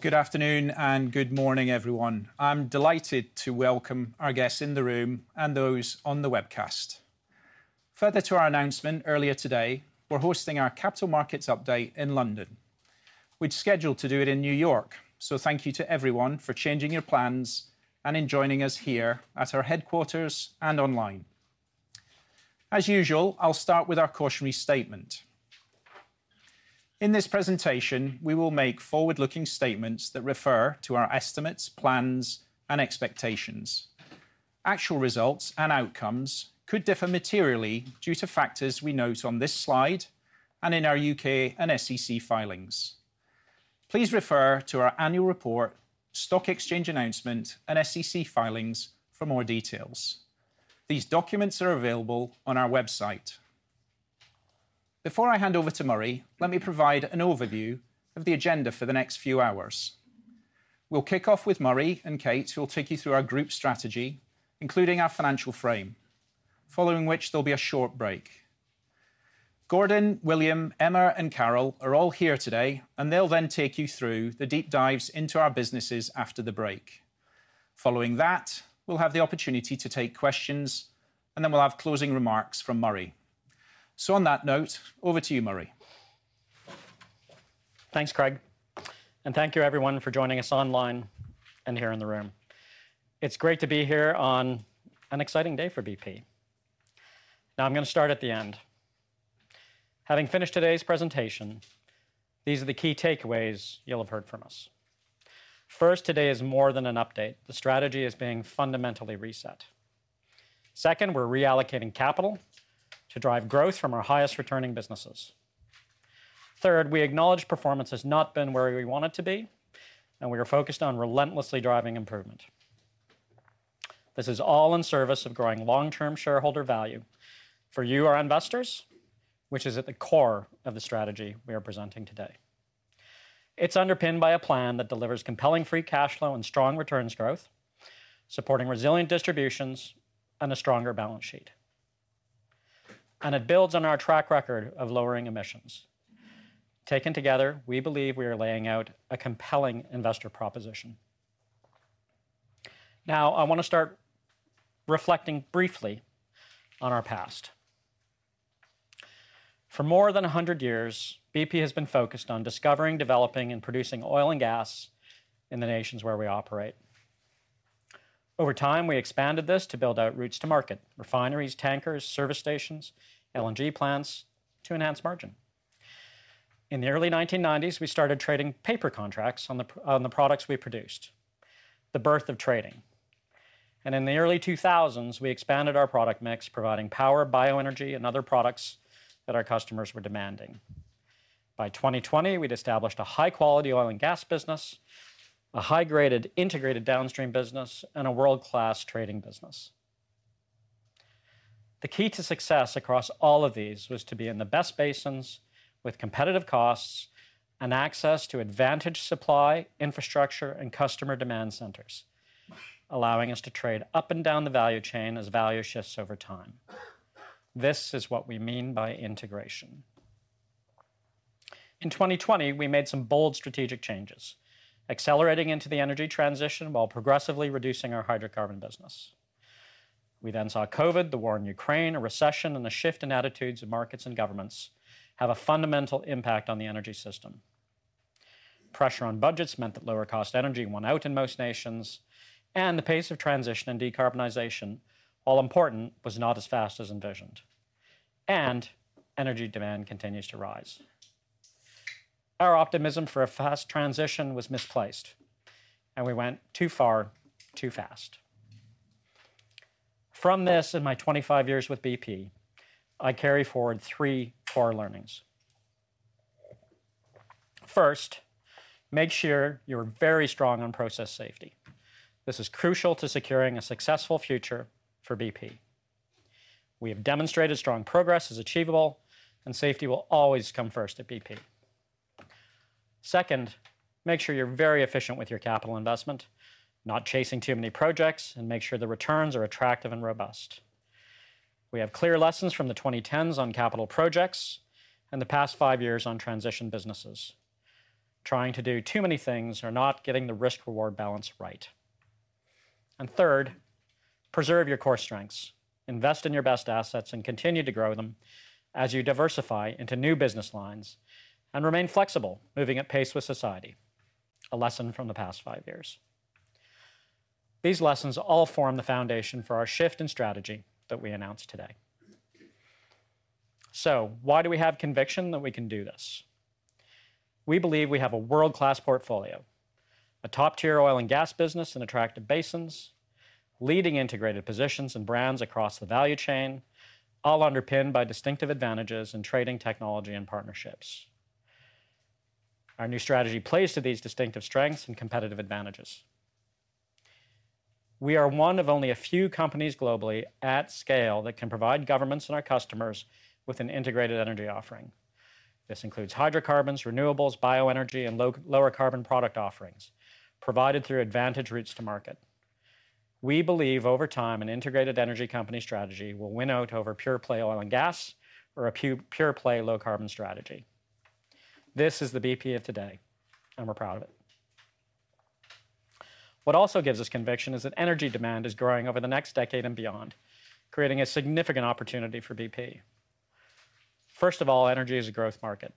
Good afternoon and good morning, everyone. I'm delighted to welcome our guests in the room and those on the webcast. Further to our announcement earlier today, we're hosting our Capital Markets Update in London. We're scheduled to do it in New York, so thank you to everyone for changing your plans and joining us here at our headquarters and online. As usual, I'll start with our cautionary statement. In this presentation, we will make forward-looking statements that refer to our estimates, plans, and expectations. Actual results and outcomes could differ materially due to factors we note on this slide and in our U.K. and SEC filings. Please refer to our annual report, stock exchange announcement, and SEC filings for more details. These documents are available on our website. Before I hand over to Murray, let me provide an overview of the agenda for the next few hours. We'll kick off with Murray and Kate, who will take you through our group strategy, including our financial frame, following which there'll be a short break. Gordon, William, Emma, and Carol are all here today, and they'll then take you through the deep dives into our businesses after the break. Following that, we'll have the opportunity to take questions, and then we'll have closing remarks from Murray. So, on that note, over to you, Murray. Thanks, Craig, and thank you, everyone, for joining us online and here in the room. It's great to be here on an exciting day for BP. Now, I'm going to start at the end. Having finished today's presentation, these are the key takeaways you'll have heard from us. First, today is more than an update. The strategy is being fundamentally reset. Second, we're reallocating capital to drive growth from our highest returning businesses. Third, we acknowledge performance has not been where we want it to be, and we are focused on relentlessly driving improvement. This is all in service of growing long-term shareholder value for you, our investors, which is at the core of the strategy we are presenting today. It's underpinned by a plan that delivers compelling free cash flow and strong returns growth, supporting resilient distributions and a stronger balance sheet. It builds on our track record of lowering emissions. Taken together, we believe we are laying out a compelling investor proposition. Now, I want to start reflecting briefly on our past. For more than 100 years, BP has been focused on discovering, developing, and producing oil and gas in the nations where we operate. Over time, we expanded this to build out routes to market: refineries, tankers, service stations, LNG plants to enhance margin. In the early 1990s, we started trading paper contracts on the products we produced, the birth of trading. And in the early 2000s, we expanded our product mix, providing power, bioenergy, and other products that our customers were demanding. By 2020, we'd established a high-quality oil and gas business, a high-graded integrated downstream business, and a world-class trading business. The key to success across all of these was to be in the best basins with competitive costs and access to advantage supply, infrastructure, and customer demand centers, allowing us to trade up and down the value chain as value shifts over time. This is what we mean by integration. In 2020, we made some bold strategic changes, accelerating into the energy transition while progressively reducing our hydrocarbon business. We then saw COVID, the war in Ukraine, a recession, and the shift in attitudes of markets and governments have a fundamental impact on the energy system. Pressure on budgets meant that lower-cost energy won out in most nations, and the pace of transition and decarbonization, while important, was not as fast as envisioned, and energy demand continues to rise. Our optimism for a fast transition was misplaced, and we went too far too fast. From this, in my 25 years with BP, I carry forward three core learnings. First, make sure you're very strong on process safety. This is crucial to securing a successful future for BP. We have demonstrated strong progress is achievable, and safety will always come first at BP. Second, make sure you're very efficient with your capital investment, not chasing too many projects, and make sure the returns are attractive and robust. We have clear lessons from the 2010s on capital projects and the past five years on transition businesses. Trying to do too many things or not getting the risk-reward balance right. And third, preserve your core strengths, invest in your best assets, and continue to grow them as you diversify into new business lines and remain flexible, moving at pace with society, a lesson from the past five years. These lessons all form the foundation for our shift in strategy that we announced today. So, why do we have conviction that we can do this? We believe we have a world-class portfolio, a top-tier oil and gas business in attractive basins, leading integrated positions and brands across the value chain, all underpinned by distinctive advantages in trading, technology, and partnerships. Our new strategy plays to these distinctive strengths and competitive advantages. We are one of only a few companies globally at scale that can provide governments and our customers with an integrated energy offering. This includes hydrocarbons, renewables, bioenergy, and lower-carbon product offerings provided through advantage routes to market. We believe over time an integrated energy company strategy will win out over pure-play oil and gas or a pure-play low-carbon strategy. This is the BP of today, and we're proud of it. What also gives us conviction is that energy demand is growing over the next decade and beyond, creating a significant opportunity for BP. First of all, energy is a growth market.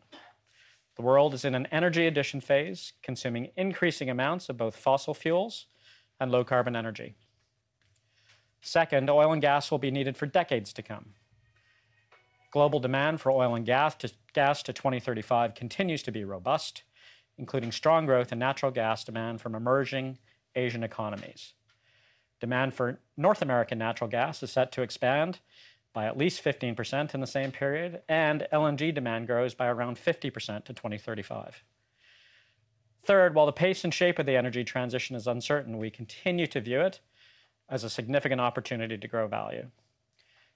The world is in an energy addition phase, consuming increasing amounts of both fossil fuels and low-carbon energy. Second, oil and gas will be needed for decades to come. Global demand for oil and gas to 2035 continues to be robust, including strong growth in natural gas demand from emerging Asian economies. Demand for North American natural gas is set to expand by at least 15% in the same period, and LNG demand grows by around 50% to 2035. Third, while the pace and shape of the energy transition is uncertain, we continue to view it as a significant opportunity to grow value.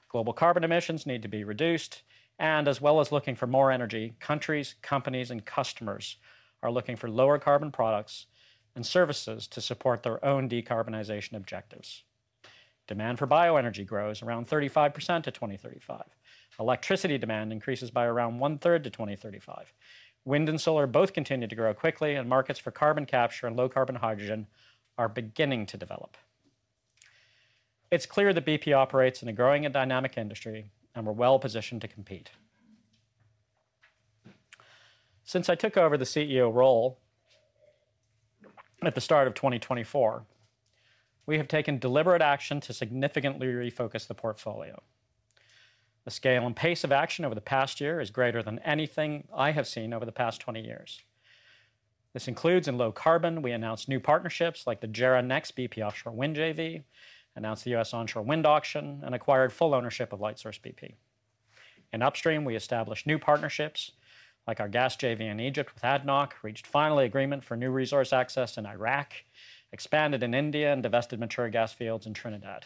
Global carbon emissions need to be reduced, and as well as looking for more energy, countries, companies, and customers are looking for lower-carbon products and services to support their own decarbonization objectives. Demand for bioenergy grows around 35% to 2035. Electricity demand increases by around one-third to 2035. Wind and solar both continue to grow quickly, and markets for carbon capture and low-carbon hydrogen are beginning to develop. It's clear that BP operates in a growing and dynamic industry, and we're well positioned to compete. Since I took over the CEO role at the start of 2024, we have taken deliberate action to significantly refocus the portfolio. The scale and pace of action over the past year is greater than anything I have seen over the past 20 years. This includes in low carbon, we announced new partnerships like the JERA Nex bp Offshore Wind JV, announced the U.S. onshore wind auction, and acquired full ownership of Lightsource bp. In upstream, we established new partnerships like our gas JV in Egypt with ADNOC, reached final agreement for new resource access in Iraq, expanded in India, and divested mature gas fields in Trinidad.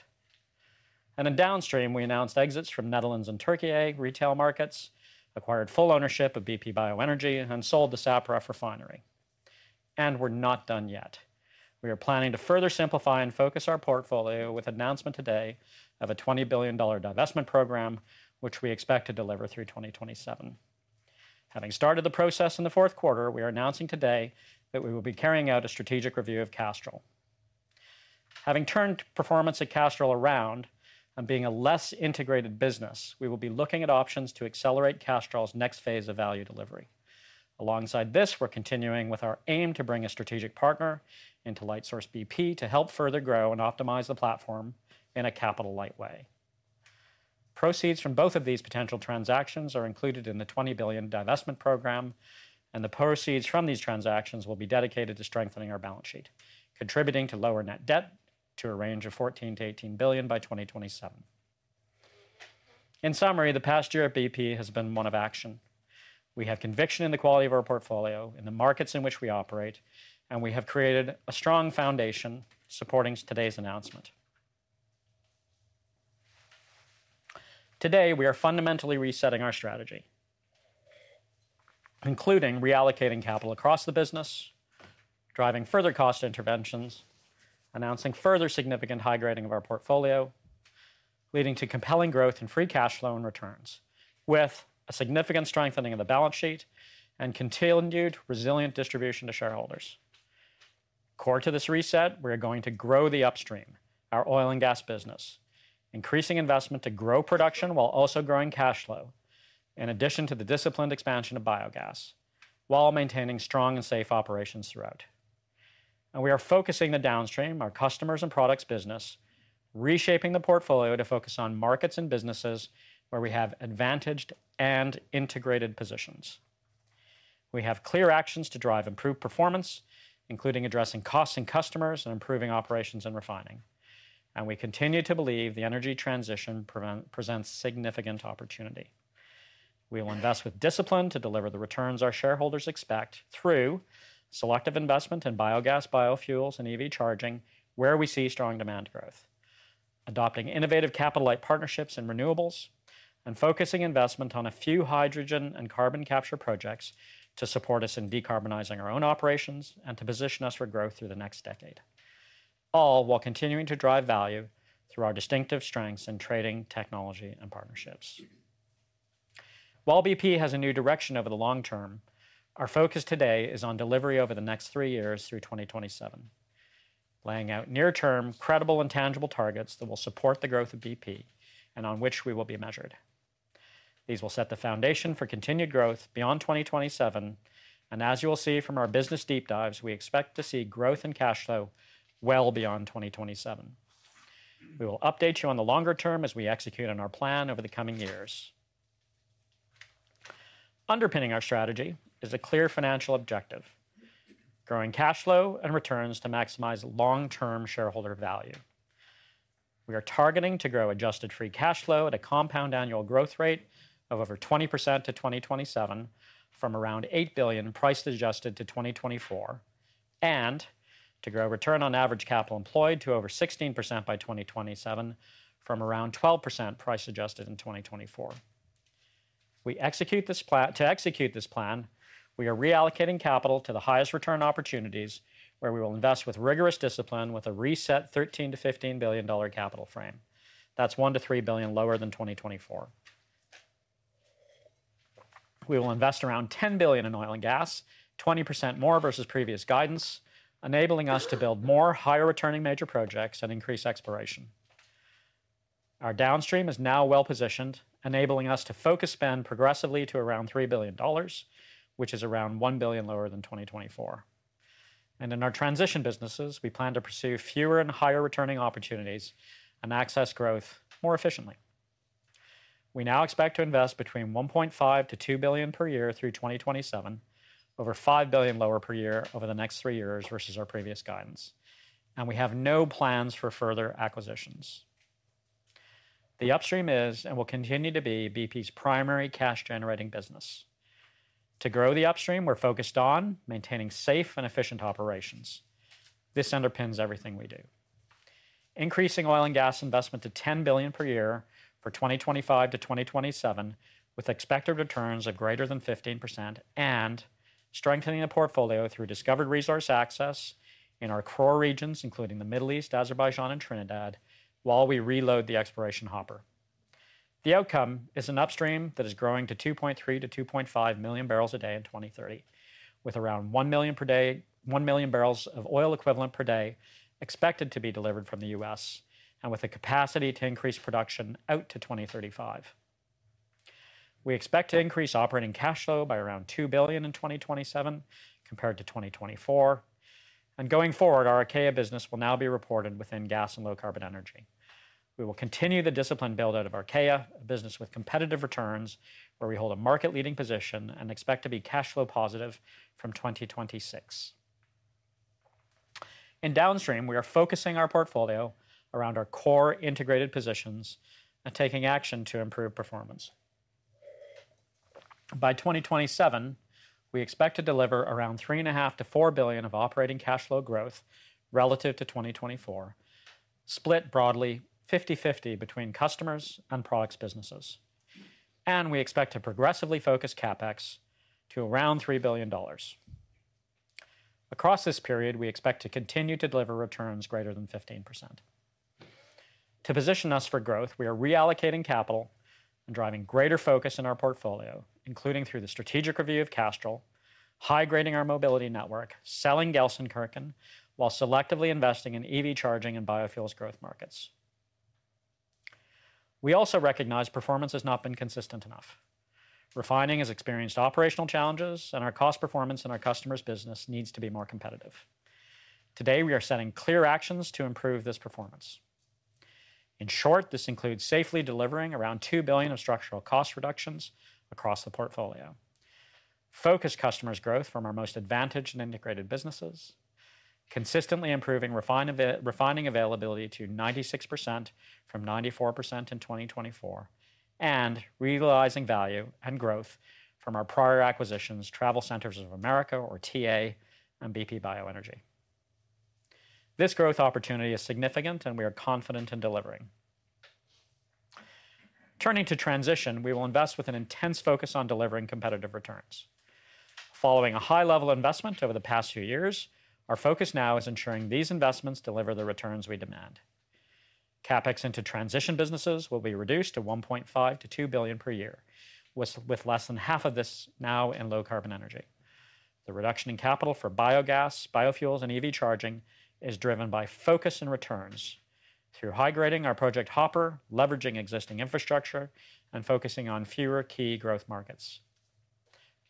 And in downstream, we announced exits from Netherlands and Türkiye retail markets, acquired full ownership of BP Bioenergy, and sold the SAPREF refinery. And we're not done yet. We are planning to further simplify and focus our portfolio with announcement today of a $20 billion divestment program, which we expect to deliver through 2027. Having started the process in the fourth quarter, we are announcing today that we will be carrying out a strategic review of Castrol. Having turned performance at Castrol around and being a less integrated business, we will be looking at options to accelerate Castrol's next phase of value delivery. Alongside this, we're continuing with our aim to bring a strategic partner into Lightsource bp to help further grow and optimize the platform in a capital-light way. Proceeds from both of these potential transactions are included in the $20 billion divestment program, and the proceeds from these transactions will be dedicated to strengthening our balance sheet, contributing to lower net debt to a range of $14-$18 billion by 2027. In summary, the past year at BP has been one of action. We have conviction in the quality of our portfolio, in the markets in which we operate, and we have created a strong foundation supporting today's announcement. Today, we are fundamentally resetting our strategy, including reallocating capital across the business, driving further cost interventions, announcing further significant high grading of our portfolio, leading to compelling growth in free cash flow and returns, with a significant strengthening of the balance sheet and continued resilient distribution to shareholders. Core to this reset, we are going to grow the upstream, our oil and gas business, increasing investment to grow production while also growing cash flow, in addition to the disciplined expansion of biogas, while maintaining strong and safe operations throughout. And we are focusing the downstream, our Customers and Products business, reshaping the portfolio to focus on markets and businesses where we have advantaged and integrated positions. We have clear actions to drive improved performance, including addressing costs and customers and improving operations and refining. And we continue to believe the energy transition presents significant opportunity. We will invest with discipline to deliver the returns our shareholders expect through selective investment in biogas, biofuels, and EV charging where we see strong demand growth, adopting innovative capital-light partnerships in renewables, and focusing investment on a few hydrogen and carbon capture projects to support us in decarbonizing our own operations and to position us for growth through the next decade, all while continuing to drive value through our distinctive strengths in trading, technology, and partnerships. While BP has a new direction over the long term, our focus today is on delivery over the next three years through 2027, laying out near-term, credible, and tangible targets that will support the growth of BP and on which we will be measured. These will set the foundation for continued growth beyond 2027, and as you will see from our business deep dives, we expect to see growth in cash flow well beyond 2027. We will update you on the longer term as we execute on our plan over the coming years. Underpinning our strategy is a clear financial objective: growing cash flow and returns to maximize long-term shareholder value. We are targeting to grow adjusted free cash flow at a compound annual growth rate of over 20% to 2027 from around $8 billion price adjusted to 2024, and to grow return on average capital employed to over 16% by 2027 from around 12% price adjusted in 2024. To execute this plan, we are reallocating capital to the highest return opportunities where we will invest with rigorous discipline with a reset $13-$15 billion capital frame. That's $1-$3 billion lower than 2024. We will invest around $10 billion in oil and gas, 20% more versus previous guidance, enabling us to build more higher-returning major projects and increase exploration. Our downstream is now well positioned, enabling us to focus spend progressively to around $3 billion, which is around $1 billion lower than 2024. And in our transition businesses, we plan to pursue fewer and higher-returning opportunities and access growth more efficiently. We now expect to invest between $1.5-$2 billion per year through 2027, over $5 billion lower per year over the next three years versus our previous guidance, and we have no plans for further acquisitions. The upstream is and will continue to be BP's primary cash-generating business. To grow the upstream, we're focused on maintaining safe and efficient operations. This underpins everything we do. Increasing oil and gas investment to $10 billion per year for 2025-2027 with expected returns of greater than 15% and strengthening the portfolio through discovered resource access in our core regions, including the Middle East, Azerbaijan, and Trinidad, while we reload the exploration hopper. The outcome is an upstream that is growing to 2.3-2.5 million barrels a day in 2030, with around 1 million barrels of oil equivalent per day expected to be delivered from the U.S. and with a capacity to increase production out to 2035. We expect to increase operating cash flow by around $2 billion in 2027 compared to 2024, and going forward, our Archaea business will now be reported within gas and low-carbon energy. We will continue the disciplined build-out of Archaea, a business with competitive returns where we hold a market-leading position and expect to be cash flow positive from 2026. In downstream, we are focusing our portfolio around our core integrated positions and taking action to improve performance. By 2027, we expect to deliver around $3.5-$4 billion of operating cash flow growth relative to 2024, split broadly 50/50 between Customers and Products businesses, and we expect to progressively focus CapEx to around $3 billion. Across this period, we expect to continue to deliver returns greater than 15%. To position us for growth, we are reallocating capital and driving greater focus in our portfolio, including through the strategic review of Castrol, high-grading our mobility network, selling Gelsenkirchen, while selectively investing in EV charging and biofuels growth markets. We also recognize performance has not been consistent enough. Refining has experienced operational challenges, and our cost performance in our customers' business needs to be more competitive. Today, we are setting clear actions to improve this performance. In short, this includes safely delivering around $2 billion of structural cost reductions across the portfolio, focused customers' growth from our most advantaged and integrated businesses, consistently improving refining availability to 96% from 94% in 2024, and realizing value and growth from our prior acquisitions, TravelCenters of America, or TA, and BP Bioenergy. This growth opportunity is significant, and we are confident in delivering. Turning to transition, we will invest with an intense focus on delivering competitive returns. Following a high-level investment over the past few years, our focus now is ensuring these investments deliver the returns we demand. CapEx into transition businesses will be reduced to $1.5-$2 billion per year, with less than half of this now in low-carbon energy. The reduction in capital for biogas, biofuels, and EV charging is driven by focus and returns through high-grading our project hopper, leveraging existing infrastructure, and focusing on fewer key growth markets.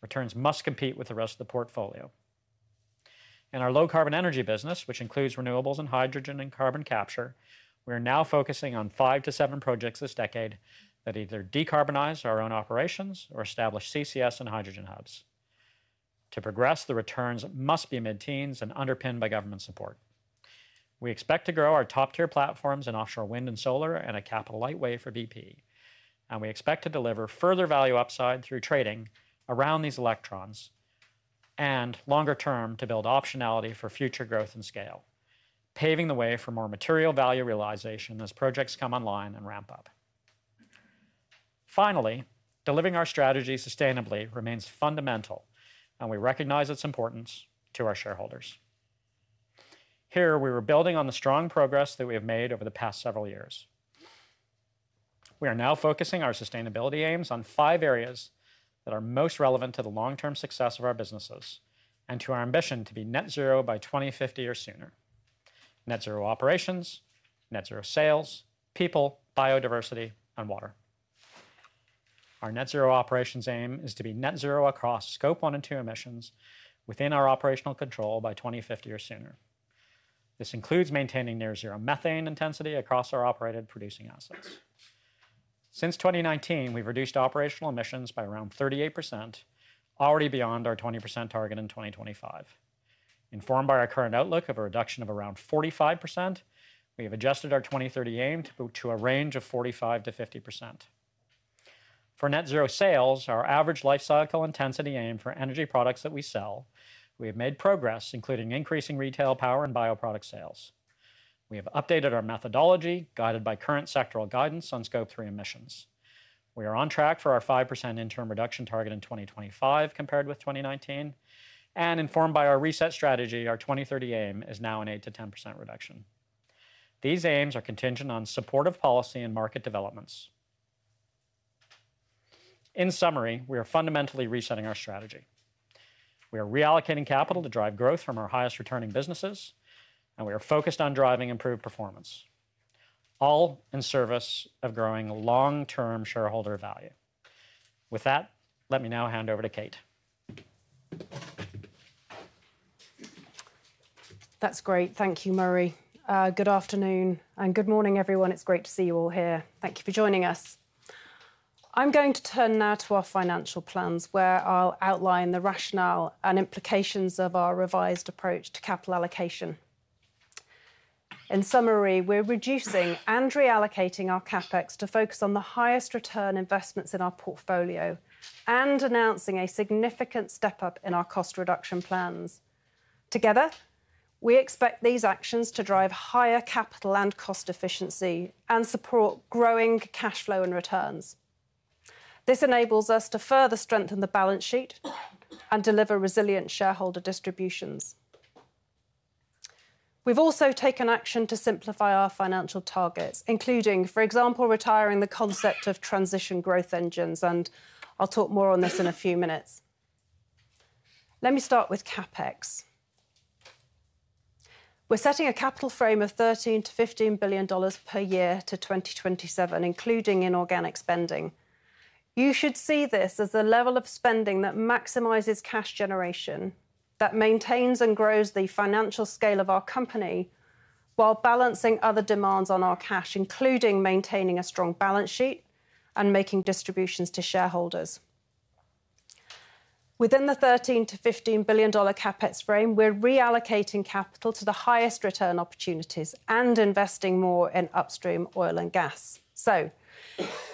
Returns must compete with the rest of the portfolio. In our low-carbon energy business, which includes renewables and hydrogen and carbon capture, we are now focusing on five to seven projects this decade that either decarbonize our own operations or establish CCS and hydrogen hubs. To progress, the returns must be mid-teens and underpinned by government support. We expect to grow our top-tier platforms in offshore wind and solar and a capital-light way for BP, and we expect to deliver further value upside through trading around these electrons and longer-term to build optionality for future growth and scale, paving the way for more material value realization as projects come online and ramp up. Finally, delivering our strategy sustainably remains fundamental, and we recognize its importance to our shareholders. Here, we were building on the strong progress that we have made over the past several years. We are now focusing our sustainability aims on five areas that are most relevant to the long-term success of our businesses and to our ambition to be net zero by 2050 or sooner: net zero operations, net zero sales, people, biodiversity, and water. Our net zero operations aim is to be net zero across Scope 1 and 2 emissions within our operational control by 2050 or sooner. This includes maintaining near-zero methane intensity across our operated producing assets. Since 2019, we've reduced operational emissions by around 38%, already beyond our 20% target in 2025. Informed by our current outlook of a reduction of around 45%, we have adjusted our 2030 aim to a range of 45%-50%. For net zero sales, our average life cycle intensity aim for energy products that we sell, we have made progress, including increasing retail, power, and bioproduct sales. We have updated our methodology, guided by current sectoral guidance on Scope 3 emissions. We are on track for our 5% interim reduction target in 2025 compared with 2019. And informed by our reset strategy, our 2030 aim is now an 8%-10% reduction. These aims are contingent on supportive policy and market developments. In summary, we are fundamentally resetting our strategy. We are reallocating capital to drive growth from our highest returning businesses, and we are focused on driving improved performance, all in service of growing long-term shareholder value. With that, let me now hand over to Kate. That's great. Thank you, Murray. Good afternoon and good morning, everyone. It's great to see you all here. Thank you for joining us. I'm going to turn now to our financial plans, where I'll outline the rationale and implications of our revised approach to capital allocation. In summary, we're reducing and reallocating our CapEx to focus on the highest return investments in our portfolio and announcing a significant step up in our cost reduction plans. Together, we expect these actions to drive higher capital and cost efficiency and support growing cash flow and returns. This enables us to further strengthen the balance sheet and deliver resilient shareholder distributions. We've also taken action to simplify our financial targets, including, for example, retiring the concept of transition growth engines, and I'll talk more on this in a few minutes. Let me start with CapEx. We're setting a capital frame of $13-$15 billion per year to 2027, including inorganic spending. You should see this as a level of spending that maximizes cash generation, that maintains and grows the financial scale of our company while balancing other demands on our cash, including maintaining a strong balance sheet and making distributions to shareholders. Within the $13-$15 billion CapEx frame, we're reallocating capital to the highest return opportunities and investing more in upstream oil and gas.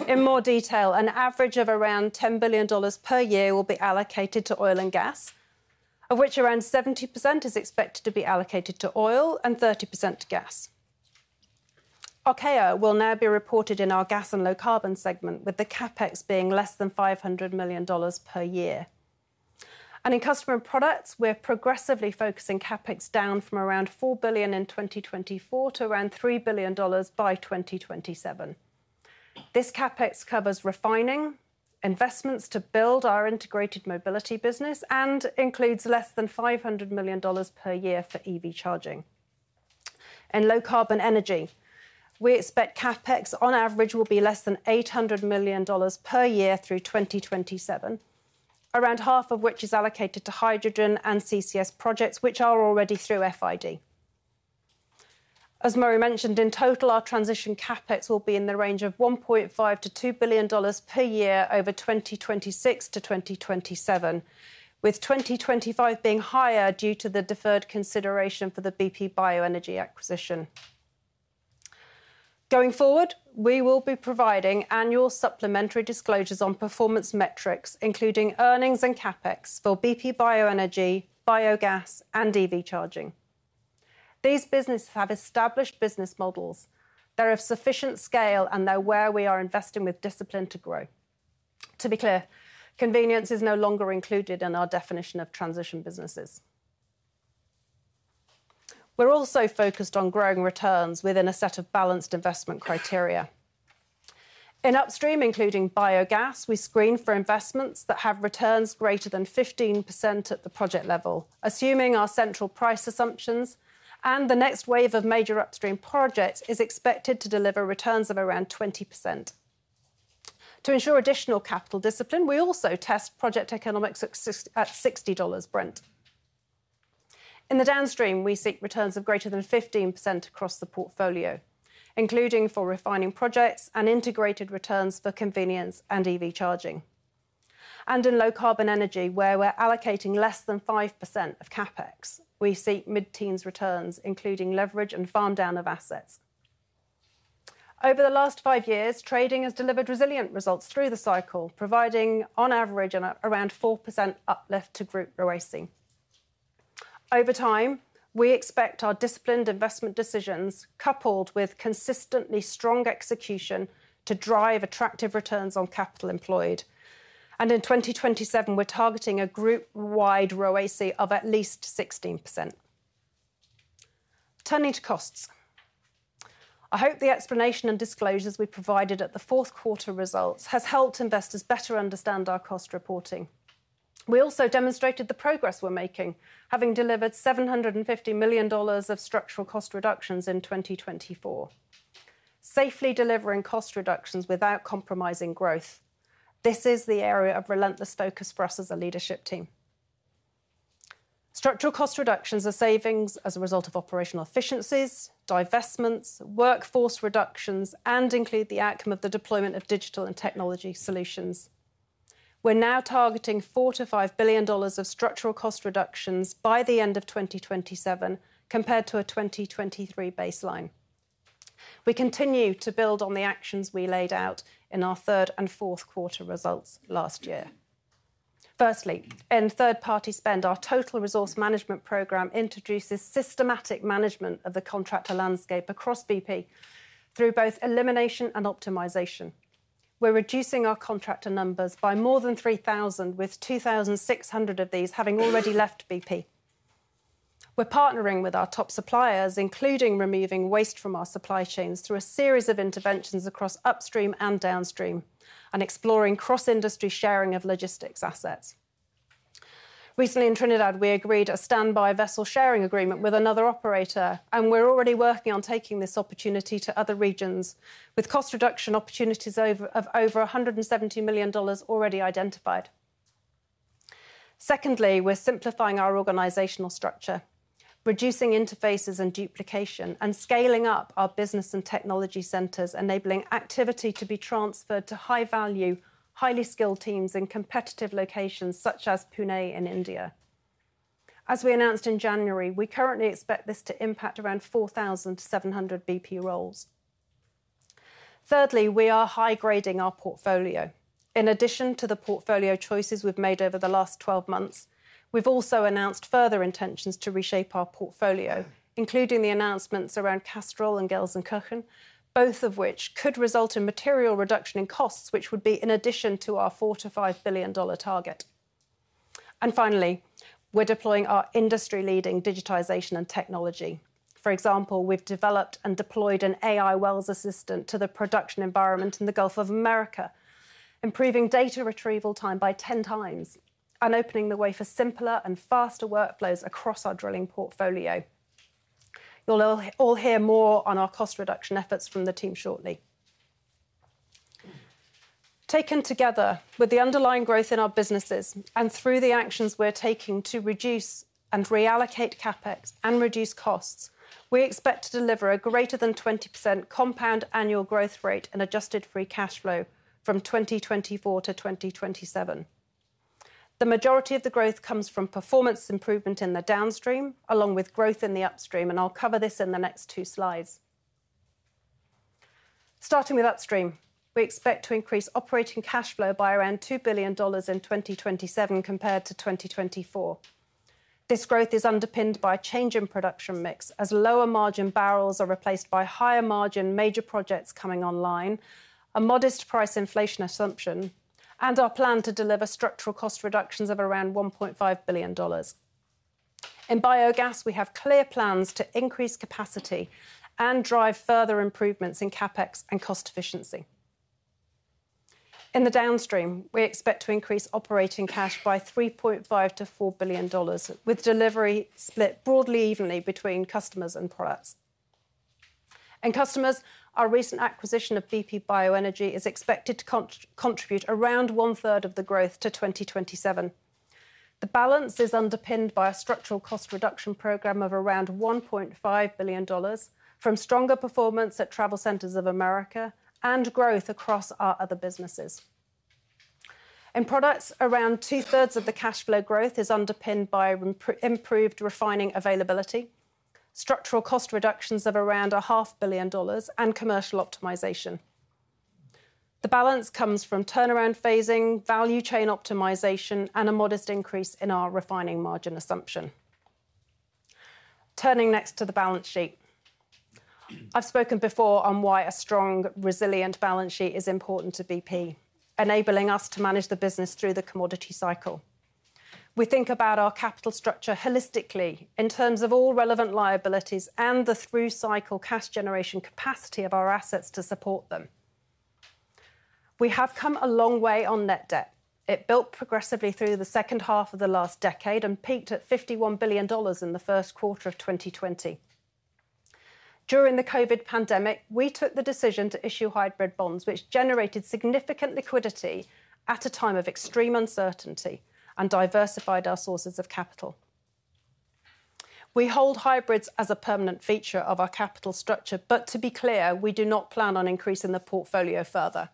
In more detail, an average of around $10 billion per year will be allocated to oil and gas, of which around 70% is expected to be allocated to oil and 30% to gas. Archaea will now be reported in our gas and low carbon segment, with the CapEx being less than $500 million per year. In Customers and Products, we're progressively focusing CapEx down from around $4 billion in 2024 to around $3 billion by 2027. This CapEx covers refining, investments to build our integrated mobility business, and includes less than $500 million per year for EV charging. In low carbon energy, we expect CapEx on average will be less than $800 million per year through 2027, around half of which is allocated to hydrogen and CCS projects, which are already through FID. As Murray mentioned, in total, our transition CapEx will be in the range of $1.5-$2 billion per year over 2026 to 2027, with 2025 being higher due to the deferred consideration for the BP Bioenergy acquisition. Going forward, we will be providing annual supplementary disclosures on performance metrics, including earnings and CapEx for BP Bioenergy, biogas, and EV charging. These businesses have established business models. They're of sufficient scale, and they're where we are investing with discipline to grow. To be clear, convenience is no longer included in our definition of transition businesses. We're also focused on growing returns within a set of balanced investment criteria. In upstream, including biogas, we screen for investments that have returns greater than 15% at the project level, assuming our central price assumptions, and the next wave of major upstream projects is expected to deliver returns of around 20%. To ensure additional capital discipline, we also test project economics at $60 Brent. In the downstream, we seek returns of greater than 15% across the portfolio, including for refining projects and integrated returns for convenience and EV charging, and in low carbon energy, where we're allocating less than 5% of CapEx, we seek mid-teens returns, including leverage and farm down of assets. Over the last five years, trading has delivered resilient results through the cycle, providing on average around 4% uplift to group ROACE. Over time, we expect our disciplined investment decisions, coupled with consistently strong execution, to drive attractive returns on capital employed, and in 2027, we're targeting a group-wide ROACE of at least 16%. Turning to costs, I hope the explanation and disclosures we provided at the fourth quarter results has helped investors better understand our cost reporting. We also demonstrated the progress we're making, having delivered $750 million of structural cost reductions in 2024, safely delivering cost reductions without compromising growth. This is the area of relentless focus for us as a leadership team. Structural cost reductions are savings as a result of operational efficiencies, divestments, workforce reductions, and include the outcome of the deployment of digital and technology solutions. We're now targeting $4-$5 billion of structural cost reductions by the end of 2027, compared to a 2023 baseline. We continue to build on the actions we laid out in our third and fourth quarter results last year. Firstly, in third-party spend, our Total Resource Management program introduces systematic management of the contractor landscape across BP through both elimination and optimization. We're reducing our contractor numbers by more than 3,000, with 2,600 of these having already left BP. We're partnering with our top suppliers, including removing waste from our supply chains through a series of interventions across upstream and downstream and exploring cross-industry sharing of logistics assets. Recently, in Trinidad, we agreed a standby vessel sharing agreement with another operator, and we're already working on taking this opportunity to other regions, with cost reduction opportunities of over $170 million already identified. Secondly, we're simplifying our organizational structure, reducing interfaces and duplication, and scaling up our business and technology centers, enabling activity to be transferred to high-value, highly skilled teams in competitive locations such as Pune in India. As we announced in January, we currently expect this to impact around 4,700 BP roles. Thirdly, we are high-grading our portfolio. In addition to the portfolio choices we've made over the last 12 months, we've also announced further intentions to reshape our portfolio, including the announcements around Castrol and Gelsenkirchen, both of which could result in material reduction in costs, which would be in addition to our $4-$5 billion target. And finally, we're deploying our industry-leading digitization and technology. For example, we've developed and deployed an AI wells assistant to the production environment in the Gulf of Mexico, improving data retrieval time by 10 times and opening the way for simpler and faster workflows across our drilling portfolio. You'll all hear more on our cost reduction efforts from the team shortly. Taken together, with the underlying growth in our businesses and through the actions we're taking to reduce and reallocate CapEx and reduce costs, we expect to deliver a greater than 20% compound annual growth rate and adjusted free cash flow from 2024 to 2027. The majority of the growth comes from performance improvement in the downstream, along with growth in the upstream, and I'll cover this in the next two slides. Starting with upstream, we expect to increase operating cash flow by around $2 billion in 2027 compared to 2024. This growth is underpinned by a change in production mix, as lower margin barrels are replaced by higher margin major projects coming online, a modest price inflation assumption, and our plan to deliver structural cost reductions of around $1.5 billion. In biogas, we have clear plans to increase capacity and drive further improvements in CapEx and cost efficiency. In the downstream, we expect to increase operating cash by $3.5-$4 billion, with delivery split broadly evenly between Customers and products. In customers, our recent acquisition of BP Bioenergy is expected to contribute around one-third of the growth to 2027. The balance is underpinned by a structural cost reduction program of around $1.5 billion, from stronger performance at TravelCenters of America and growth across our other businesses. In products, around two-thirds of the cash flow growth is underpinned by improved refining availability, structural cost reductions of around $500 million, and commercial optimization. The balance comes from turnaround phasing, value chain optimization, and a modest increase in our refining margin assumption. Turning next to the balance sheet, I've spoken before on why a strong, resilient balance sheet is important to BP, enabling us to manage the business through the commodity cycle. We think about our capital structure holistically in terms of all relevant liabilities and the through cycle cash generation capacity of our assets to support them. We have come a long way on net debt. It built progressively through the second half of the last decade and peaked at $51 billion in the first quarter of 2020. During the COVID pandemic, we took the decision to issue hybrid bonds, which generated significant liquidity at a time of extreme uncertainty and diversified our sources of capital. We hold hybrids as a permanent feature of our capital structure, but to be clear, we do not plan on increasing the portfolio further.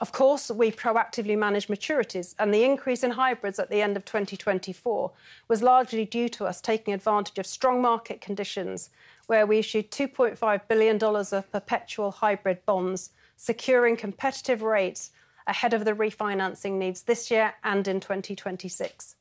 Of course, we proactively manage maturities, and the increase in hybrids at the end of 2024 was largely due to us taking advantage of strong market conditions, where we issued $2.5 billion of perpetual hybrid bonds, securing competitive rates ahead of the refinancing needs this year and in 2026.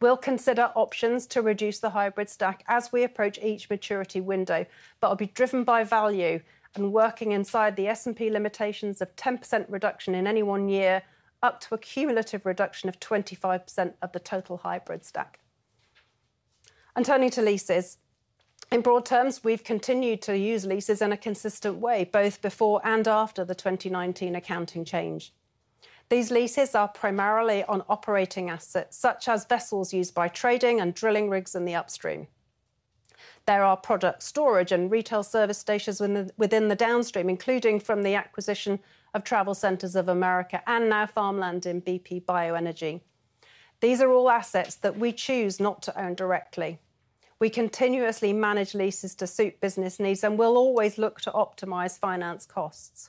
We'll consider options to reduce the hybrid stack as we approach each maturity window, but it'll be driven by value and working inside the S&P limitations of 10% reduction in any one year, up to a cumulative reduction of 25% of the total hybrid stack. Turning to leases, in broad terms, we've continued to use leases in a consistent way, both before and after the 2019 accounting change. These leases are primarily on operating assets, such as vessels used by trading and drilling rigs in the upstream. There are product storage and retail service stations within the downstream, including from the acquisition of TravelCenters of America and now farmland in BP Bioenergy. These are all assets that we choose not to own directly. We continuously manage leases to suit business needs and will always look to optimize finance costs.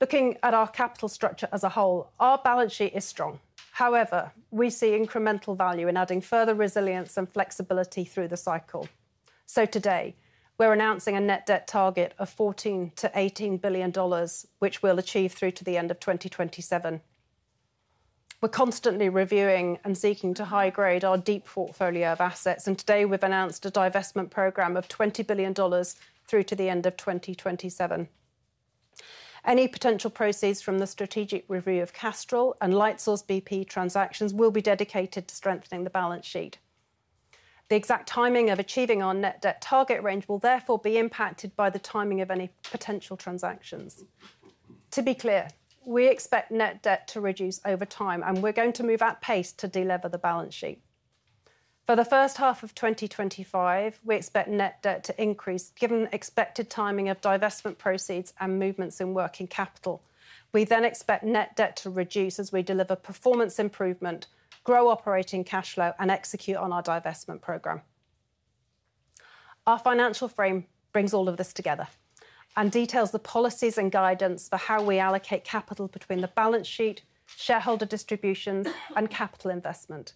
Looking at our capital structure as a whole, our balance sheet is strong. However, we see incremental value in adding further resilience and flexibility through the cycle. Today, we're announcing a net debt target of $14-$18 billion, which we'll achieve through to the end of 2027. We're constantly reviewing and seeking to high-grade our deep portfolio of assets, and today we've announced a divestment program of $20 billion through to the end of 2027. Any potential proceeds from the strategic review of Castrol and Lightsource bp transactions will be dedicated to strengthening the balance sheet. The exact timing of achieving our net debt target range will therefore be impacted by the timing of any potential transactions. To be clear, we expect net debt to reduce over time, and we're going to move at pace to deliver the balance sheet. For the first half of 2025, we expect net debt to increase given expected timing of divestment proceeds and movements in working capital. We then expect net debt to reduce as we deliver performance improvement, grow operating cash flow, and execute on our divestment program. Our financial frame brings all of this together and details the policies and guidance for how we allocate capital between the balance sheet, shareholder distributions, and capital investment.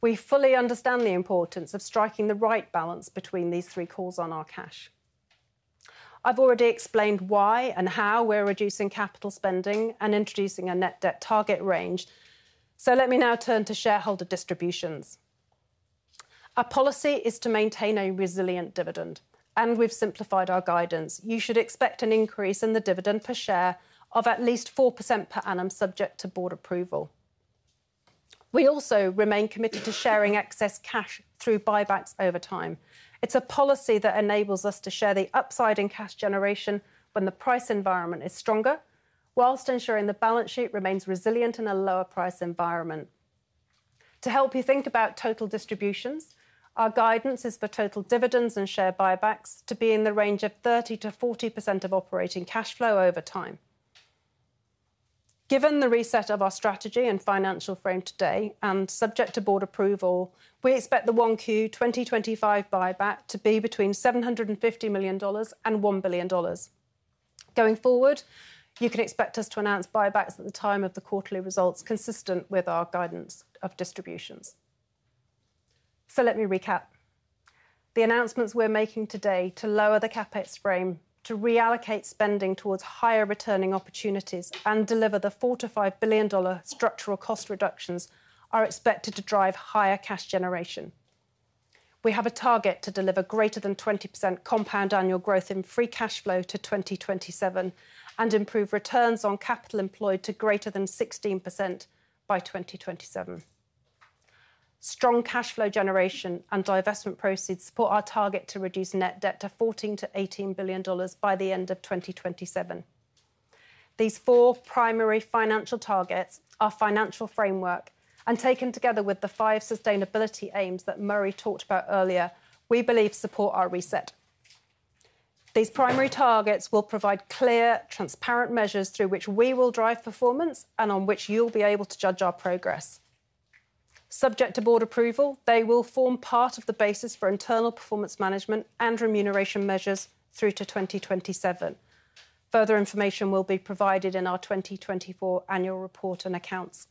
We fully understand the importance of striking the right balance between these three calls on our cash. I've already explained why and how we're reducing capital spending and introducing a net debt target range, so let me now turn to shareholder distributions. Our policy is to maintain a resilient dividend, and we've simplified our guidance. You should expect an increase in the dividend per share of at least 4% per annum, subject to board approval. We also remain committed to sharing excess cash through buybacks over time. It's a policy that enables us to share the upside in cash generation when the price environment is stronger, while ensuring the balance sheet remains resilient in a lower price environment. To help you think about total distributions, our guidance is for total dividends and share buybacks to be in the range of 30%-40% of operating cash flow over time. Given the reset of our strategy and financial frame today and subject to board approval, we expect the Q1 2025 buyback to be between $750 million and $1 billion. Going forward, you can expect us to announce buybacks at the time of the quarterly results consistent with our guidance of distributions. So let me recap. The announcements we're making today to lower the CapEx frame, to reallocate spending towards higher returning opportunities, and deliver the $4-$5 billion structural cost reductions are expected to drive higher cash generation. We have a target to deliver greater than 20% compound annual growth in free cash flow to 2027 and improve returns on capital employed to greater than 16% by 2027. Strong cash flow generation and divestment proceeds support our target to reduce net debt to $14-$18 billion by the end of 2027. These four primary financial targets, our financial framework, and taken together with the five sustainability aims that Murray talked about earlier, we believe support our reset. These primary targets will provide clear, transparent measures through which we will drive performance and on which you'll be able to judge our progress. Subject to board approval, they will form part of the basis for internal performance management and remuneration measures through to 2027. Further information will be provided in our 2024 annual report and accounts.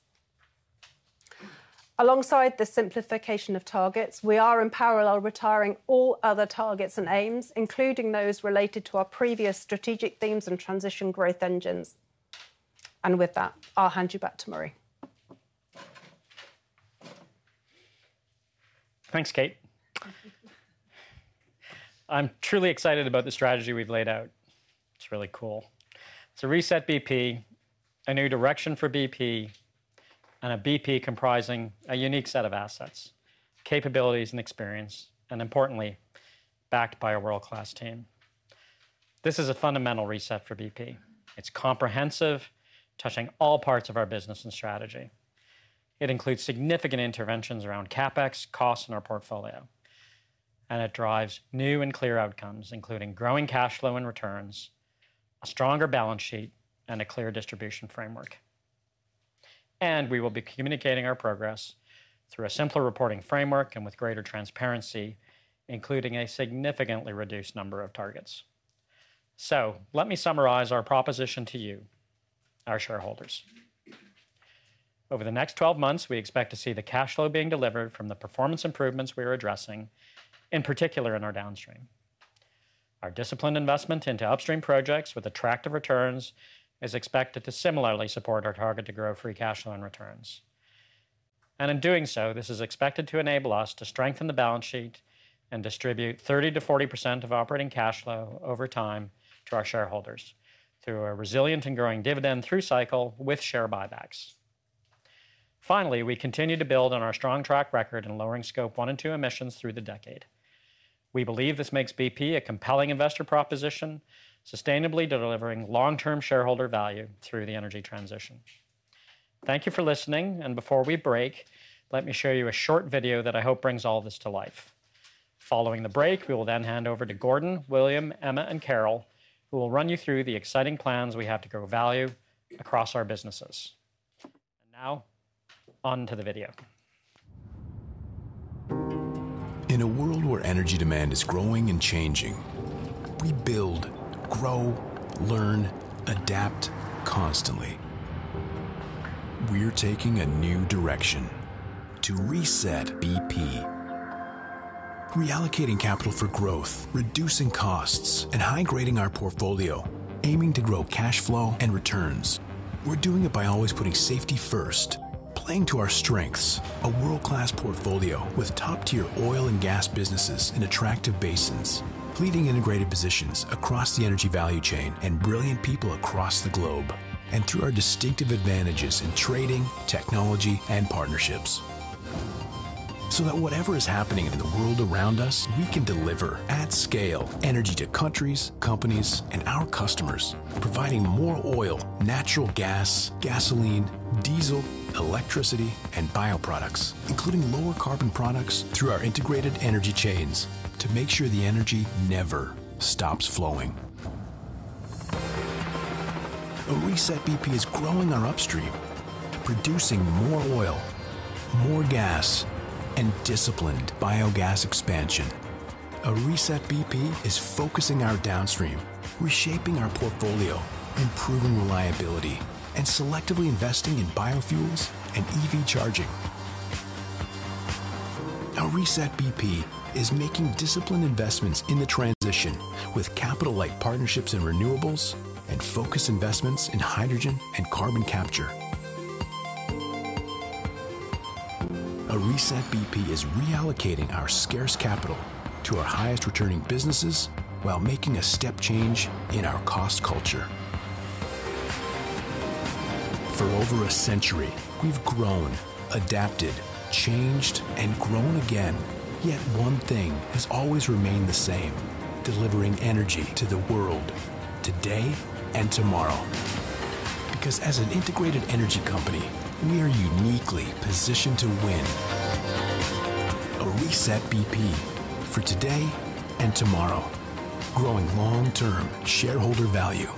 Alongside the simplification of targets, we are in parallel retiring all other targets and aims, including those related to our previous strategic themes and transition growth engines. And with that, I'll hand you back to Murray. Thanks, Kate. I'm truly excited about the strategy we've laid out. It's really cool. It's a reset BP, a new direction for BP, and a BP comprising a unique set of assets, capabilities, and experience, and importantly, backed by a world-class team. This is a fundamental reset for BP. It's comprehensive, touching all parts of our business and strategy. It includes significant interventions around CapEx, costs, and our portfolio, and it drives new and clear outcomes, including growing cash flow and returns, a stronger balance sheet, and a clear distribution framework. And we will be communicating our progress through a simpler reporting framework and with greater transparency, including a significantly reduced number of targets. So let me summarize our proposition to you, our shareholders. Over the next 12 months, we expect to see the cash flow being delivered from the performance improvements we are addressing, in particular in our downstream. Our disciplined investment into upstream projects with attractive returns is expected to similarly support our target to grow free cash flow and returns. And in doing so, this is expected to enable us to strengthen the balance sheet and distribute 30%-40% of operating cash flow over time to our shareholders through a resilient and growing dividend through cycle with share buybacks. Finally, we continue to build on our strong track record in lowering Scope 1 and Scope 2 emissions through the decade. We believe this makes BP a compelling investor proposition, sustainably delivering long-term shareholder value through the energy transition. Thank you for listening, and before we break, let me show you a short video that I hope brings all this to life. Following the break, we will then hand over to Gordon, William, Emma, and Carol, who will run you through the exciting plans we have to grow value across our businesses. And now, on to the video. In a world where energy demand is growing and changing, we build, grow, learn, adapt constantly. We're taking a new direction to reset BP, reallocating capital for growth, reducing costs, and high-grading our portfolio, aiming to grow cash flow and returns. We're doing it by always putting safety first, playing to our strengths, a world-class portfolio with top-tier oil and gas businesses in attractive basins, leading integrated positions across the energy value chain, and brilliant people across the globe, and through our distinctive advantages in trading, technology, and partnerships. So that whatever is happening in the world around us, we can deliver, at scale, energy to countries, companies, and our customers, providing more oil, natural gas, gasoline, diesel, electricity, and bioproducts, including lower-carbon products through our integrated energy chains to make sure the energy never stops flowing. A reset BP is growing our upstream, producing more oil, more gas, and disciplined biogas expansion. A reset BP is focusing our downstream, reshaping our portfolio, improving reliability, and selectively investing in biofuels and EV charging. A reset BP is making disciplined investments in the transition with capital-light partnerships in renewables and focused investments in hydrogen and carbon capture. A reset BP is reallocating our scarce capital to our highest returning businesses while making a step change in our cost culture. For over a century, we've grown, adapted, changed, and grown again. Yet one thing has always remained the same: delivering energy to the world today and tomorrow. Because as an integrated energy company, we are uniquely positioned to win. A reset BP for today and tomorrow, growing long-term shareholder value.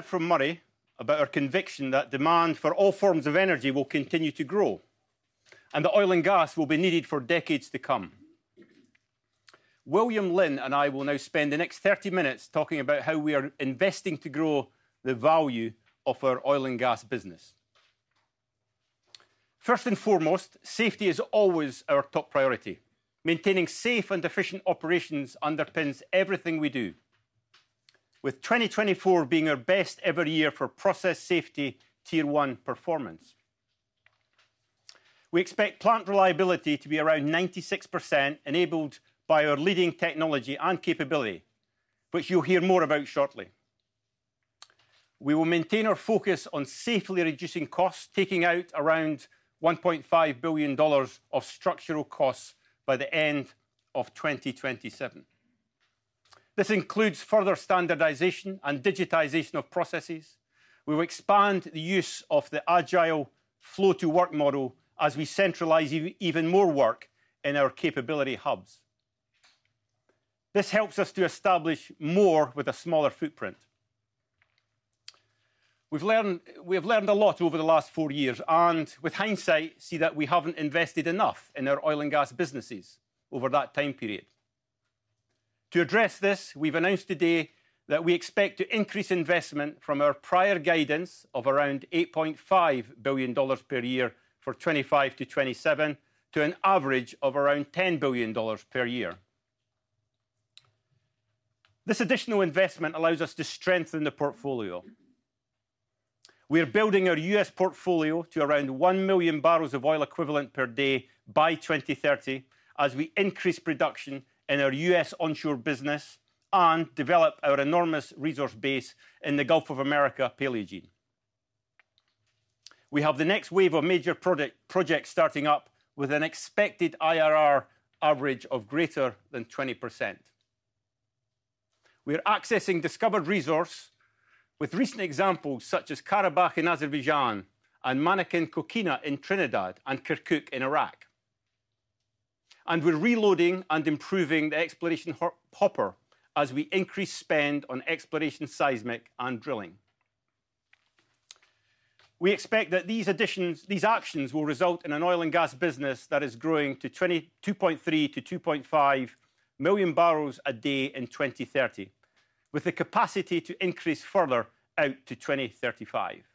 We heard from Murray about our conviction that demand for all forms of energy will continue to grow, and that oil and gas will be needed for decades to come. William Lin and I will now spend the next 30 minutes talking about how we are investing to grow the value of our oil and gas business. First and foremost, safety is always our top priority. Maintaining safe and efficient operations underpins everything we do, with 2024 being our best ever year for process safety Tier 1 performance. We expect plant reliability to be around 96%, enabled by our leading technology and capability, which you'll hear more about shortly. We will maintain our focus on safely reducing costs, taking out around $1.5 billion of structural costs by the end of 2027. This includes further standardization and digitization of processes. We will expand the use of the agile flow-to-work model as we centralize even more work in our capability hubs. This helps us to establish more with a smaller footprint. We've learned a lot over the last four years, and with hindsight, see that we haven't invested enough in our oil and gas businesses over that time period. To address this, we've announced today that we expect to increase investment from our prior guidance of around $8.5 billion per year for 2025 to 2027 to an average of around $10 billion per year. This additional investment allows us to strengthen the portfolio. We are building our U.S. portfolio to around 1 million barrels of oil equivalent per day by 2030 as we increase production in our U.S. onshore business and develop our enormous resource base in the Gulf of Mexico Paleogene. We have the next wave of major projects starting up with an expected IRR average of greater than 20%. We are accessing discovered resource with recent examples such as Karabakh in Azerbaijan and Manakin-Cocuina in Trinidad and Kirkuk in Iraq. We're reloading and improving the exploration hopper as we increase spend on exploration, seismic, and drilling. We expect that these actions will result in an oil and gas business that is growing to 2.3-2.5 million barrels a day in 2030, with the capacity to increase further out to 2035.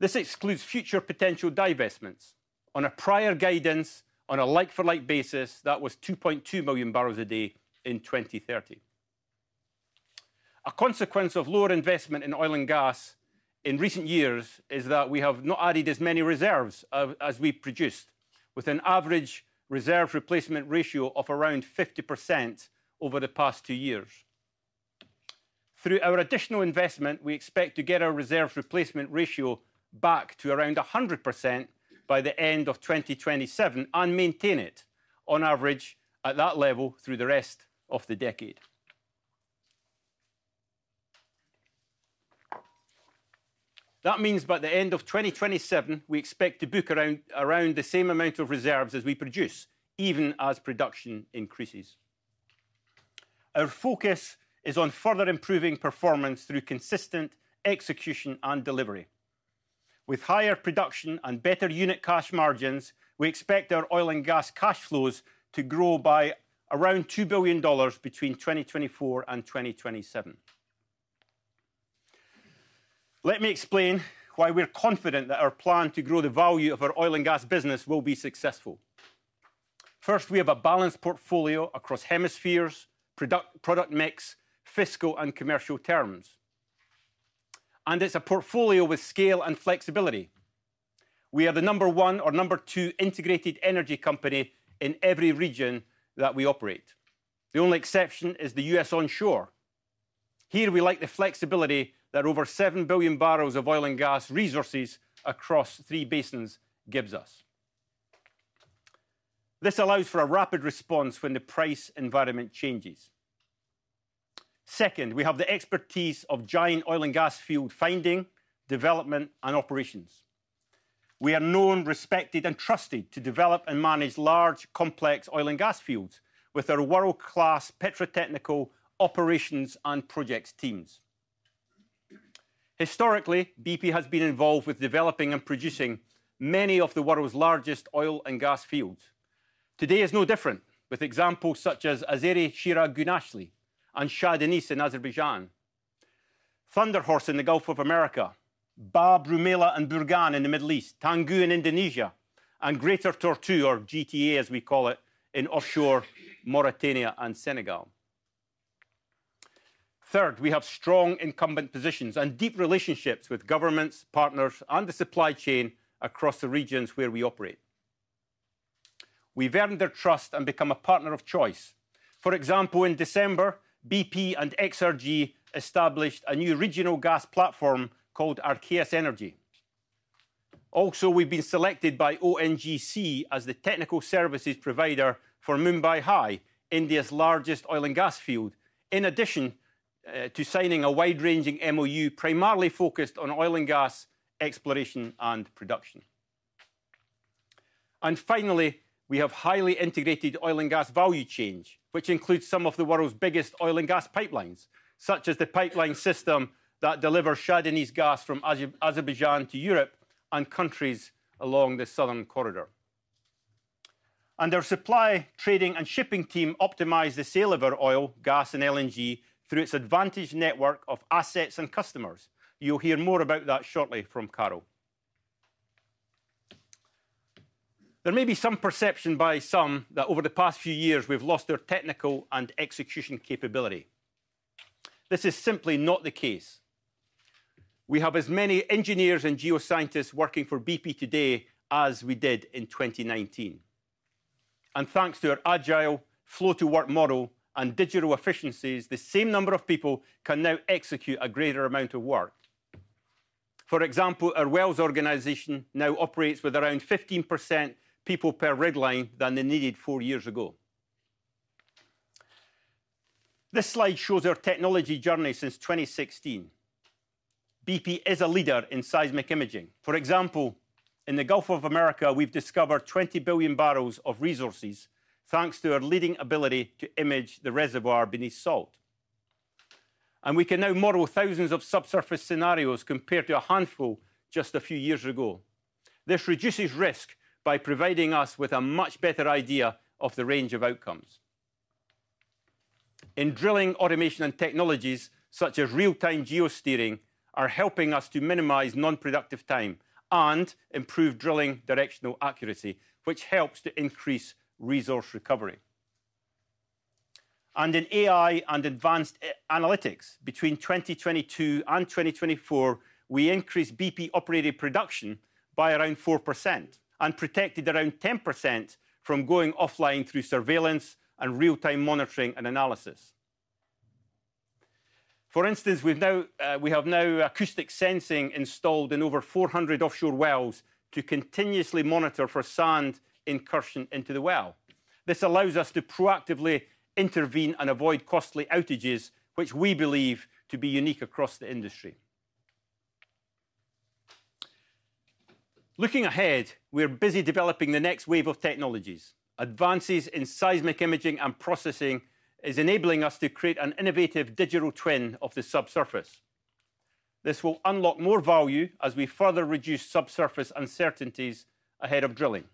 This excludes future potential divestments on a prior guidance on a like-for-like basis that was 2.2 million barrels a day in 2030. A consequence of lower investment in oil and gas in recent years is that we have not added as many reserves as we produced, with an average reserve replacement ratio of around 50% over the past two years. Through our additional investment, we expect to get our reserve replacement ratio back to around 100% by the end of 2027 and maintain it on average at that level through the rest of the decade. That means by the end of 2027, we expect to book around the same amount of reserves as we produce, even as production increases. Our focus is on further improving performance through consistent execution and delivery. With higher production and better unit cash margins, we expect our oil and gas cash flows to grow by around $2 billion between 2024 and 2027. Let me explain why we're confident that our plan to grow the value of our oil and gas business will be successful. First, we have a balanced portfolio across hemispheres, product mix, fiscal, and commercial terms. And it's a portfolio with scale and flexibility. We are the number one or number two integrated energy company in every region that we operate. The only exception is the U.S. onshore. Here, we like the flexibility that over seven billion barrels of oil and gas resources across three basins gives us. This allows for a rapid response when the price environment changes. Second, we have the expertise of giant oil and gas field finding, development, and operations. We are known, respected, and trusted to develop and manage large, complex oil and gas fields with our world-class petrotechnical operations and projects teams. Historically, BP has been involved with developing and producing many of the world's largest oil and gas fields. Today is no different with examples such as Azeri-Chirag-Gunashli and Shah Deniz in Azerbaijan, Thunder Horse in the Gulf of Mexico, Rumaila and Burgan in the Middle East, Tangguh in Indonesia, and Greater Tortue Ahmeyim, or GTA, as we call it, in offshore Mauritania and Senegal. Third, we have strong incumbent positions and deep relationships with governments, partners, and the supply chain across the regions where we operate. We've earned their trust and become a partner of choice. For example, in December, BP and Eni established a new regional gas platform called Arcius Energy. Also, we've been selected by ONGC as the technical services provider for Mumbai High, India's largest oil and gas field, in addition to signing a wide-ranging MOU primarily focused on oil and gas exploration and production, and finally, we have highly integrated oil and gas value chain, which includes some of the world's biggest oil and gas pipelines, such as the pipeline system that delivers Shah Deniz gas from Azerbaijan to Europe and countries along the Southern Corridor, and our supply, trading, and shipping team optimize the sale of our oil, gas, and LNG through its advantage network of assets and customers. You'll hear more about that shortly from Carol. There may be some perception by some that over the past few years, we've lost our technical and execution capability. This is simply not the case. We have as many engineers and geoscientists working for BP today as we did in 2019, and thanks to our agile flow-to-work model and digital efficiencies, the same number of people can now execute a greater amount of work. For example, our wells organization now operates with around 15% fewer people per rig line than they needed four years ago. This slide shows our technology journey since 2016. BP is a leader in seismic imaging. For example, in the Gulf of Mexico, we've discovered 20 billion barrels of resources thanks to our leading ability to image the reservoir beneath salt, and we can now model thousands of subsurface scenarios compared to a handful just a few years ago. This reduces risk by providing us with a much better idea of the range of outcomes. In drilling, automation and technologies such as real-time geosteering are helping us to minimize non-productive time and improve drilling directional accuracy, which helps to increase resource recovery. And in AI and advanced analytics, between 2022 and 2024, we increased BP operated production by around 4% and protected around 10% from going offline through surveillance and real-time monitoring and analysis. For instance, we have now acoustic sensing installed in over 400 offshore wells to continuously monitor for sand incursion into the well. This allows us to proactively intervene and avoid costly outages, which we believe to be unique across the industry. Looking ahead, we're busy developing the next wave of technologies. Advances in seismic imaging and processing are enabling us to create an innovative digital twin of the subsurface. This will unlock more value as we further reduce subsurface uncertainties ahead of drilling.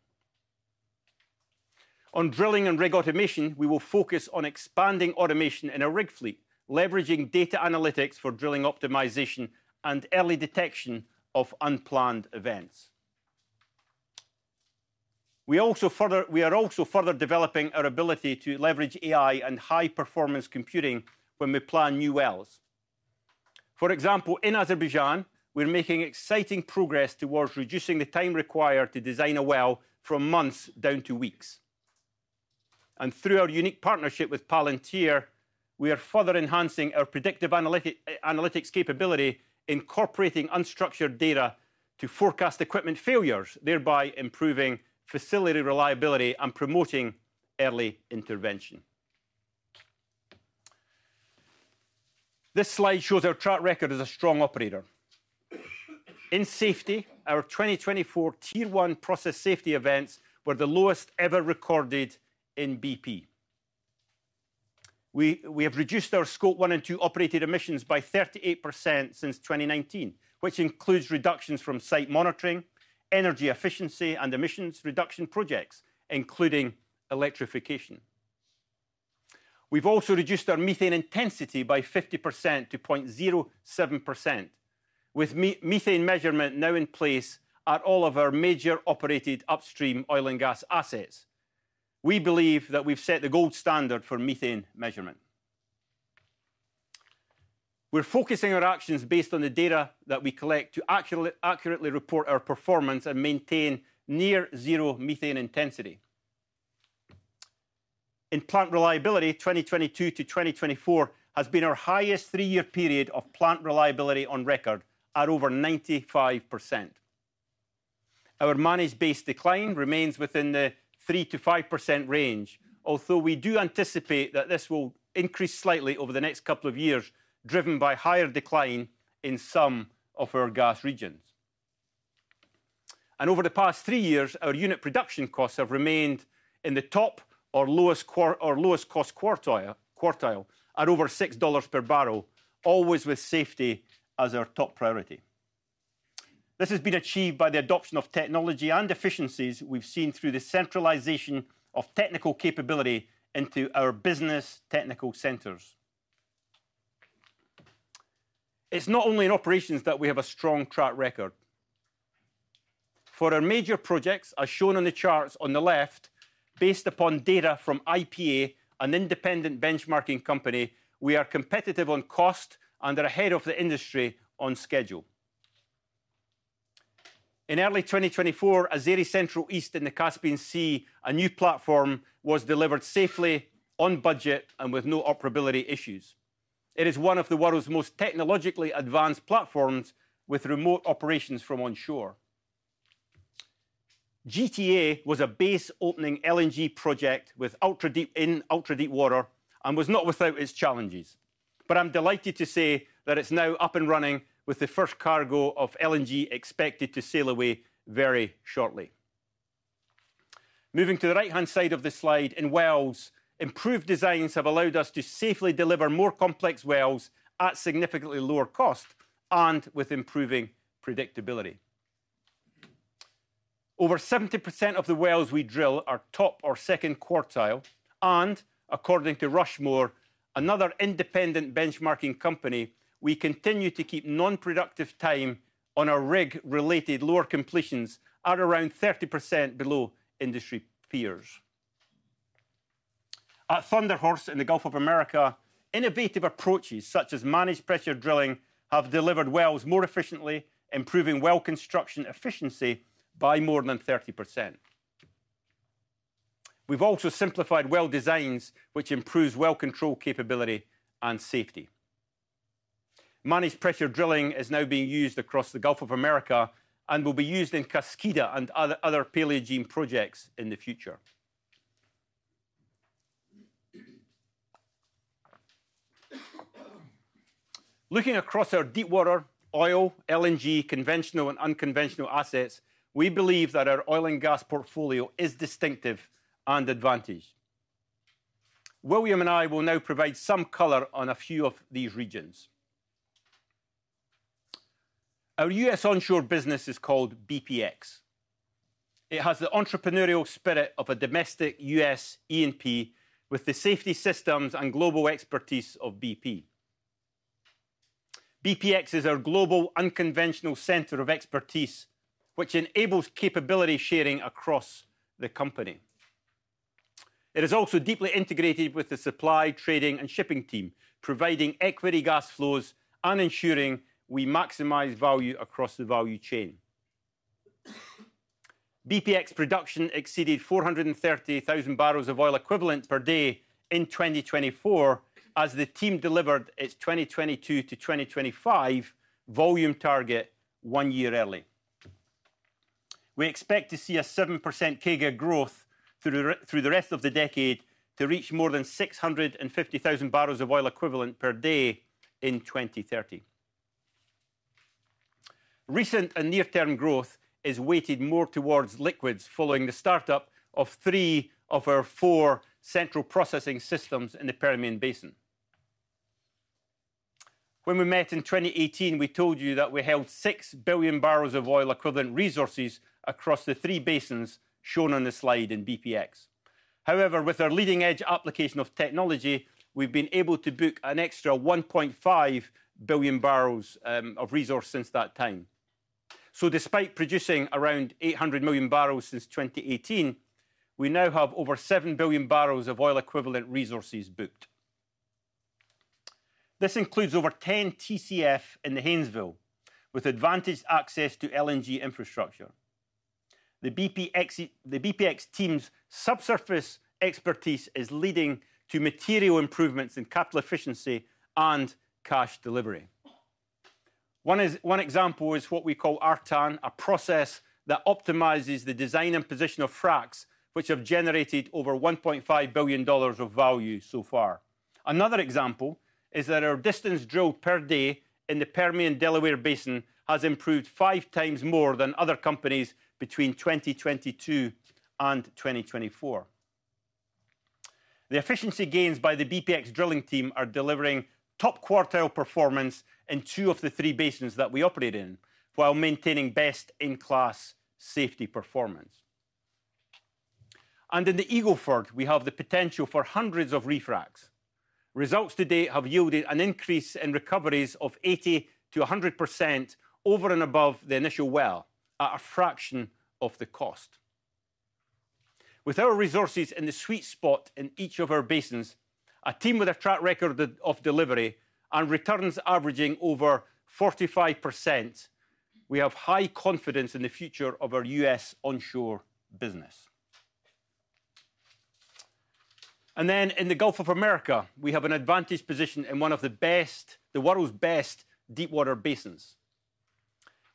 On drilling and rig automation, we will focus on expanding automation in our rig fleet, leveraging data analytics for drilling optimization and early detection of unplanned events. We are also further developing our ability to leverage AI and high-performance computing when we plan new wells. For example, in Azerbaijan, we're making exciting progress towards reducing the time required to design a well from months down to weeks. And through our unique partnership with Palantir, we are further enhancing our predictive analytics capability, incorporating unstructured data to forecast equipment failures, thereby improving facility reliability and promoting early intervention. This slide shows our track record as a strong operator. In safety, our 2024 Tier 1 process safety events were the lowest ever recorded in BP. We have reduced our Scope 1 and 2 operated emissions by 38% since 2019, which includes reductions from site monitoring, energy efficiency, and emissions reduction projects, including electrification. We've also reduced our methane intensity by 50% to 0.7%, with methane measurement now in place at all of our major operated upstream oil and gas assets. We believe that we've set the gold standard for methane measurement. We're focusing our actions based on the data that we collect to accurately report our performance and maintain near zero methane intensity. In plant reliability, 2022 to 2024 has been our highest three-year period of plant reliability on record at over 95%. Our managed base decline remains within the 3% to 5% range, although we do anticipate that this will increase slightly over the next couple of years, driven by higher decline in some of our gas regions. Over the past three years, our unit production costs have remained in the top or lowest cost quartile at over $6 per barrel, always with safety as our top priority. This has been achieved by the adoption of technology and efficiencies we've seen through the centralization of technical capability into our business technical centers. It's not only in operations that we have a strong track record. For our major projects, as shown on the charts on the left, based upon data from IPA, an independent benchmarking company, we are competitive on cost and are ahead of the industry on schedule. In early 2024, Azeri Central East in the Caspian Sea, a new platform was delivered safely, on budget, and with no operability issues. It is one of the world's most technologically advanced platforms with remote operations from onshore. GTA was a basin opening LNG project with ultra-deep in ultra-deep water, and was not without its challenges. But I'm delighted to say that it's now up and running with the first cargo of LNG expected to sail away very shortly. Moving to the right-hand side of the slide, in wells, improved designs have allowed us to safely deliver more complex wells at significantly lower cost and with improving predictability. Over 70% of the wells we drill are top or second quartile. And according to Rushmore, another independent benchmarking company, we continue to keep non-productive time on our rig-related lower completions at around 30% below industry peers. At Thunder Horse, in the Gulf of Mexico, innovative approaches such as managed pressure drilling have delivered wells more efficiently, improving well construction efficiency by more than 30%. We've also simplified well designs, which improves well control capability and safety. Managed pressure drilling is now being used across the Gulf of Mexico and will be used in Kaskida and other Paleogene projects in the future. Looking across our deep water, oil, LNG, conventional and unconventional assets, we believe that our oil and gas portfolio is distinctive and advantaged. William and I will now provide some color on a few of these regions. Our U.S. onshore business is called BPX. It has the entrepreneurial spirit of a domestic U.S. E&P with the safety systems and global expertise of BP. BPX is our global unconventional center of expertise, which enables capability sharing across the company. It is also deeply integrated with the supply, trading, and shipping team, providing equity gas flows and ensuring we maximize value across the value chain. BPX production exceeded 430,000 barrels of oil equivalent per day in 2024 as the team delivered its 2022 to 2025 volume target one year early. We expect to see a 7% CAGR growth through the rest of the decade to reach more than 650,000 barrels of oil equivalent per day in 2030. Recent and near-term growth is weighted more towards liquids following the startup of three of our four central processing systems in the Permian Basin. When we met in 2018, we told you that we held 6 billion barrels of oil equivalent resources across the three basins shown on the slide in BPX. However, with our leading-edge application of technology, we've been able to book an extra 1.5 billion barrels of resource since that time. So despite producing around 800 million barrels since 2018, we now have over seven billion barrels of oil equivalent resources booked. This includes over 10 TCF in the Haynesville with advantaged access to LNG infrastructure. The BPX team's subsurface expertise is leading to material improvements in capital efficiency and cash delivery. One example is what we call RTAN, a process that optimizes the design and position of fracs, which have generated over $1.5 billion of value so far. Another example is that our distance drilled per day in the Permian-Delaware Basin has improved five times more than other companies between 2022 and 2024. The efficiency gains by the BPX drilling team are delivering top quartile performance in two of the three basins that we operate in while maintaining best-in-class safety performance, and in the Eagle Ford, we have the potential for hundreds of refracs. Results today have yielded an increase in recoveries of 80% to 100% over and above the initial well at a fraction of the cost. With our resources in the sweet spot in each of our basins, a team with a track record of delivery and returns averaging over 45%, we have high confidence in the future of our U.S. onshore business, and then in the Gulf of Mexico, we have an advantage position in one of the world's best deep water basins.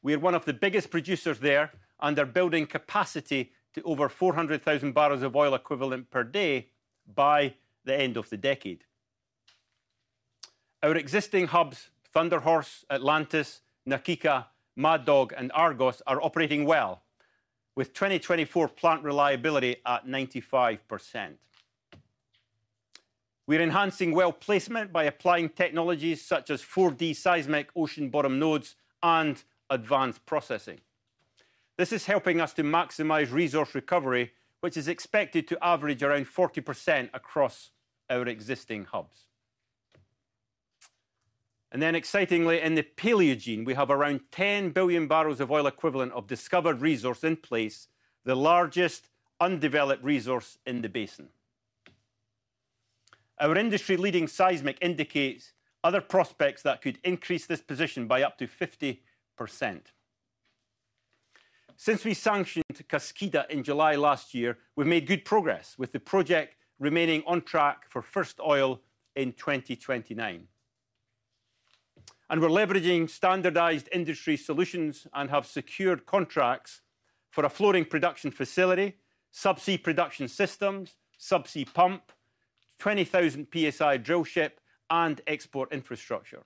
We are one of the biggest producers there, and they're building capacity to over 400,000 barrels of oil equivalent per day by the end of the decade. Our existing hubs, Thunder Horse, Atlantis, Na Kika, Mad Dog, and Argos, are operating well with 2024 plant reliability at 95%. We're enhancing well placement by applying technologies such as 4D seismic ocean bottom nodes and advanced processing. This is helping us to maximize resource recovery, which is expected to average around 40% across our existing hubs. And then excitingly, in the Paleogene, we have around 10 billion barrels of oil equivalent of discovered resource in place, the largest undeveloped resource in the basin. Our industry-leading seismic indicates other prospects that could increase this position by up to 50%. Since we sanctioned Kaskida in July last year, we've made good progress with the project remaining on track for first oil in 2029. And we're leveraging standardized industry solutions and have secured contracts for a floating production facility, subsea production systems, subsea pump, 20,000 PSI drill ship, and export infrastructure.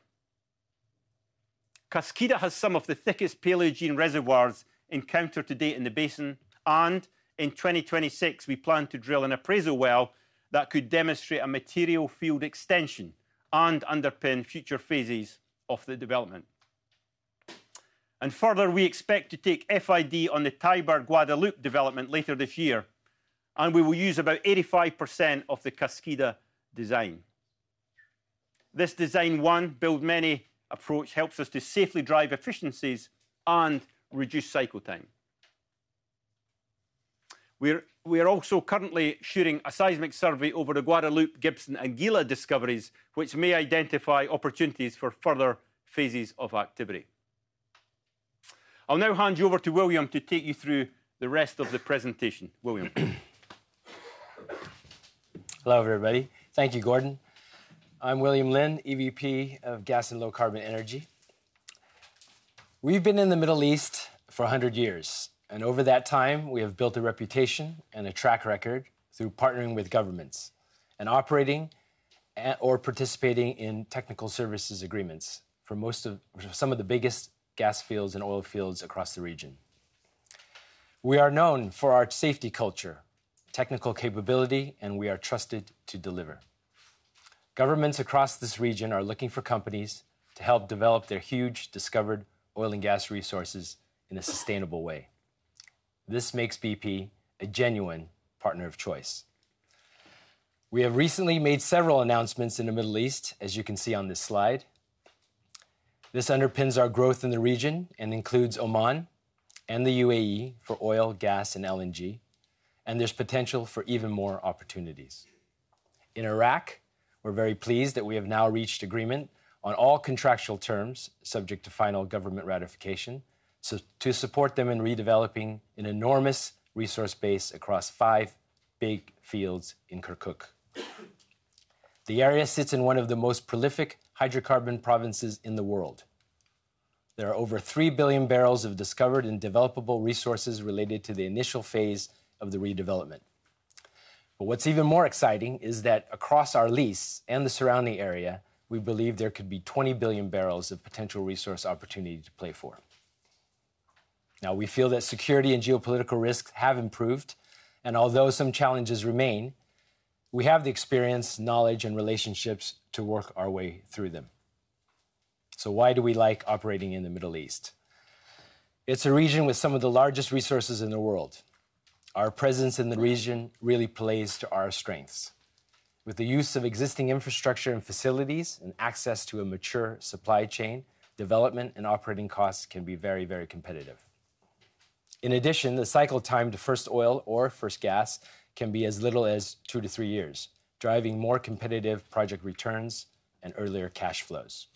Kaskida has some of the thickest Paleogene reservoirs encountered today in the basin. And in 2026, we plan to drill an appraisal well that could demonstrate a material field extension and underpin future phases of the development. Further, we expect to take FID on the Tiber-Guadalupe development later this year, and we will use about 85% of the Kaskida design. This Design One Build Many approach helps us to safely drive efficiencies and reduce cycle time. We are also currently shooting a seismic survey over the Guadalupe, Gibson, and Gila discoveries, which may identify opportunities for further phases of activity. I'll now hand you over to William to take you through the rest of the presentation. William. Hello, everybody. Thank you, Gordon. I'm William Lin, EVP of Gas and Low Carbon Energy. We've been in the Middle East for 100 years, and over that time, we have built a reputation and a track record through partnering with governments and operating and/or participating in technical services agreements for some of the biggest gas fields and oil fields across the region. We are known for our safety culture, technical capability, and we are trusted to deliver. Governments across this region are looking for companies to help develop their huge discovered oil and gas resources in a sustainable way. This makes BP a genuine partner of choice. We have recently made several announcements in the Middle East, as you can see on this slide. This underpins our growth in the region and includes Oman and the UAE for oil, gas, and LNG, and there's potential for even more opportunities. In Iraq, we're very pleased that we have now reached agreement on all contractual terms subject to final government ratification to support them in redeveloping an enormous resource base across five big field in Kirkuk. The area sits in one of the most prolific hydrocarbon provinces in the world. There are over three billion barrels of discovered and developable resources related to the initial phase of the redevelopment. But what's even more exciting is that across our lease and the surrounding area, we believe there could be 20 billion barrels of potential resource opportunity to play for. Now, we feel that security and geopolitical risks have improved, and although some challenges remain, we have the experience, knowledge, and relationships to work our way through them. So why do we like operating in the Middle East? It's a region with some of the largest resources in the world. Our presence in the region really plays to our strengths. With the use of existing infrastructure and facilities and access to a mature supply chain, development and operating costs can be very, very competitive. In addition, the cycle time to first oil or first gas can be as little as two to three years, driving more competitive project returns and earlier cash flows.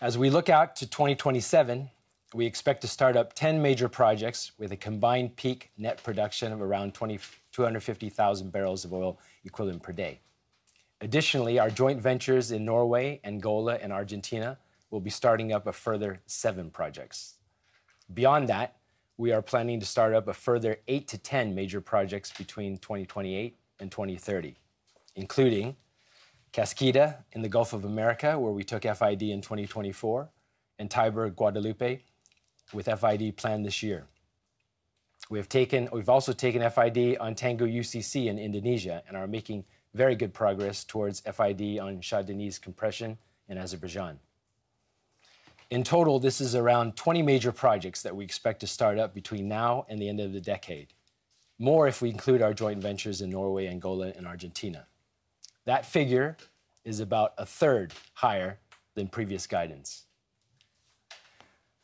As we look out to 2027, we expect to start up 10 major projects with a combined peak net production of around 250,000 barrels of oil equivalent per day. Additionally, our joint ventures in Norway, Angola, and Argentina will be starting up a further seven projects. Beyond that, we are planning to start up a further 8 to 10 major projects between 2028 and 2030, including Kaskida in the Gulf of Mexico, where we took FID in 2024, and Tiber-Guadalupe, with FID planned this year. We have taken FID on Tangguh CCUS in Indonesia and are making very good progress towards FID on Shah Deniz compression in Azerbaijan. In total, this is around 20 major projects that we expect to start up between now and the end of the decade, more if we include our joint ventures in Norway, Angola, and Argentina. That figure is about a third higher than previous guidance.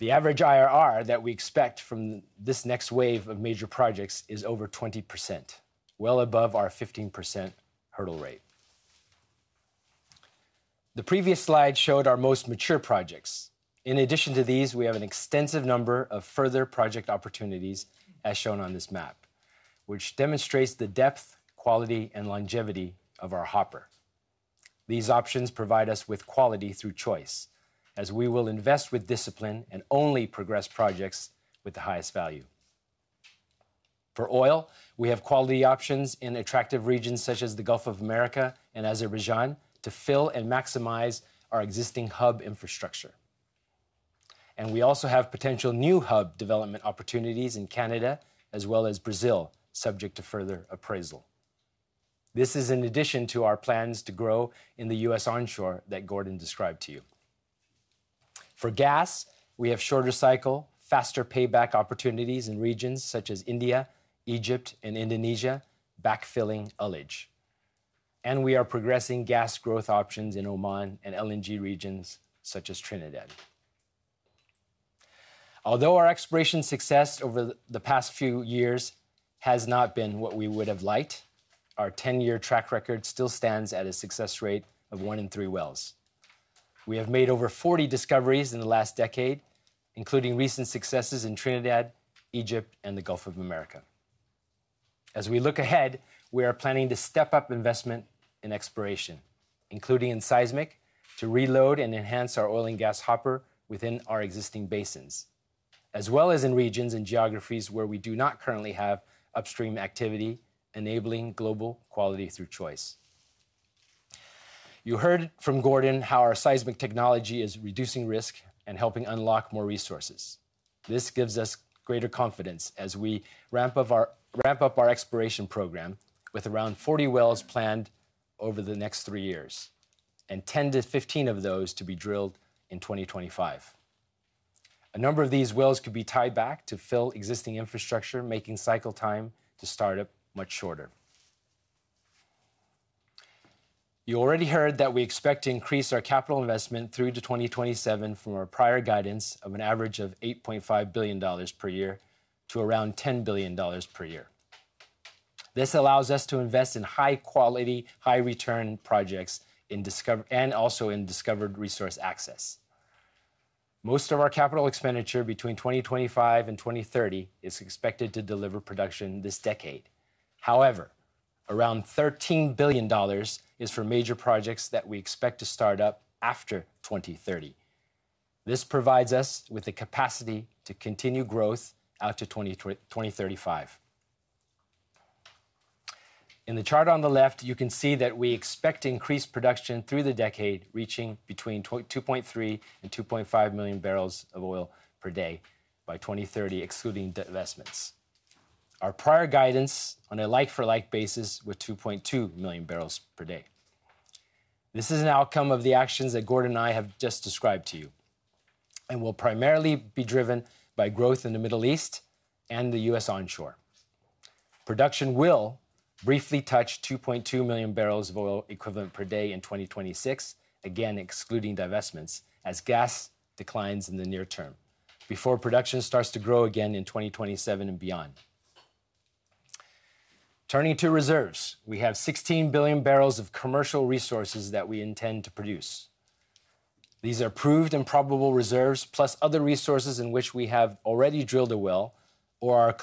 The average IRR that we expect from this next wave of major projects is over 20%, well above our 15% hurdle rate. The previous slide showed our most mature projects. In addition to these, we have an extensive number of further project opportunities, as shown on this map, which demonstrates the depth, quality, and longevity of our hopper. These options provide us with quality through choice, as we will invest with discipline and only progress projects with the highest value. For oil, we have quality options in attractive regions such as the Gulf of Mexico and Azerbaijan to fill and maximize our existing hub infrastructure. We also have potential new hub development opportunities in Canada, as well as Brazil, subject to further appraisal. This is in addition to our plans to grow in the U.S. onshore that Gordon described to you. For gas, we have shorter cycle, faster payback opportunities in regions such as India, Egypt, and Indonesia backfilling ullage. We are progressing gas growth options in Oman and LNG regions such as Trinidad. Although our exploration success over the past few years has not been what we would have liked, our 10-year track record still stands at a success rate of one in three wells. We have made over 40 discoveries in the last decade, including recent successes in Trinidad, Egypt, and the Gulf of Mexico. As we look ahead, we are planning to step up investment in exploration, including in seismic, to reload and enhance our oil and gas hopper within our existing basins, as well as in regions and geographies where we do not currently have upstream activity enabling global quality through choice. You heard from Gordon how our seismic technology is reducing risk and helping unlock more resources. This gives us greater confidence as we ramp up our exploration program with around 40 wells planned over the next three years and 10-15 of those to be drilled in 2025. A number of these wells could be tied back to fill existing infrastructure, making cycle time to start up much shorter. You already heard that we expect to increase our capital investment through to 2027 from our prior guidance of an average of $8.5 billion per year to around $10 billion per year. This allows us to invest in high-quality, high-return projects and also in discovered resource access. Most of our capital expenditure between 2025 and 2030 is expected to deliver production this decade. However, around $13 billion is for major projects that we expect to start up after 2030. This provides us with the capacity to continue growth out to 2035. In the chart on the left, you can see that we expect increased production through the decade, reaching between 2.3 and 2.5 million barrels of oil per day by 2030, excluding divestments. Our prior guidance on a like-for-like basis was 2.2 million barrels per day. This is an outcome of the actions that Gordon and I have just described to you and will primarily be driven by growth in the Middle East and the U.S. onshore. Production will briefly touch 2.2 million barrels of oil equivalent per day in 2026, again excluding divestments as gas declines in the near term before production starts to grow again in 2027 and beyond. Turning to reserves, we have 16 billion barrels of commercial resources that we intend to produce. These are proved and probable reserves, plus other resources in which we have already drilled a well or are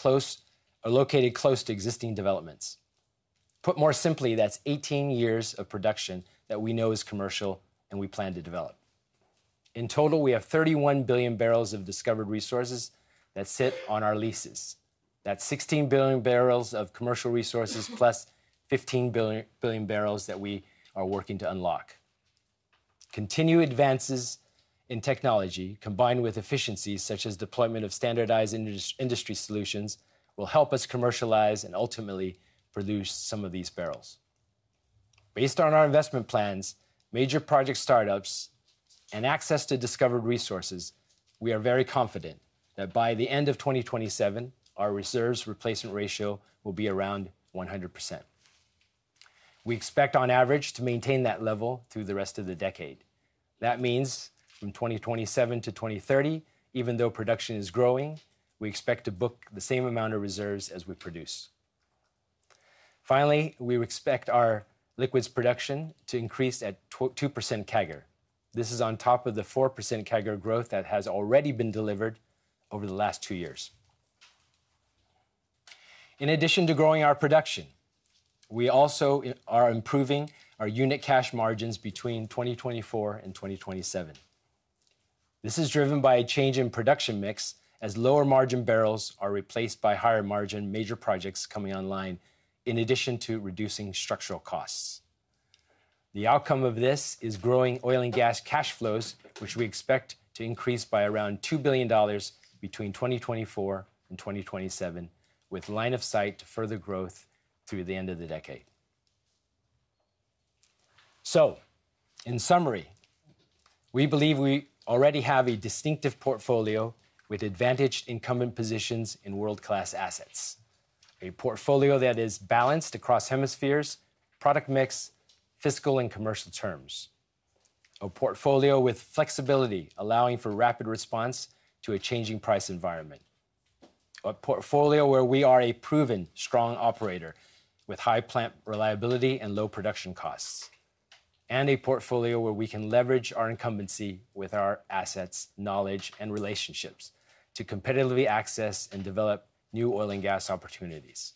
located close to existing developments. Put more simply, that's 18 years of production that we know is commercial and we plan to develop. In total, we have 31 billion barrels of discovered resources that sit on our leases. That's 16 billion barrels of commercial resources, plus 15 billion barrels that we are working to unlock. Continued advances in technology, combined with efficiencies such as deployment of standardized industry solutions, will help us commercialize and ultimately produce some of these barrels. Based on our investment plans, major project startups, and access to discovered resources, we are very confident that by the end of 2027, our reserves replacement ratio will be around 100%. We expect, on average, to maintain that level through the rest of the decade. That means from 2027 to 2030, even though production is growing, we expect to book the same amount of reserves as we produce. Finally, we expect our liquids production to increase at 2% CAGR. This is on top of the 4% CAGR growth that has already been delivered over the last two years. In addition to growing our production, we also are improving our unit cash margins between 2024 and 2027. This is driven by a change in production mix as lower margin barrels are replaced by higher margin major projects coming online, in addition to reducing structural costs. The outcome of this is growing oil and gas cash flows, which we expect to increase by around $2 billion between 2024 and 2027, with line of sight to further growth through the end of the decade. So, in summary, we believe we already have a distinctive portfolio with advantaged incumbent positions in world-class assets, a portfolio that is balanced across hemispheres, product mix, fiscal, and commercial terms, a portfolio with flexibility allowing for rapid response to a changing price environment, a portfolio where we are a proven strong operator with high plant reliability and low production costs, and a portfolio where we can leverage our incumbency with our assets, knowledge, and relationships to competitively access and develop new oil and gas opportunities.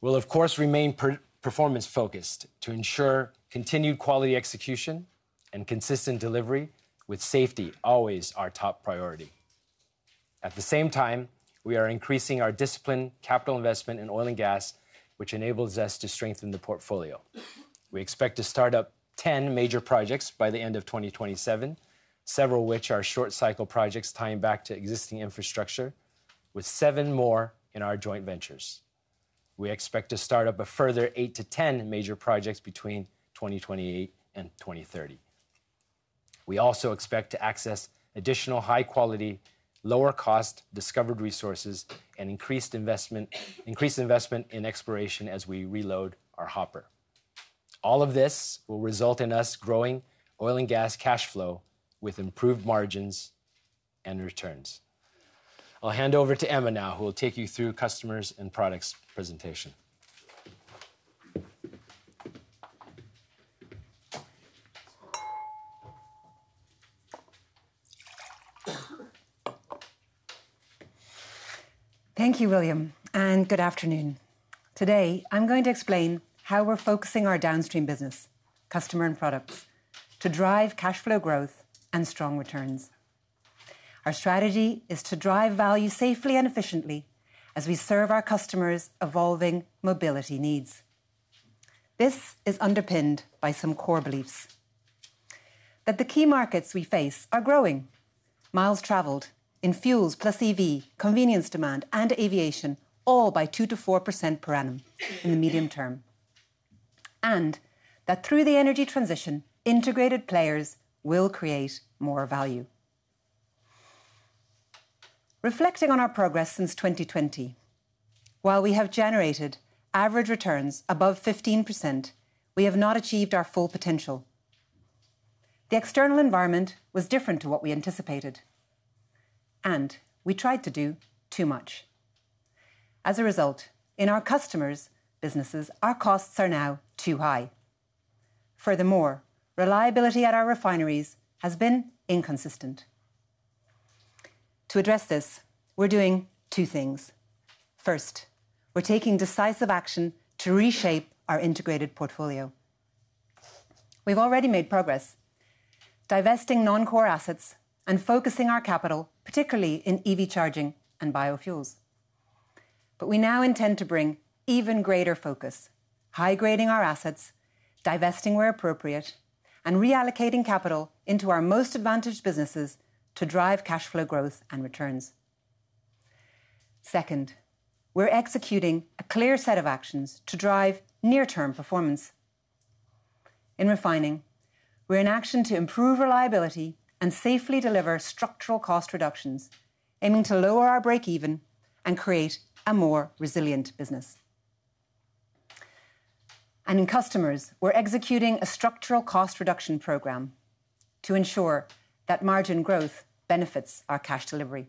We'll, of course, remain performance-focused to ensure continued quality execution and consistent delivery, with safety always our top priority. At the same time, we are increasing our discipline, capital investment, and oil and gas, which enables us to strengthen the portfolio. We expect to start up 10 major projects by the end of 2027, several of which are short-cycle projects tying back to existing infrastructure, with seven more in our joint ventures. We expect to start up a further eight to 10 major projects between 2028 and 2030. We also expect to access additional high-quality, lower-cost discovered resources and increased investment in exploration as we reload our hopper. All of this will result in us growing oil and gas cash flow with improved margins and returns. I'll hand over to Emma now, who will take you through Customers and Products presentation. Thank you, William, and good afternoon. Today, I'm going to explain how we're focusing our downstream business, Customers and Products, to drive cash flow growth and strong returns. Our strategy is to drive value safely and efficiently as we serve our customers' evolving mobility needs. This is underpinned by some core beliefs: that the key markets we face are growing, miles traveled, in fuels plus EV, convenience demand, and aviation, all by 2-4% per annum in the medium term, and that through the energy transition, integrated players will create more value. Reflecting on our progress since 2020, while we have generated average returns above 15%, we have not achieved our full potential. The external environment was different to what we anticipated, and we tried to do too much. As a result, in our customers' businesses, our costs are now too high. Furthermore, reliability at our refineries has been inconsistent. To address this, we're doing two things. First, we're taking decisive action to reshape our integrated portfolio. We've already made progress divesting non-core assets and focusing our capital, particularly in EV charging and biofuels. But we now intend to bring even greater focus, high-grading our assets, divesting where appropriate, and reallocating capital into our most advantaged businesses to drive cash flow growth and returns. Second, we're executing a clear set of actions to drive near-term performance. In refining, we're in action to improve reliability and safely deliver structural cost reductions, aiming to lower our breakeven and create a more resilient business. And in customers, we're executing a structural cost reduction program to ensure that margin growth benefits our cash delivery.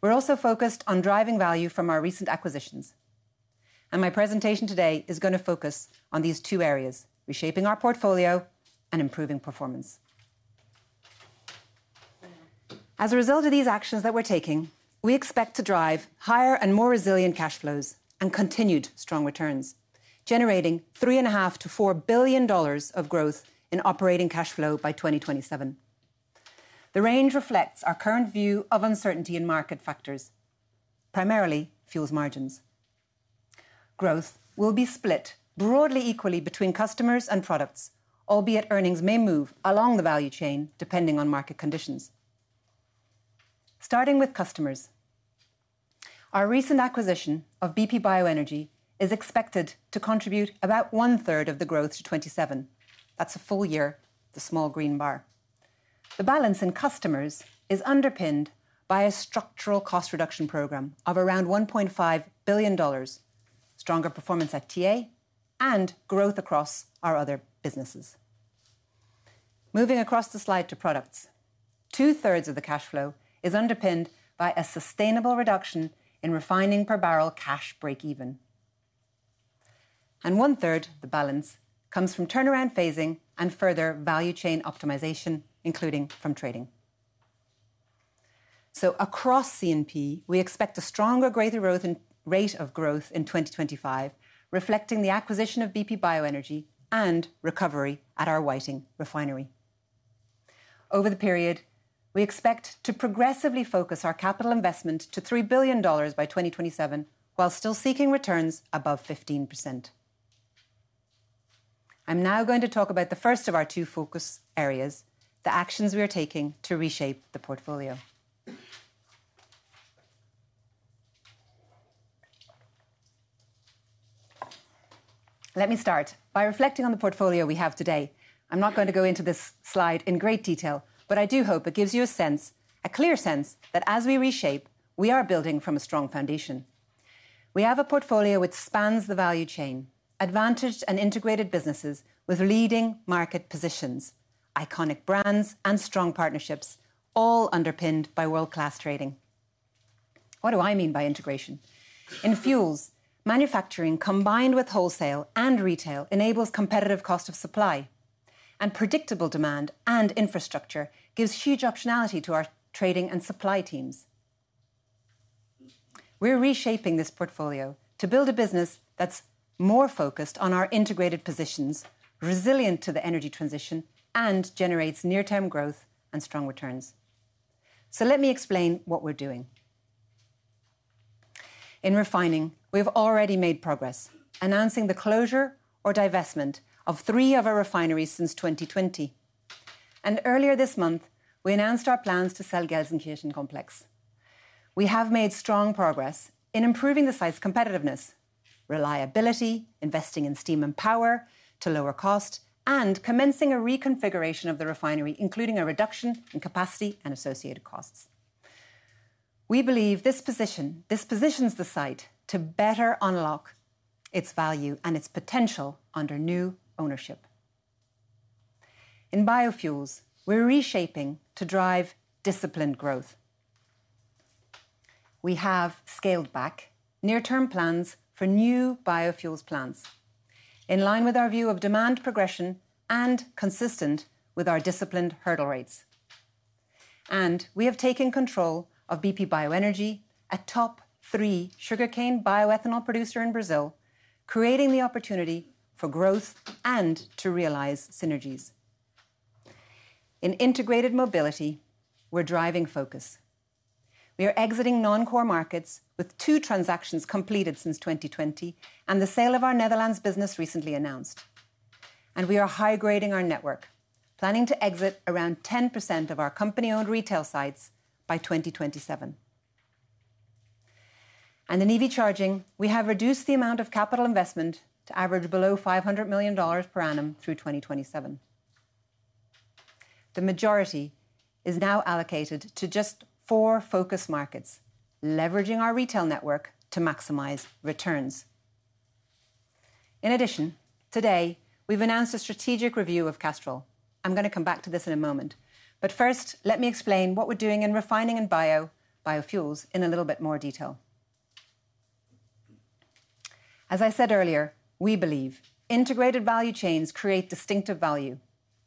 We're also focused on driving value from our recent acquisitions. And my presentation today is going to focus on these two areas: reshaping our portfolio and improving performance. As a result of these actions that we're taking, we expect to drive higher and more resilient cash flows and continued strong returns, generating $3.5-$4 billion of growth in operating cash flow by 2027. The range reflects our current view of uncertainty in market factors, primarily fuels margins. Growth will be split broadly equally between Customers and Products, albeit earnings may move along the value chain depending on market conditions. Starting with customers, our recent acquisition of BP Bioenergy is expected to contribute about one-third of the growth to 2027. That's a full year, the small green bar. The balance in customers is underpinned by a structural cost reduction program of around $1.5 billion, stronger performance at TA, and growth across our other businesses. Moving across the slide to products, two-thirds of the cash flow is underpinned by a sustainable reduction in refining per barrel cash breakeven. And one-third, the balance, comes from turnaround phasing and further value chain optimization, including from trading. So, across C&P, we expect a stronger growth rate of growth in 2025, reflecting the acquisition of BP Bioenergy and recovery at our Whiting Refinery. Over the period, we expect to progressively focus our capital investment to $3 billion by 2027 while still seeking returns above 15%. I'm now going to talk about the first of our two focus areas, the actions we are taking to reshape the portfolio. Let me start by reflecting on the portfolio we have today. I'm not going to go into this slide in great detail, but I do hope it gives you a sense, a clear sense, that as we reshape, we are building from a strong foundation. We have a portfolio which spans the value chain, advantaged and integrated businesses with leading market positions, iconic brands, and strong partnerships, all underpinned by world-class trading. What do I mean by integration? In fuels, manufacturing combined with wholesale and retail enables competitive cost of supply, and predictable demand and infrastructure gives huge optionality to our trading and supply teams. We're reshaping this portfolio to build a business that's more focused on our integrated positions, resilient to the energy transition, and generates near-term growth and strong returns, so let me explain what we're doing. In refining, we've already made progress, announcing the closure or divestment of three of our refineries since 2020, and earlier this month, we announced our plans to sell Gelsenkirchen Complex. We have made strong progress in improving the site's competitiveness, reliability, investing in steam and power to lower cost, and commencing a reconfiguration of the refinery, including a reduction in capacity and associated costs. We believe this positions the site to better unlock its value and its potential under new ownership. In biofuels, we're reshaping to drive disciplined growth. We have scaled back near-term plans for new biofuels plants, in line with our view of demand progression and consistent with our disciplined hurdle rates, and we have taken control of BP Bioenergy, a top three sugarcane bioethanol producer in Brazil, creating the opportunity for growth and to realize synergies. In integrated mobility, we're driving focus. We are exiting non-core markets with two transactions completed since 2020 and the sale of our Netherlands business recently announced, and we are high-grading our network, planning to exit around 10% of our company-owned retail sites by 2027, and in EV charging, we have reduced the amount of capital investment to average below $500 million per annum through 2027. The majority is now allocated to just four focus markets, leveraging our retail network to maximize returns. In addition, today, we've announced a strategic review of Castrol. I'm going to come back to this in a moment. But first, let me explain what we're doing in refining and biofuels in a little bit more detail. As I said earlier, we believe integrated value chains create distinctive value.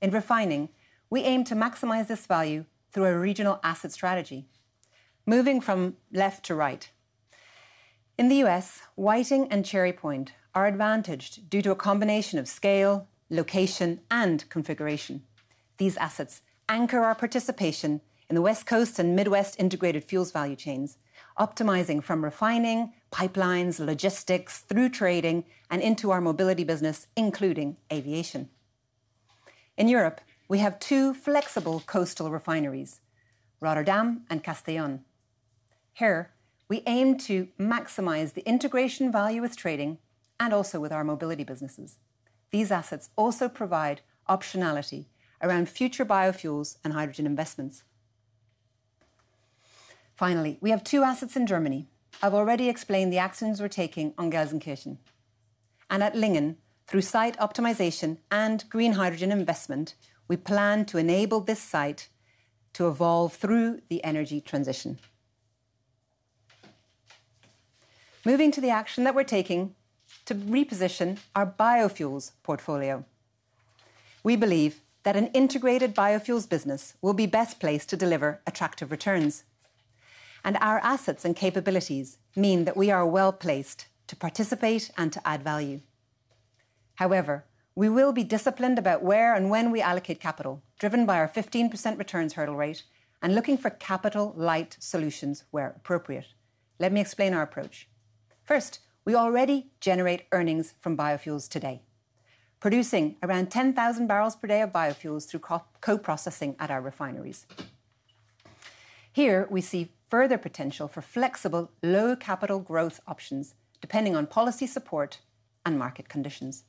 In refining, we aim to maximize this value through a regional asset strategy, moving from left to right. In the U.S., Whiting and Cherry Point are advantaged due to a combination of scale, location, and configuration. These assets anchor our participation in the West Coast and Midwest integrated fuels value chains, optimizing from refining, pipelines, logistics, through trading, and into our mobility business, including aviation. In Europe, we have two flexible coastal refineries, Rotterdam and Castellón. Here, we aim to maximize the integration value with trading and also with our mobility businesses. These assets also provide optionality around future biofuels and hydrogen investments. Finally, we have two assets in Germany. I've already explained the actions we're taking on Gelsenkirchen, and at Lingen, through site optimization and green hydrogen investment, we plan to enable this site to evolve through the energy transition. Moving to the action that we're taking to reposition our biofuels portfolio. We believe that an integrated biofuels business will be best placed to deliver attractive returns, and our assets and capabilities mean that we are well placed to participate and to add value. However, we will be disciplined about where and when we allocate capital, driven by our 15% returns hurdle rate and looking for capital-light solutions where appropriate. Let me explain our approach. First, we already generate earnings from biofuels today, producing around 10,000 barrels per day of biofuels through co-processing at our refineries. Here, we see further potential for flexible, low-capital growth options depending on policy support and market conditions.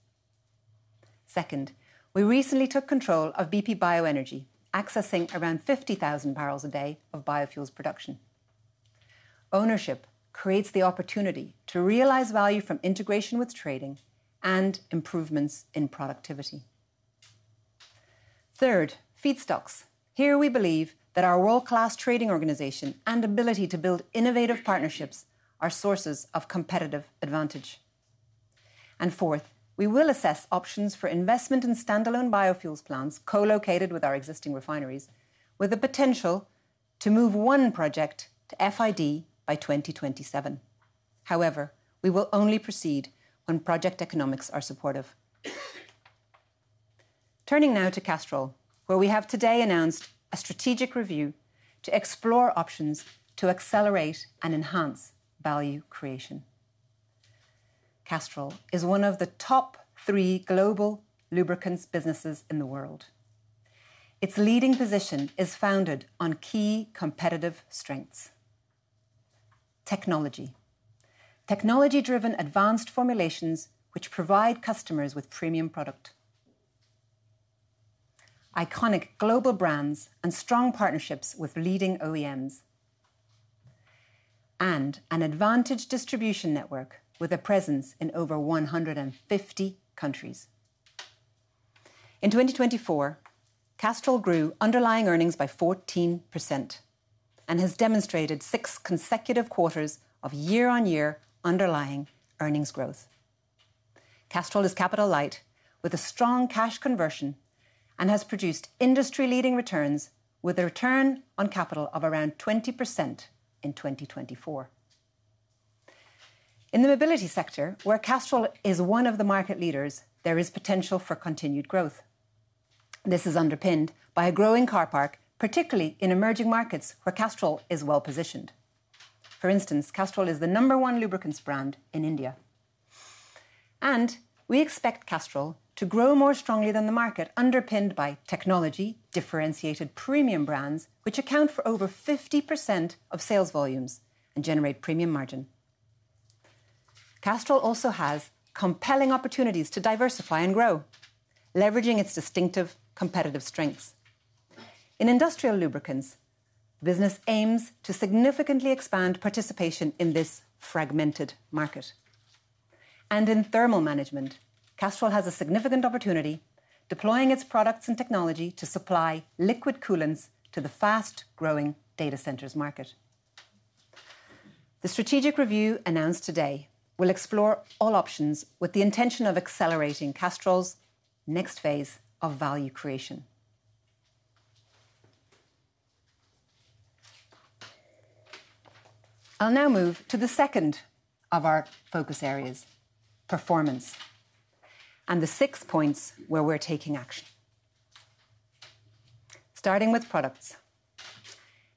Second, we recently took control of BP Bioenergy, accessing around 50,000 barrels a day of biofuels production. Ownership creates the opportunity to realize value from integration with trading and improvements in productivity. Third, feedstocks. Here, we believe that our world-class trading organization and ability to build innovative partnerships are sources of competitive advantage. And fourth, we will assess options for investment in standalone biofuels plants co-located with our existing refineries, with the potential to move one project to FID by 2027. However, we will only proceed when project economics are supportive. Turning now to Castrol, where we have today announced a strategic review to explore options to accelerate and enhance value creation. Castrol is one of the top three global lubricants businesses in the world. Its leading position is founded on key competitive strengths: technology, technology-driven advanced formulations which provide customers with premium product, iconic global brands and strong partnerships with leading OEMs, and an advantaged distribution network with a presence in over 150 countries. In 2024, Castrol grew underlying earnings by 14% and has demonstrated six consecutive quarters of year-on-year underlying earnings growth. Castrol is capital-light with a strong cash conversion and has produced industry-leading returns with a return on capital of around 20% in 2024. In the mobility sector, where Castrol is one of the market leaders, there is potential for continued growth. This is underpinned by a growing car park, particularly in emerging markets where Castrol is well positioned. For instance, Castrol is the number one lubricants brand in India. And we expect Castrol to grow more strongly than the market, underpinned by technology, differentiated premium brands which account for over 50% of sales volumes and generate premium margin. Castrol also has compelling opportunities to diversify and grow, leveraging its distinctive competitive strengths. In industrial lubricants, the business aims to significantly expand participation in this fragmented market. And in thermal management, Castrol has a significant opportunity deploying its products and technology to supply liquid coolants to the fast-growing data centers market. The strategic review announced today will explore all options with the intention of accelerating Castrol's next phase of value creation. I'll now move to the second of our focus areas, performance, and the six points where we're taking action. Starting with products.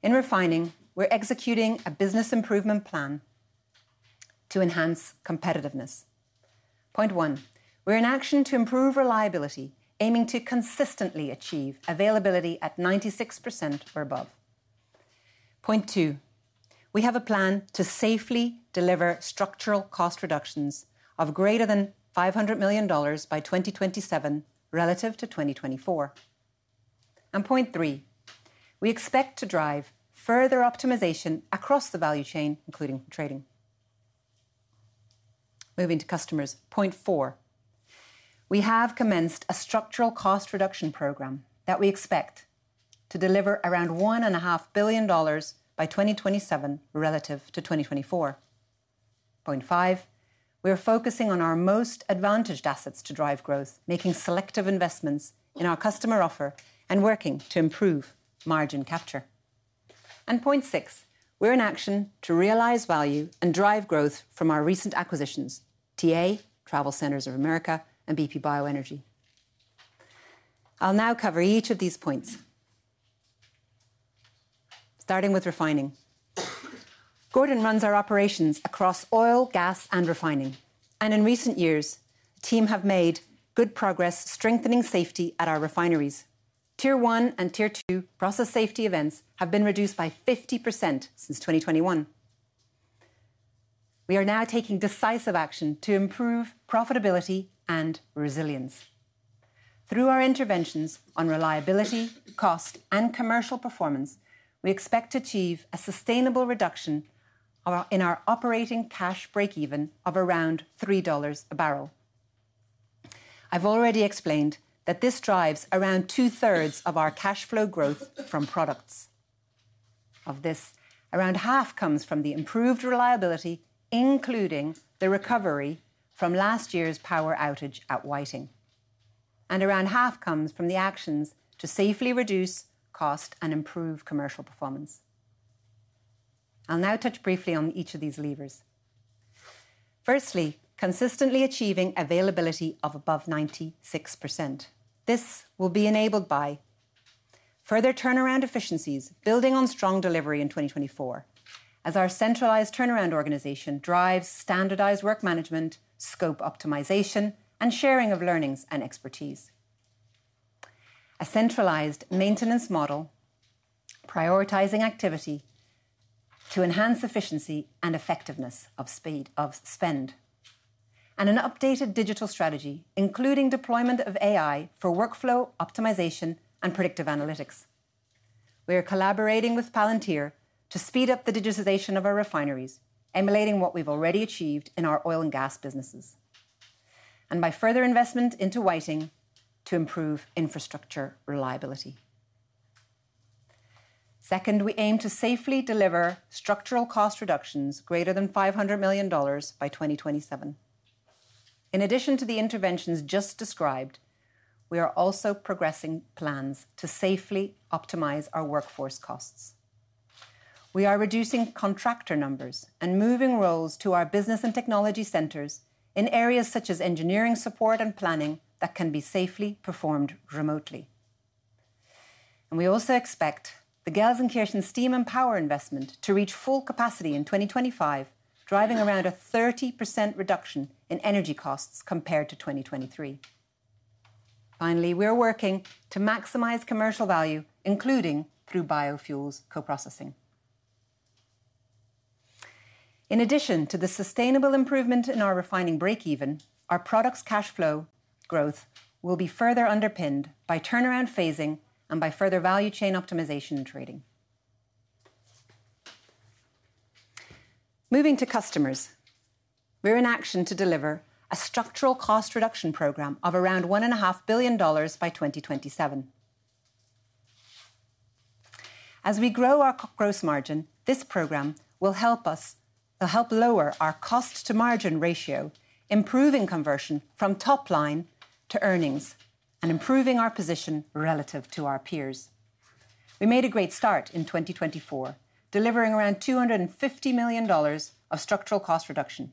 In refining, we're executing a business improvement plan to enhance competitiveness. Point one, we're in action to improve reliability, aiming to consistently achieve availability at 96% or above. Point two, we have a plan to safely deliver structural cost reductions of greater than $500 million by 2027 relative to 2024. And point three, we expect to drive further optimization across the value chain, including trading. Moving to customers. Point four, we have commenced a structural cost reduction program that we expect to deliver around $1.5 billion by 2027 relative to 2024. Point five, we are focusing on our most advantaged assets to drive growth, making selective investments in our customer offer and working to improve margin capture. And point six, we're in action to realize value and drive growth from our recent acquisitions: TA, TravelCenters of America, and BP Bioenergy. I'll now cover each of these points. Starting with refining. Gordon runs our operations across oil, gas, and refining. In recent years, the team have made good progress strengthening safety at our refineries. Tier 1 and Tier 2 process safety events have been reduced by 50% since 2021. We are now taking decisive action to improve profitability and resilience. Through our interventions on reliability, cost, and commercial performance, we expect to achieve a sustainable reduction in our operating cash breakeven of around $3 a barrel. I've already explained that this drives around two-thirds of our cash flow growth from products. Of this, around half comes from the improved reliability, including the recovery from last year's power outage at Whiting. And around half comes from the actions to safely reduce cost and improve commercial performance. I'll now touch briefly on each of these levers. Firstly, consistently achieving availability of above 96%. This will be enabled by further turnaround efficiencies building on strong delivery in 2024, as our centralized turnaround organization drives standardized work management, scope optimization, and sharing of learnings and expertise. A centralized maintenance model prioritizing activity to enhance efficiency and effectiveness of spend. And an updated digital strategy, including deployment of AI for workflow optimization and predictive analytics. We are collaborating with Palantir to speed up the digitization of our refineries, emulating what we've already achieved in our oil and gas businesses. And by further investment into Whiting to improve infrastructure reliability. Second, we aim to safely deliver structural cost reductions greater than $500 million by 2027. In addition to the interventions just described, we are also progressing plans to safely optimize our workforce costs. We are reducing contractor numbers and moving roles to our business and technology centers in areas such as engineering support and planning that can be safely performed remotely, and we also expect the Gelsenkirchen steam and power investment to reach full capacity in 2025, driving around a 30% reduction in energy costs compared to 2023. Finally, we are working to maximize commercial value, including through biofuels co-processing. In addition to the sustainable improvement in our refining breakeven, our products' cash flow growth will be further underpinned by turnaround phasing and by further value chain optimization and trading. Moving to customers. We're in action to deliver a structural cost reduction program of around $1.5 billion by 2027. As we grow our gross margin, this program will help us to help lower our cost-to-margin ratio, improving conversion from top line to earnings and improving our position relative to our peers. We made a great start in 2024, delivering around $250 million of structural cost reduction.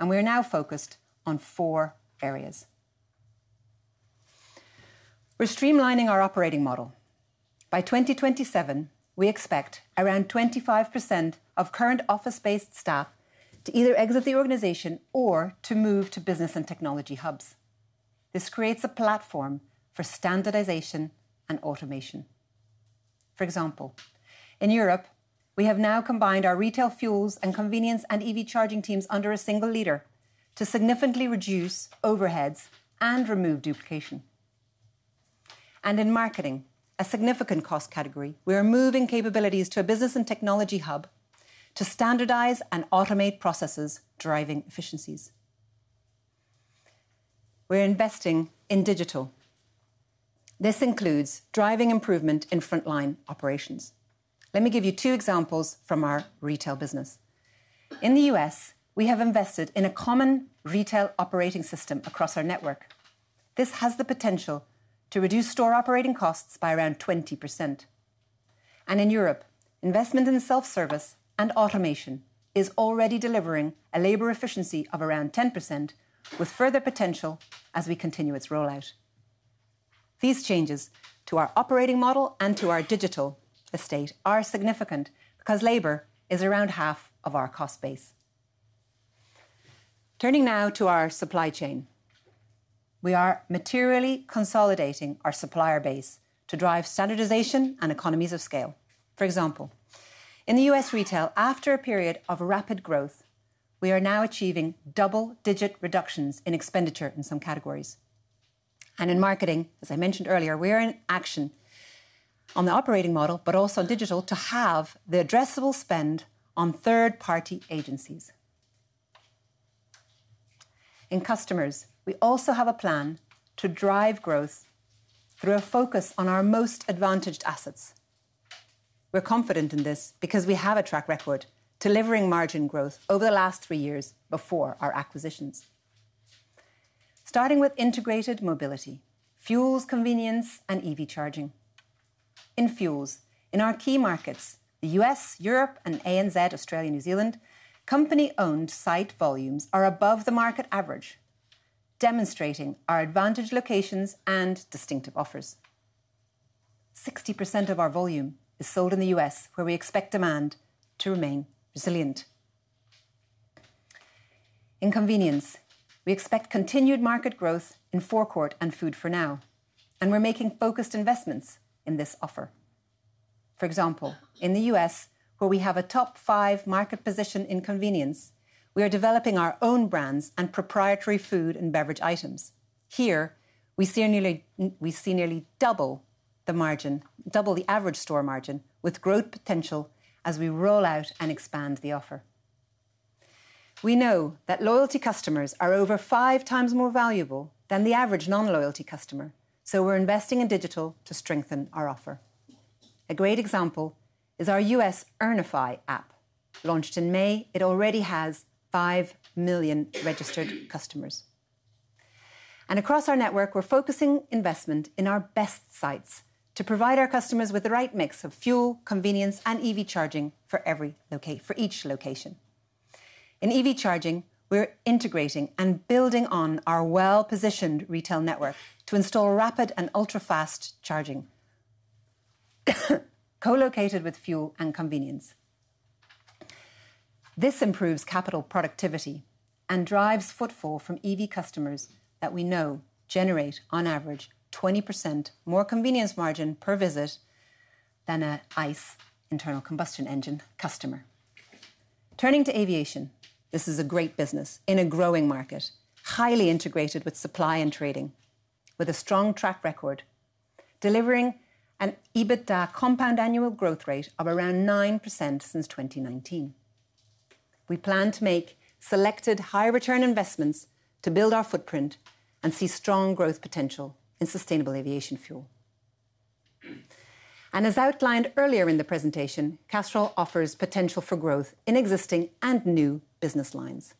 And we are now focused on four areas. We're streamlining our operating model. By 2027, we expect around 25% of current office-based staff to either exit the organization or to move to business and technology hubs. This creates a platform for standardization and automation. For example, in Europe, we have now combined our retail fuels and convenience and EV charging teams under a single leader to significantly reduce overheads and remove duplication. And in marketing, a significant cost category, we are moving capabilities to a business and technology hub to standardize and automate processes, driving efficiencies. We're investing in digital. This includes driving improvement in frontline operations. Let me give you two examples from our retail business. In the U.S., we have invested in a common retail operating system across our network. This has the potential to reduce store operating costs by around 20%. And in Europe, investment in self-service and automation is already delivering a labor efficiency of around 10%, with further potential as we continue its rollout. These changes to our operating model and to our digital estate are significant because labor is around half of our cost base. Turning now to our supply chain. We are materially consolidating our supplier base to drive standardization and economies of scale. For example, in the U.S. retail, after a period of rapid growth, we are now achieving double-digit reductions in expenditure in some categories. And in marketing, as I mentioned earlier, we are in action on the operating model, but also on digital to have the addressable spend on third-party agencies. In customers, we also have a plan to drive growth through a focus on our most advantaged assets. We're confident in this because we have a track record delivering margin growth over the last three years before our acquisitions. Starting with integrated mobility, fuels, convenience, and EV charging. In fuels, in our key markets, the U.S., Europe, and ANZ, Australia, New Zealand, company-owned site volumes are above the market average, demonstrating our advantaged locations and distinctive offers. 60% of our volume is sold in the U.S., where we expect demand to remain resilient. In convenience, we expect continued market growth in forecourt and food for now, and we're making focused investments in this offer. For example, in the U.S., where we have a top five market position in convenience, we are developing our own brands and proprietary food and beverage items. Here, we see nearly double the margin, double the average store margin, with growth potential as we roll out and expand the offer. We know that loyalty customers are over five times more valuable than the average non-loyalty customer, so we're investing in digital to strengthen our offer. A great example is our U.S. Earnify app. Launched in May, it already has five million registered customers, and across our network, we're focusing investment in our best sites to provide our customers with the right mix of fuel, convenience, and EV charging for each location. In EV charging, we're integrating and building on our well-positioned retail network to install rapid and ultra-fast charging, co-located with fuel and convenience. This improves capital productivity and drives footfall from EV customers that we know generate, on average, 20% more convenience margin per visit than an ICE internal combustion engine customer. Turning to aviation, this is a great business in a growing market, highly integrated with supply and trading, with a strong track record, delivering an EBITDA compound annual growth rate of around nine% since 2019. We plan to make selected high-return investments to build our footprint and see strong growth potential in sustainable aviation fuel. And as outlined earlier in the presentation, Castrol offers potential for growth in existing and new business lines.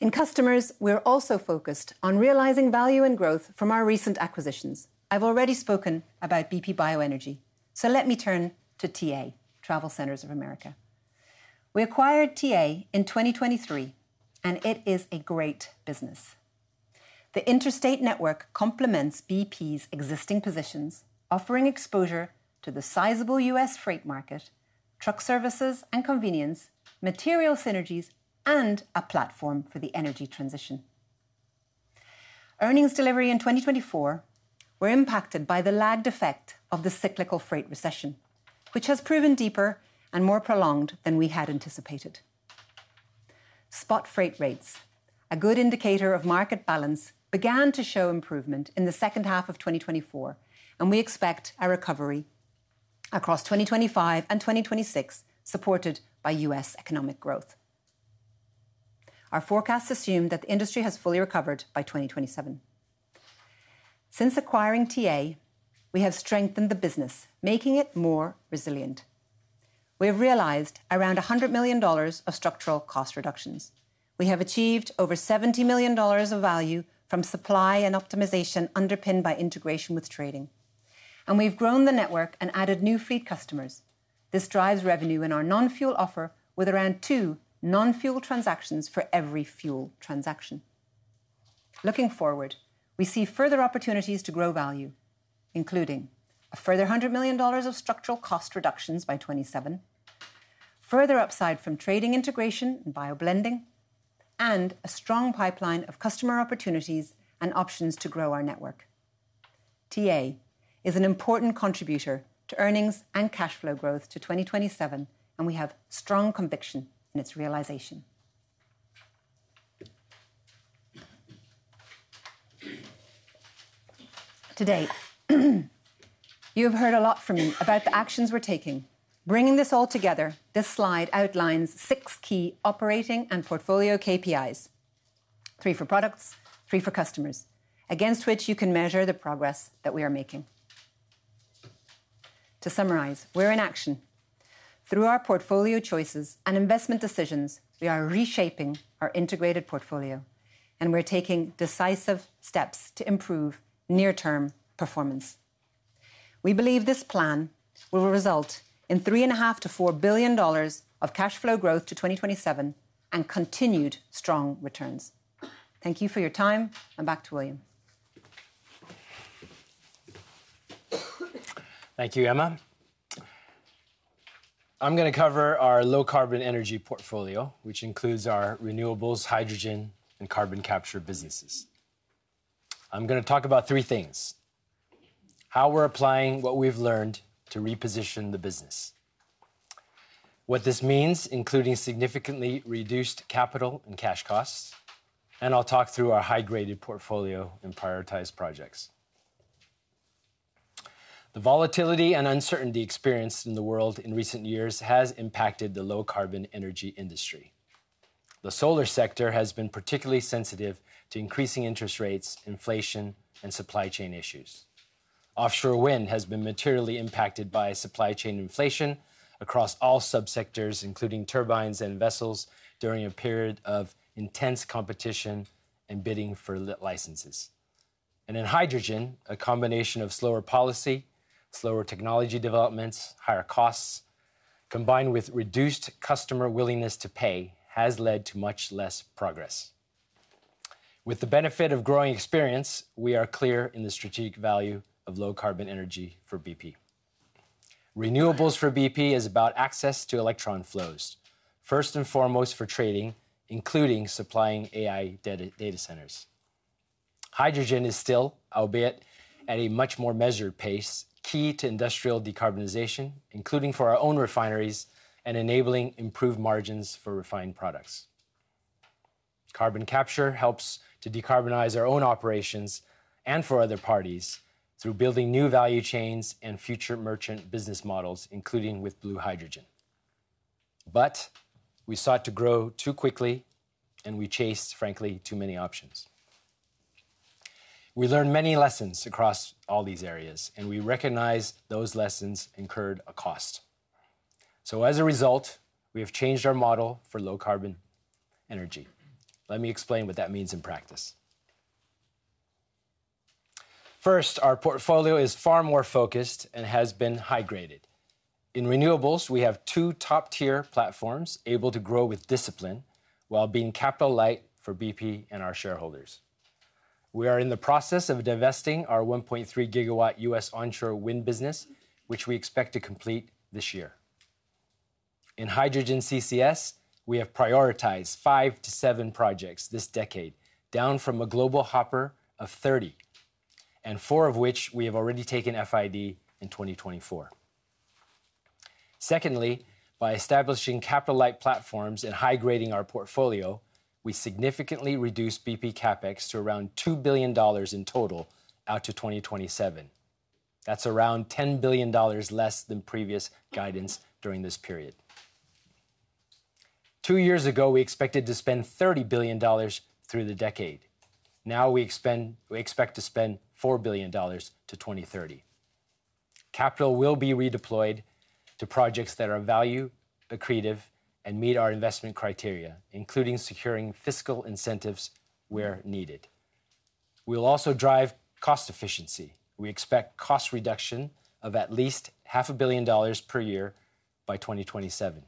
In customers, we're also focused on realizing value and growth from our recent acquisitions. I've already spoken about BP Bioenergy, so let me turn to TA, TravelCenters of America. We acquired TA in 2023, and it is a great business. The interstate network complements BP's existing positions, offering exposure to the sizable U.S. freight market, truck services and convenience, material synergies, and a platform for the energy transition. Earnings delivery in 2024, we're impacted by the lagged effect of the cyclical freight recession, which has proven deeper and more prolonged than we had anticipated. Spot freight rates, a good indicator of market balance, began to show improvement in the second half of 2024, and we expect a recovery across 2025 and 2026, supported by U.S. economic growth. Our forecasts assume that the industry has fully recovered by 2027. Since acquiring TA, we have strengthened the business, making it more resilient. We have realized around $100 million of structural cost reductions. We have achieved over $70 million of value from supply and optimization underpinned by integration with trading. And we've grown the network and added new fleet customers. This drives revenue in our non-fuel offer with around two non-fuel transactions for every fuel transaction. Looking forward, we see further opportunities to grow value, including a further $100 million of structural cost reductions by 2027, further upside from trading integration and bio-blending, and a strong pipeline of customer opportunities and options to grow our network. TA is an important contributor to earnings and cash flow growth to 2027, and we have strong conviction in its realization. Today, you have heard a lot from me about the actions we're taking. Bringing this all together, this slide outlines six key operating and portfolio KPIs: three for products, three for customers, against which you can measure the progress that we are making. To summarize, we're in action. Through our portfolio choices and investment decisions, we are reshaping our integrated portfolio, and we're taking decisive steps to improve near-term performance. We believe this plan will result in $3.5-$4 billion of cash flow growth to 2027 and continued strong returns. Thank you for your time. I'm back to William. Thank you, Emma. I'm going to cover our low-carbon energy portfolio, which includes our renewables, hydrogen, and carbon capture businesses. I'm going to talk about three things: how we're applying what we've learned to reposition the business, what this means, including significantly reduced capital and cash costs, and I'll talk through our high-graded portfolio and prioritized projects. The volatility and uncertainty experienced in the world in recent years has impacted the low-carbon energy industry. The solar sector has been particularly sensitive to increasing interest rates, inflation, and supply chain issues. Offshore wind has been materially impacted by supply chain inflation across all subsectors, including turbines and vessels, during a period of intense competition and bidding for licenses. In hydrogen, a combination of slower policy, slower technology developments, and higher costs, combined with reduced customer willingness to pay, has led to much less progress. With the benefit of growing experience, we are clear in the strategic value of low-carbon energy for BP. Renewables for BP is about access to electron flows, first and foremost for trading, including supplying AI data centers. Hydrogen is still, albeit at a much more measured pace, key to industrial decarbonization, including for our own refineries and enabling improved margins for refined products. Carbon capture helps to decarbonize our own operations and for other parties through building new value chains and future merchant business models, including with blue hydrogen. But we sought to grow too quickly, and we chased, frankly, too many options. We learned many lessons across all these areas, and we recognize those lessons incurred a cost. So, as a result, we have changed our model for low-carbon energy. Let me explain what that means in practice. First, our portfolio is far more focused and has been high-graded. In renewables, we have two top-tier platforms able to grow with discipline while being capital light for BP and our shareholders. We are in the process of divesting our 1.3-GW U.S. onshore wind business, which we expect to complete this year. In hydrogen CCS, we have prioritized five to seven projects this decade, down from a global hopper of 30, and four of which we have already taken FID in 2024. Secondly, by establishing capital-light platforms and high-grading our portfolio, we significantly reduced BP CapEx to around $2 billion in total out to 2027. That's around $10 billion less than previous guidance during this period. Two years ago, we expected to spend $30 billion through the decade. Now we expect to spend $4 billion to 2030. Capital will be redeployed to projects that are value-accretive, and meet our investment criteria, including securing fiscal incentives where needed. We'll also drive cost efficiency. We expect cost reduction of at least $500 million per year by 2027.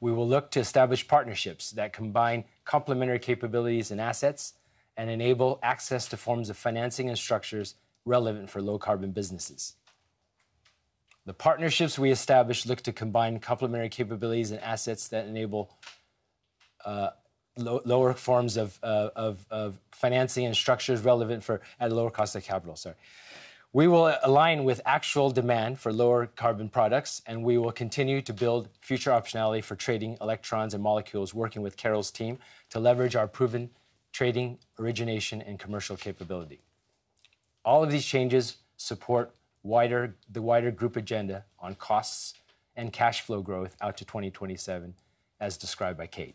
We will look to establish partnerships that combine complementary capabilities and assets and enable access to forms of financing and structures relevant for low-carbon businesses. The partnerships we establish look to combine complementary capabilities and assets that enable lower forms of financing and structures relevant for at a lower cost of capital. Sorry. We will align with actual demand for lower carbon products, and we will continue to build future optionality for trading electrons and molecules, working with Carol's team to leverage our proven trading origination and commercial capability. All of these changes support the wider group agenda on costs and cash flow growth out to 2027, as described by Kate.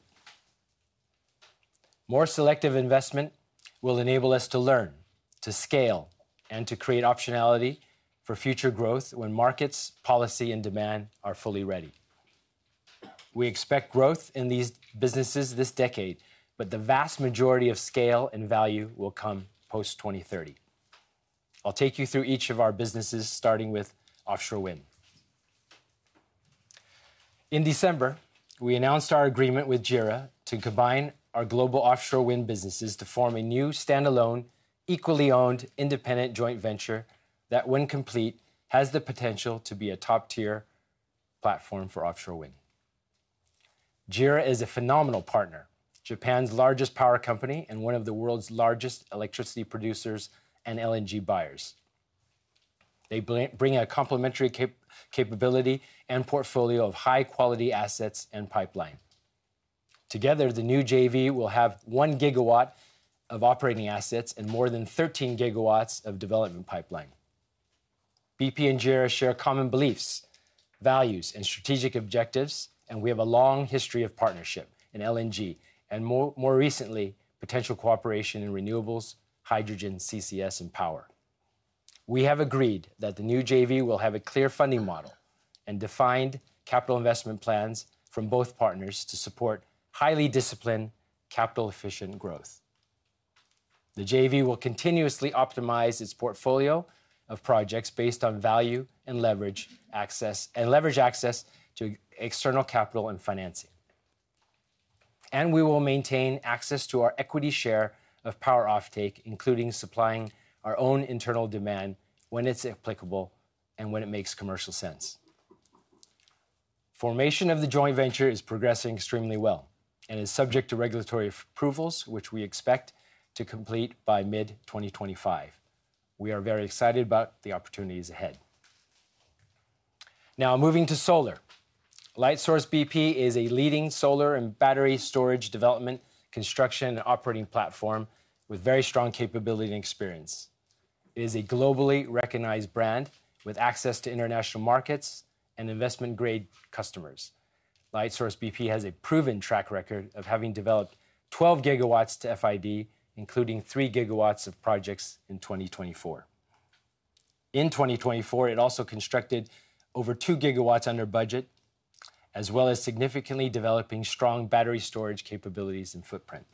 More selective investment will enable us to learn, to scale, and to create optionality for future growth when markets, policy, and demand are fully ready. We expect growth in these businesses this decade, but the vast majority of scale and value will come post-2030. I'll take you through each of our businesses, starting with offshore wind. In December, we announced our agreement with JERA to combine our global offshore wind businesses to form a new standalone, equally owned, independent joint venture that, when complete, has the potential to be a top-tier platform for offshore wind. JERA is a phenomenal partner, Japan's largest power company and one of the world's largest electricity producers and LNG buyers. They bring a complementary capability and portfolio of high-quality assets and pipeline. Together, the new JV will have 1 GW of operating assets and more than 13 GW of development pipeline. BP and JERA share common beliefs, values, and strategic objectives, and we have a long history of partnership in LNG and, more recently, potential cooperation in renewables, hydrogen, CCS, and power. We have agreed that the new JV will have a clear funding model and defined capital investment plans from both partners to support highly disciplined, capital-efficient growth. The JV will continuously optimize its portfolio of projects based on value and leverage access to external capital and financing, and we will maintain access to our equity share of power offtake, including supplying our own internal demand when it's applicable and when it makes commercial sense. Formation of the joint venture is progressing extremely well and is subject to regulatory approvals, which we expect to complete by mid-2025. We are very excited about the opportunities ahead. Now, moving to solar. Lightsource bp is a leading solar and battery storage development, construction, and operating platform with very strong capability and experience. It is a globally recognized brand with access to international markets and investment-grade customers. Lightsource bp has a proven track record of having developed 12 GW to FID, including 3 GW of projects in 2024. In 2024, it also constructed over 2 GW under budget, as well as significantly developing strong battery storage capabilities and footprint.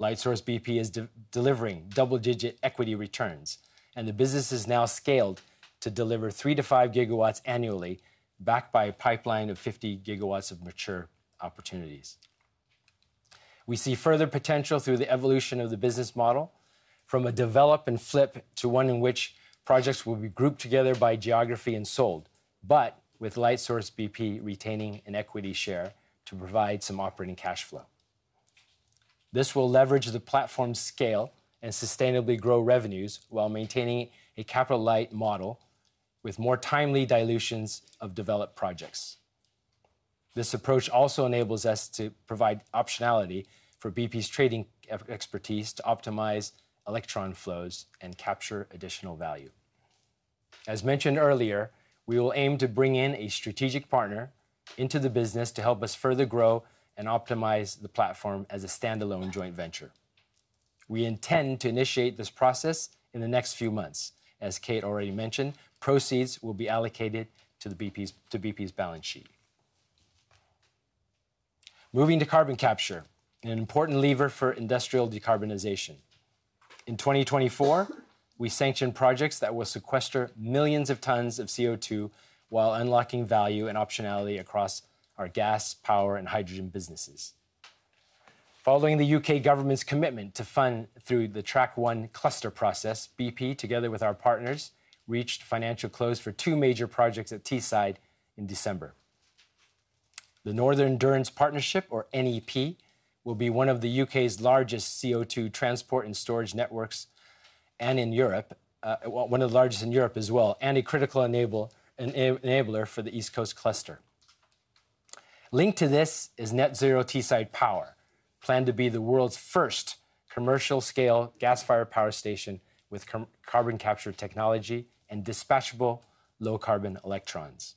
Lightsource bp is delivering double-digit equity returns, and the business is now scaled to deliver 3-5 GW annually, backed by a pipeline of 50 GW of mature opportunities. We see further potential through the evolution of the business model, from a develop and flip to one in which projects will be grouped together by geography and sold, but with Lightsource bp retaining an equity share to provide some operating cash flow. This will leverage the platform's scale and sustainably grow revenues while maintaining a capital-light model with more timely dilutions of developed projects. This approach also enables us to provide optionality for BP's trading expertise to optimize electron flows and capture additional value. As mentioned earlier, we will aim to bring in a strategic partner into the business to help us further grow and optimize the platform as a standalone joint venture. We intend to initiate this process in the next few months. As Kate already mentioned, proceeds will be allocated to BP's balance sheet. Moving to carbon capture, an important lever for industrial decarbonization. In 2024, we sanctioned projects that will sequester millions of tons of CO2 while unlocking value and optionality across our gas, power, and hydrogen businesses. Following the U.K. government's commitment to fund through the Track-1 cluster process, BP, together with our partners, reached financial close for two major projects at Teesside in December. The Northern Endurance Partnership, or NEP, will be one of the U.K.'s largest CO2 transport and storage networks and in Europe, one of the largest in Europe as well, and a critical enabler for the East Coast Cluster. Linked to this is Net Zero Teesside Power, planned to be the world's first commercial-scale gas-fired power station with carbon capture technology and dispatchable low-carbon electrons.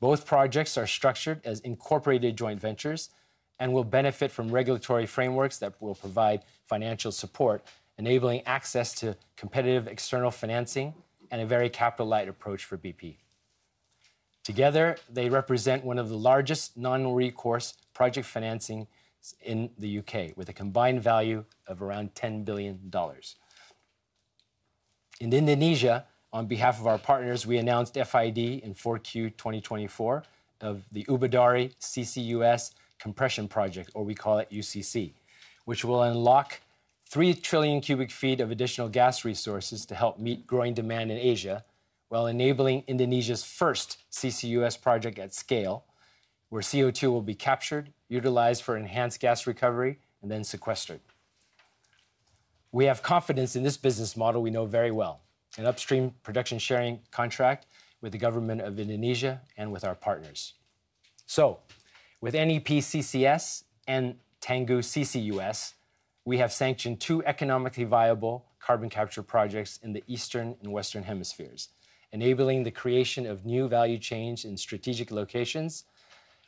Both projects are structured as incorporated joint ventures and will benefit from regulatory frameworks that will provide financial support, enabling access to competitive external financing and a very capital-light approach for BP. Together, they represent one of the largest non-recourse project financing in the U.K., with a combined value of around $10 billion. In Indonesia, on behalf of our partners, we announced FID in Q4 2024 of the Ubadari CCUS compression project, or we call it UCC, which will unlock three trillion cubic feet of additional gas resources to help meet growing demand in Asia while enabling Indonesia's first CCUS project at scale, where CO2 will be captured, utilized for enhanced gas recovery, and then sequestered. We have confidence in this business model we know very well, an upstream production sharing contract with the government of Indonesia and with our partners. With NEP CCS and Tangguh CCUS, we have sanctioned two economically viable carbon capture projects in the Eastern and Western Hemispheres, enabling the creation of new value chains in strategic locations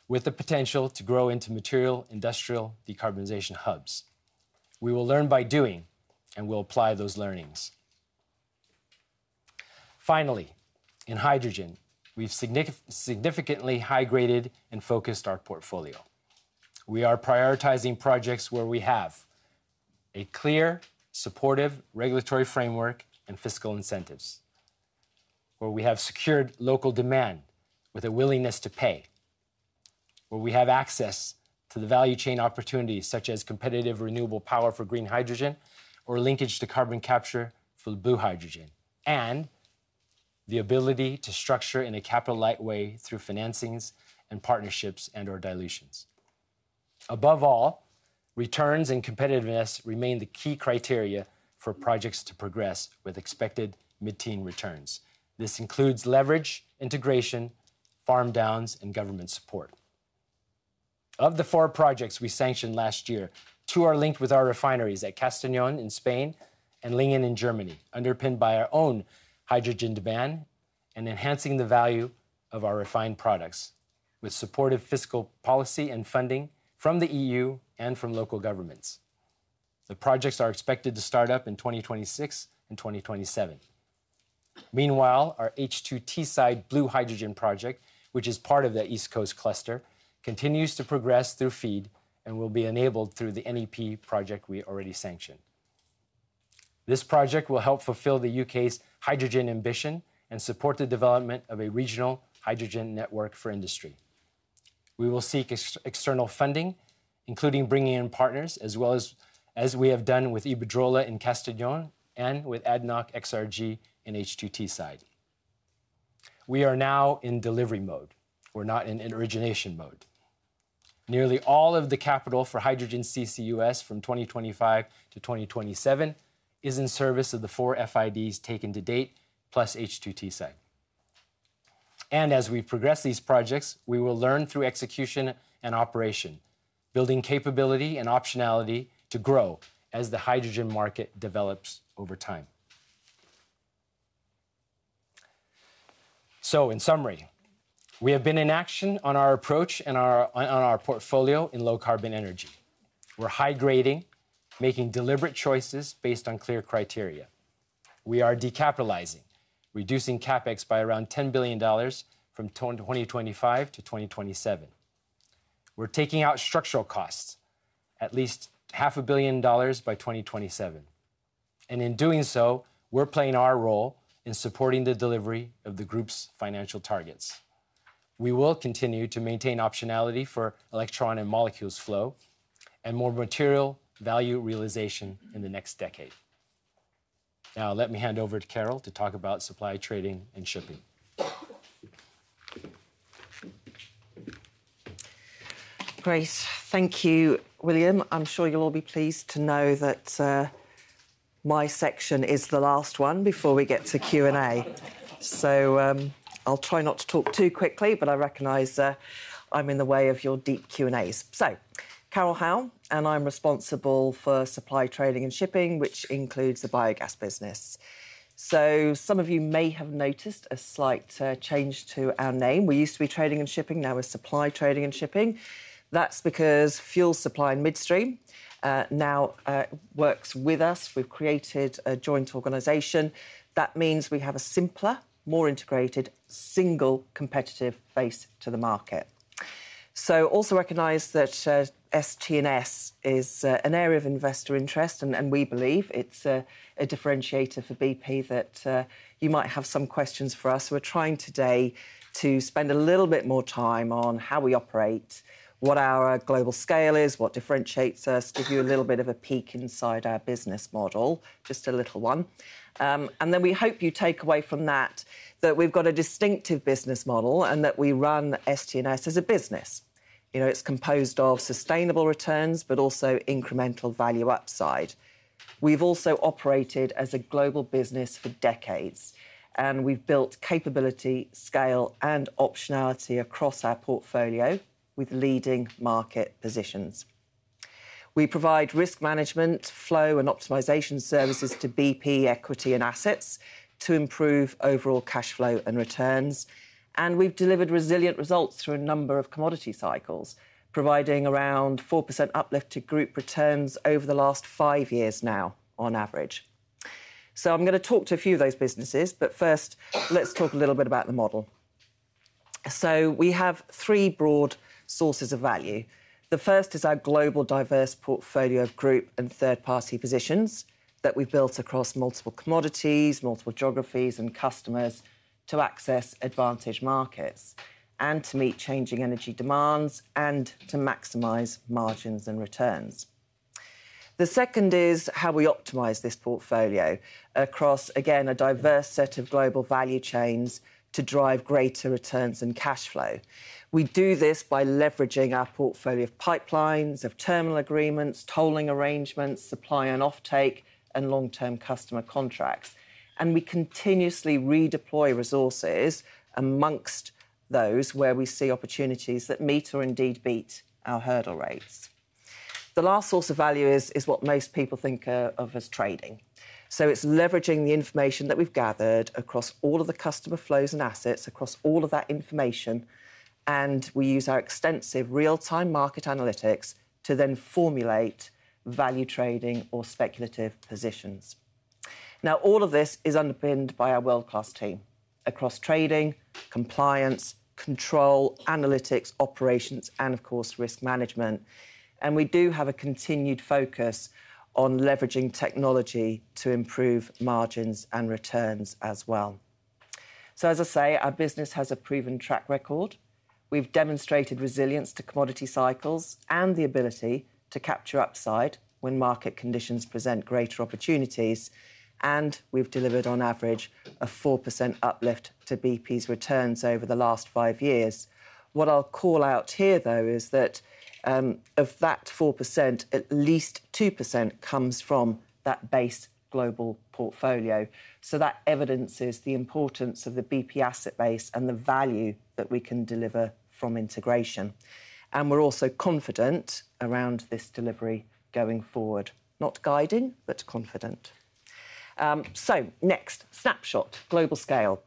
with the potential to grow into material industrial decarbonization hubs. We will learn by doing and will apply those learnings. Finally, in hydrogen, we've significantly high-graded and focused our portfolio. We are prioritizing projects where we have a clear, supportive regulatory framework and fiscal incentives, where we have secured local demand with a willingness to pay, where we have access to the value chain opportunities, such as competitive renewable power for green hydrogen or linkage to carbon capture for blue hydrogen, and the ability to structure in a capital-light way through financings and partnerships and/or dilutions. Above all, returns and competitiveness remain the key criteria for projects to progress with expected mid-teen returns. This includes leverage, integration, farm downs, and government support. Of the four projects we sanctioned last year, two are linked with our refineries at Castellón in Spain and Lingen in Germany, underpinned by our own hydrogen demand and enhancing the value of our refined products with supportive fiscal policy and funding from the EU and from local governments. The projects are expected to start up in 2026 and 2027. Meanwhile, our H2Teesside blue hydrogen project, which is part of the East Coast Cluster, continues to progress through FEED and will be enabled through the NEP project we already sanctioned. This project will help fulfill the U.K.'s hydrogen ambition and support the development of a regional hydrogen network for industry. We will seek external funding, including bringing in partners, as well as we have done with Iberdrola in Castellón and with ADNOC in H2Teesside. We are now in delivery mode. We're not in origination mode. Nearly all of the capital for hydrogen CCUS from 2025 to 2027 is in service of the four FIDs taken to date, plus H2Teesside. And as we progress these projects, we will learn through execution and operation, building capability and optionality to grow as the hydrogen market develops over time. So, in summary, we have been in action on our approach and on our portfolio in low carbon energy. We're high-grading, making deliberate choices based on clear criteria. We are decapitalizing, reducing CapEx by around $10 billion from 2025 to 2027. We're taking out structural costs, at least $500 million by 2027. And in doing so, we're playing our role in supporting the delivery of the group's financial targets. We will continue to maintain optionality for electron and molecules flow and more material value realization in the next decade. Now, let me hand over to Carol to talk about Supply, Trading and Shipping. Great. Thank you, William. I'm sure you'll all be pleased to know that my section is the last one before we get to Q&A. So I'll try not to talk too quickly, but I recognize I'm in the way of your deep Q&As. So, Carol Howle, and I'm Supply, Trading and Shipping, which includes the biogas business. So some of you may have noticed a slight change to our name. We used to be Trading and Shipping, Supply, Trading and Shipping. that's because Fuel Supply and Midstream now works with us. We've created a joint organization. That means we have a simpler, more integrated, single competitive base to the market. So also recognize that ST&S is an area of investor interest, and we believe it's a differentiator for BP that you might have some questions for us. We're trying today to spend a little bit more time on how we operate, what our global scale is, what differentiates us, give you a little bit of a peek inside our business model, just a little one. And then we hope you take away from that that we've got a distinctive business model and that we run ST&S as a business. You know, it's composed of sustainable returns, but also incremental value upside. We've also operated as a global business for decades, and we've built capability, scale, and optionality across our portfolio with leading market positions. We provide risk management, flow, and optimization services to BP, equity, and assets to improve overall cash flow and returns. We've delivered resilient results through a number of commodity cycles, providing around 4% uplift to group returns over the last five years now, on average. I'm going to talk to a few of those businesses, but first, let's talk a little bit about the model. We have three broad sources of value. The first is our global diverse portfolio of group and third-party positions that we've built across multiple commodities, multiple geographies, and customers to access advantage markets and to meet changing energy demands and to maximize margins and returns. The second is how we optimize this portfolio across, again, a diverse set of global value chains to drive greater returns and cash flow. We do this by leveraging our portfolio of pipelines, of terminal agreements, tolling arrangements, supply and offtake, and long-term customer contracts. We continuously redeploy resources among those where we see opportunities that meet or indeed beat our hurdle rates. The last source of value is what most people think of as trading. It's leveraging the information that we've gathered across all of the customer flows and assets, across all of that information. We use our extensive real-time market analytics to then formulate value trading or speculative positions. Now, all of this is underpinned by our world-class team across trading, compliance, control, analytics, operations, and, of course, risk management. We do have a continued focus on leveraging technology to improve margins and returns as well. As I say, our business has a proven track record. We've demonstrated resilience to commodity cycles and the ability to capture upside when market conditions present greater opportunities. We've delivered, on average, a 4% uplift to BP's returns over the last five years. What I'll call out here, though, is that of that 4%, at least 2% comes from that base global portfolio. That evidences the importance of the BP asset base and the value that we can deliver from integration. We're also confident around this delivery going forward, not guiding, but confident. Next, snapshot, global scale.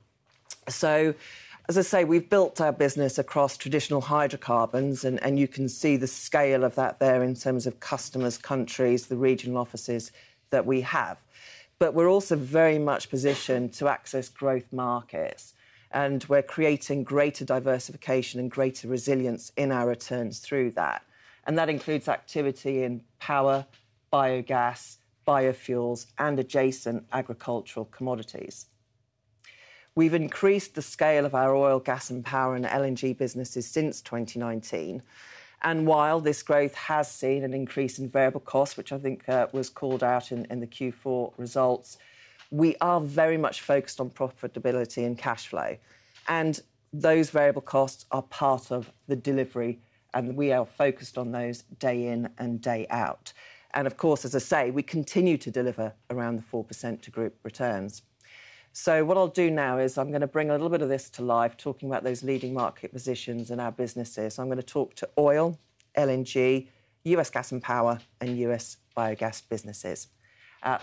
As I say, we've built our business across traditional hydrocarbons, and you can see the scale of that there in terms of customers, countries, the regional offices that we have. We're also very much positioned to access growth markets, and we're creating greater diversification and greater resilience in our returns through that. That includes activity in power, biogas, biofuels, and adjacent agricultural commodities. We've increased the scale of our oil, gas, and power and LNG businesses since 2019, and while this growth has seen an increase in variable costs, which I think was called out in the Q4 results, we are very much focused on profitability and cash flow, and those variable costs are part of the delivery, and we are focused on those day in and day out, and, of course, as I say, we continue to deliver around the 4% to group returns, so what I'll do now is I'm going to bring a little bit of this to life, talking about those leading market positions and our businesses. I'm going to talk to oil, LNG, U.S. gas and power, and U.S. biogas businesses,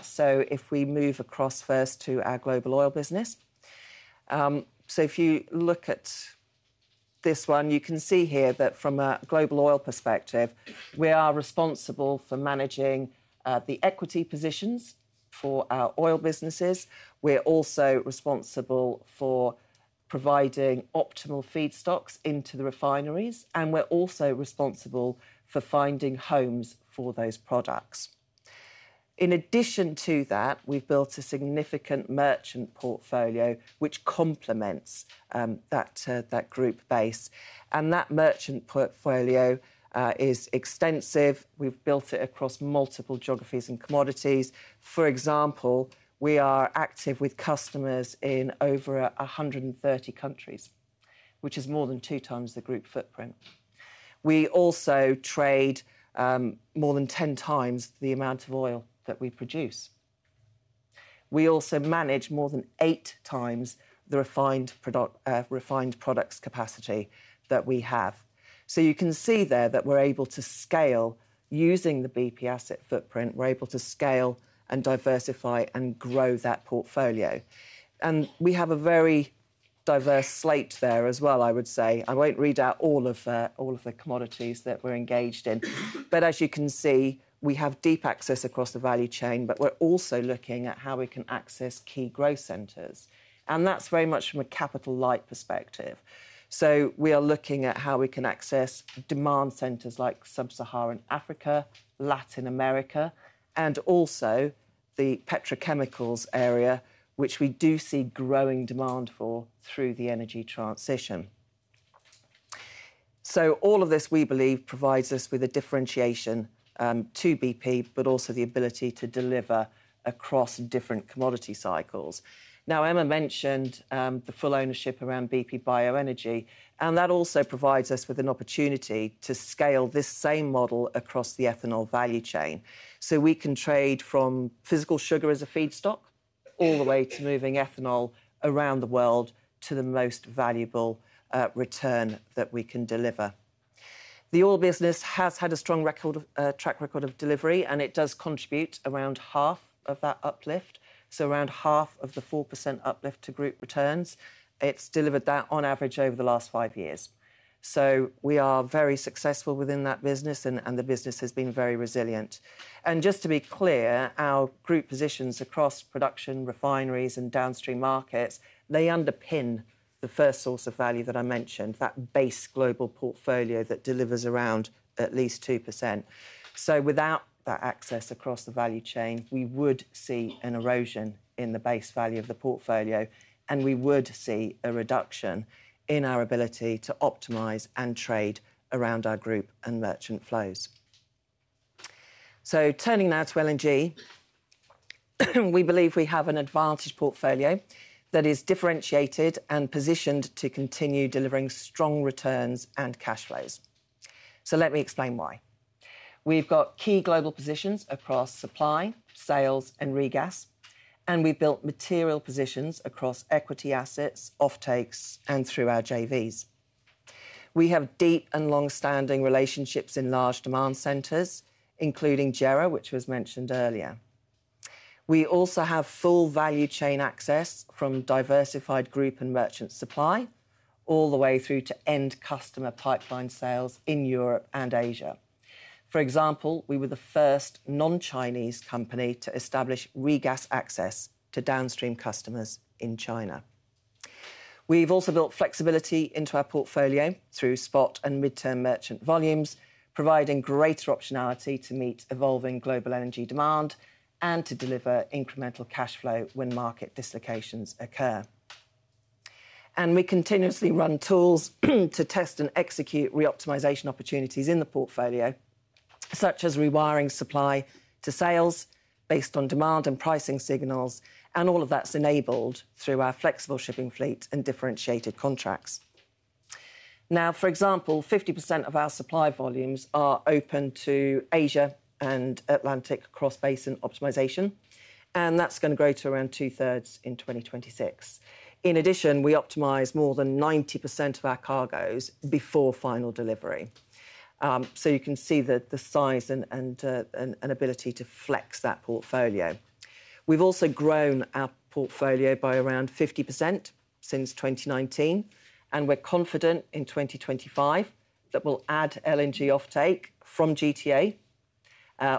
so if we move across first to our global oil business. If you look at this one, you can see here that from a global oil perspective, we are responsible for managing the equity positions for our oil businesses. We're also responsible for providing optimal feedstocks into the refineries, and we're also responsible for finding homes for those products. In addition to that, we've built a significant merchant portfolio, which complements that group base. That merchant portfolio is extensive. We've built it across multiple geographies and commodities. For example, we are active with customers in over 130 countries, which is more than two times the group footprint. We also trade more than 10 times the amount of oil that we produce. We also manage more than eight times the refined products capacity that we have. You can see there that we're able to scale using the BP asset footprint. We're able to scale and diversify and grow that portfolio, and we have a very diverse slate there as well, I would say. I won't read out all of the commodities that we're engaged in, but as you can see, we have deep access across the value chain, but we're also looking at how we can access key growth centers, and that's very much from a capital-light perspective, so we are looking at how we can access demand centers like Sub-Saharan Africa, Latin America, and also the petrochemicals area, which we do see growing demand for through the energy transition, so all of this, we believe, provides us with a differentiation to BP, but also the ability to deliver across different commodity cycles. Now, Emma mentioned the full ownership around BP Bioenergy, and that also provides us with an opportunity to scale this same model across the ethanol value chain. So we can trade from physical sugar as a feedstock all the way to moving ethanol around the world to the most valuable return that we can deliver. The oil business has had a strong track record of delivery, and it does contribute around half of that uplift, so around half of the 4% uplift to group returns. It's delivered that on average over the last five years. So we are very successful within that business, and the business has been very resilient. And just to be clear, our group positions across production, refineries, and downstream markets, they underpin the first source of value that I mentioned, that base global portfolio that delivers around at least 2%. So without that access across the value chain, we would see an erosion in the base value of the portfolio, and we would see a reduction in our ability to optimize and trade around our group and merchant flows. So turning now to LNG, we believe we have an advantage portfolio that is differentiated and positioned to continue delivering strong returns and cash flows. So let me explain why. We've got key global positions across supply, sales, and regas, and we've built material positions across equity assets, offtakes, and through our JVs. We have deep and long-standing relationships in large demand centers, including JERA, which was mentioned earlier. We also have full value chain access from diversified group and merchant supply all the way through to end customer pipeline sales in Europe and Asia. For example, we were the first non-Chinese company to establish regas access to downstream customers in China. We've also built flexibility into our portfolio through spot and mid-term merchant volumes, providing greater optionality to meet evolving global energy demand and to deliver incremental cash flow when market dislocations occur. And we continuously run tools to test and execute reoptimization opportunities in the portfolio, such as rewiring supply to sales based on demand and pricing signals, and all of that's enabled through our flexible shipping fleet and differentiated contracts. Now, for example, 50% of our supply volumes are open to Asia and Atlantic cross-basin optimization, and that's going to grow to around two-thirds in 2026. In addition, we optimize more than 90% of our cargoes before final delivery. So you can see the size and ability to flex that portfolio. We've also grown our portfolio by around 50% since 2019, and we're confident in 2025 that we'll add LNG offtake from GTA,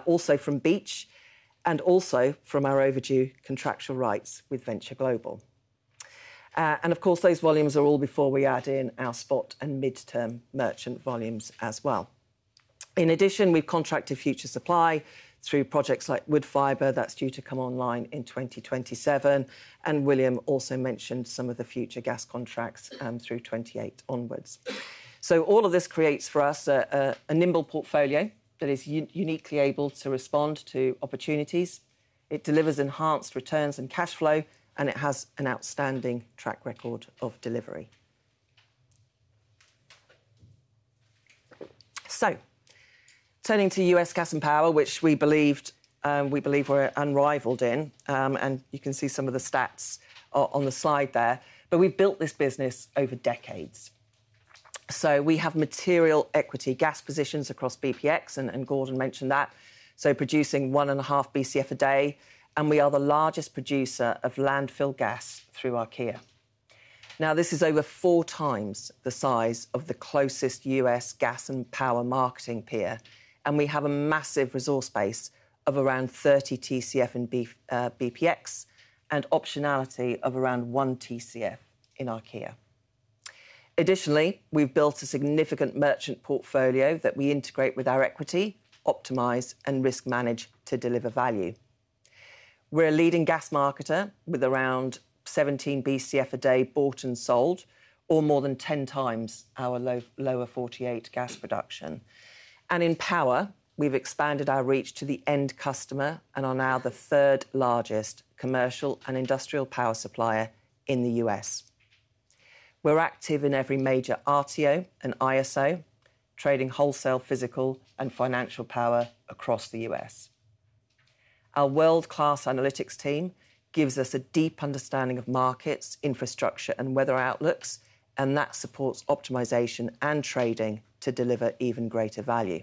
also from Beach, and also from our overdue contractual rights with Venture Global. And of course, those volumes are all before we add in our spot and mid-term merchant volumes as well. In addition, we've contracted future supply through projects like Woodfibre that's due to come online in 2027, and William also mentioned some of the future gas contracts through 2028 onwards. So all of this creates for us a nimble portfolio that is uniquely able to respond to opportunities. It delivers enhanced returns and cash flow, and it has an outstanding track record of delivery. Turning to U.S. gas and power, which we believed we believe we're unrivaled in, and you can see some of the stats on the slide there, but we've built this business over decades. We have material equity gas positions across BPX, and Gordon mentioned that, so producing one and a half BCF a day, and we are the largest producer of landfill gas through Archaea. Now, this is over four times the size of the closest U.S. gas and power marketing peer, and we have a massive resource base of around 30 TCF in BPX and optionality of around one TCF in Archaea. Additionally, we've built a significant merchant portfolio that we integrate with our equity, optimize, and risk manage to deliver value. We're a leading gas marketer with around 17 BCF a day bought and sold, or more than 10 times our Lower 48 gas production. And in power, we've expanded our reach to the end customer and are now the third largest commercial and industrial power supplier in the U.S. We're active in every major RTO and ISO, trading wholesale, physical, and financial power across the U.S. Our world-class analytics team gives us a deep understanding of markets, infrastructure, and weather outlooks, and that supports optimization and trading to deliver even greater value.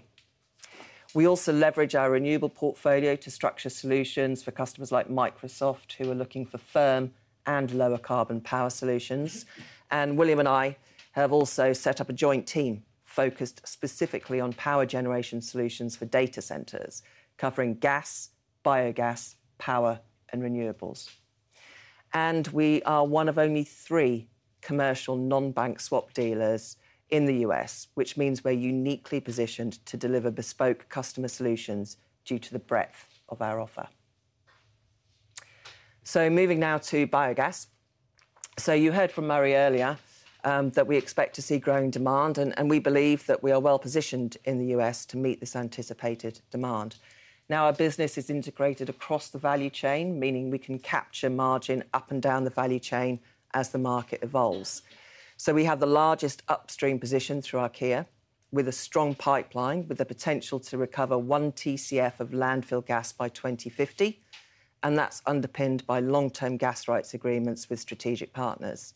We also leverage our renewable portfolio to structure solutions for customers like Microsoft who are looking for firm and lower carbon power solutions. And William and I have also set up a joint team focused specifically on power generation solutions for data centers, covering gas, biogas, power, and renewables. And we are one of only three commercial non-bank swap dealers in the U.S., which means we're uniquely positioned to deliver bespoke customer solutions due to the breadth of our offer. Moving now to biogas. You heard from Murray earlier that we expect to see growing demand, and we believe that we are well positioned in the U.S. to meet this anticipated demand. Now, our business is integrated across the value chain, meaning we can capture margin up and down the value chain as the market evolves. We have the largest upstream position through Archaea with a strong pipeline with the potential to recover one TCF of landfill gas by 2050, and that's underpinned by long-term gas rights agreements with strategic partners.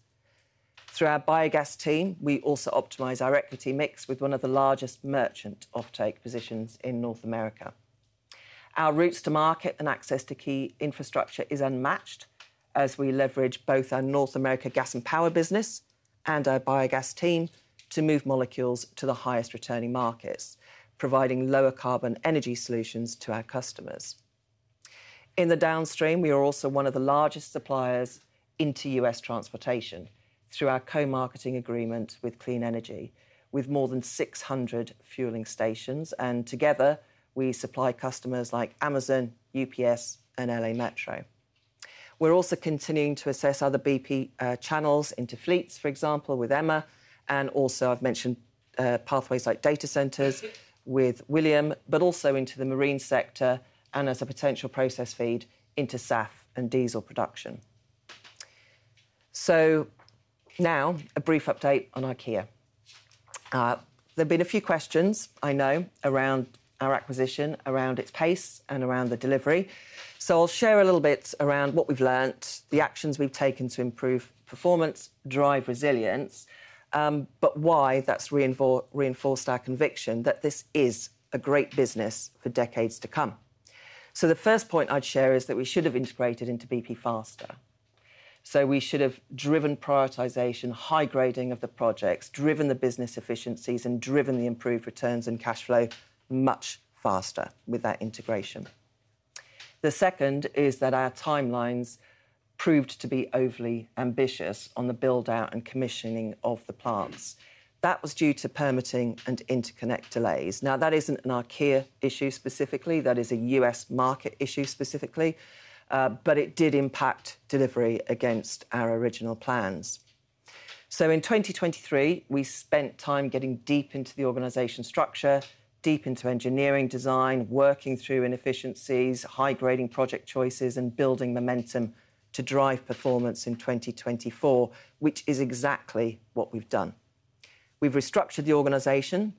Through our biogas team, we also optimize our equity mix with one of the largest merchant offtake positions in North America. Our routes to market and access to key infrastructure is unmatched as we leverage both our North America gas and power business and our biogas team to move molecules to the highest returning markets, providing lower carbon energy solutions to our customers. In the downstream, we are also one of the largest suppliers into U.S. transportation through our co-marketing agreement with Clean Energy, with more than 600 fueling stations, and together we supply customers like Amazon, UPS, and L.A. Metro. We're also continuing to assess other BP channels into fleets, for example, with Emma, and also I've mentioned pathways like data centers with William, but also into the marine sector and as a potential process feed into SAF and diesel production, so now a brief update on Archaea. There have been a few questions, I know, around our acquisition, around its pace, and around the delivery. So I'll share a little bit around what we've learned, the actions we've taken to improve performance, drive resilience, but why that's reinforced our conviction that this is a great business for decades to come. So the first point I'd share is that we should have integrated into BP faster. So we should have driven prioritization, high grading of the projects, driven the business efficiencies, and driven the improved returns and cash flow much faster with that integration. The second is that our timelines proved to be overly ambitious on the buildout and commissioning of the plants. That was due to permitting and interconnect delays. Now, that isn't an Archaea issue specifically. That is a U.S. market issue specifically, but it did impact delivery against our original plans. In 2023, we spent time getting deep into the organization structure, deep into engineering design, working through inefficiencies, high grading project choices, and building momentum to drive performance in 2024, which is exactly what we've done. We've restructured the organization,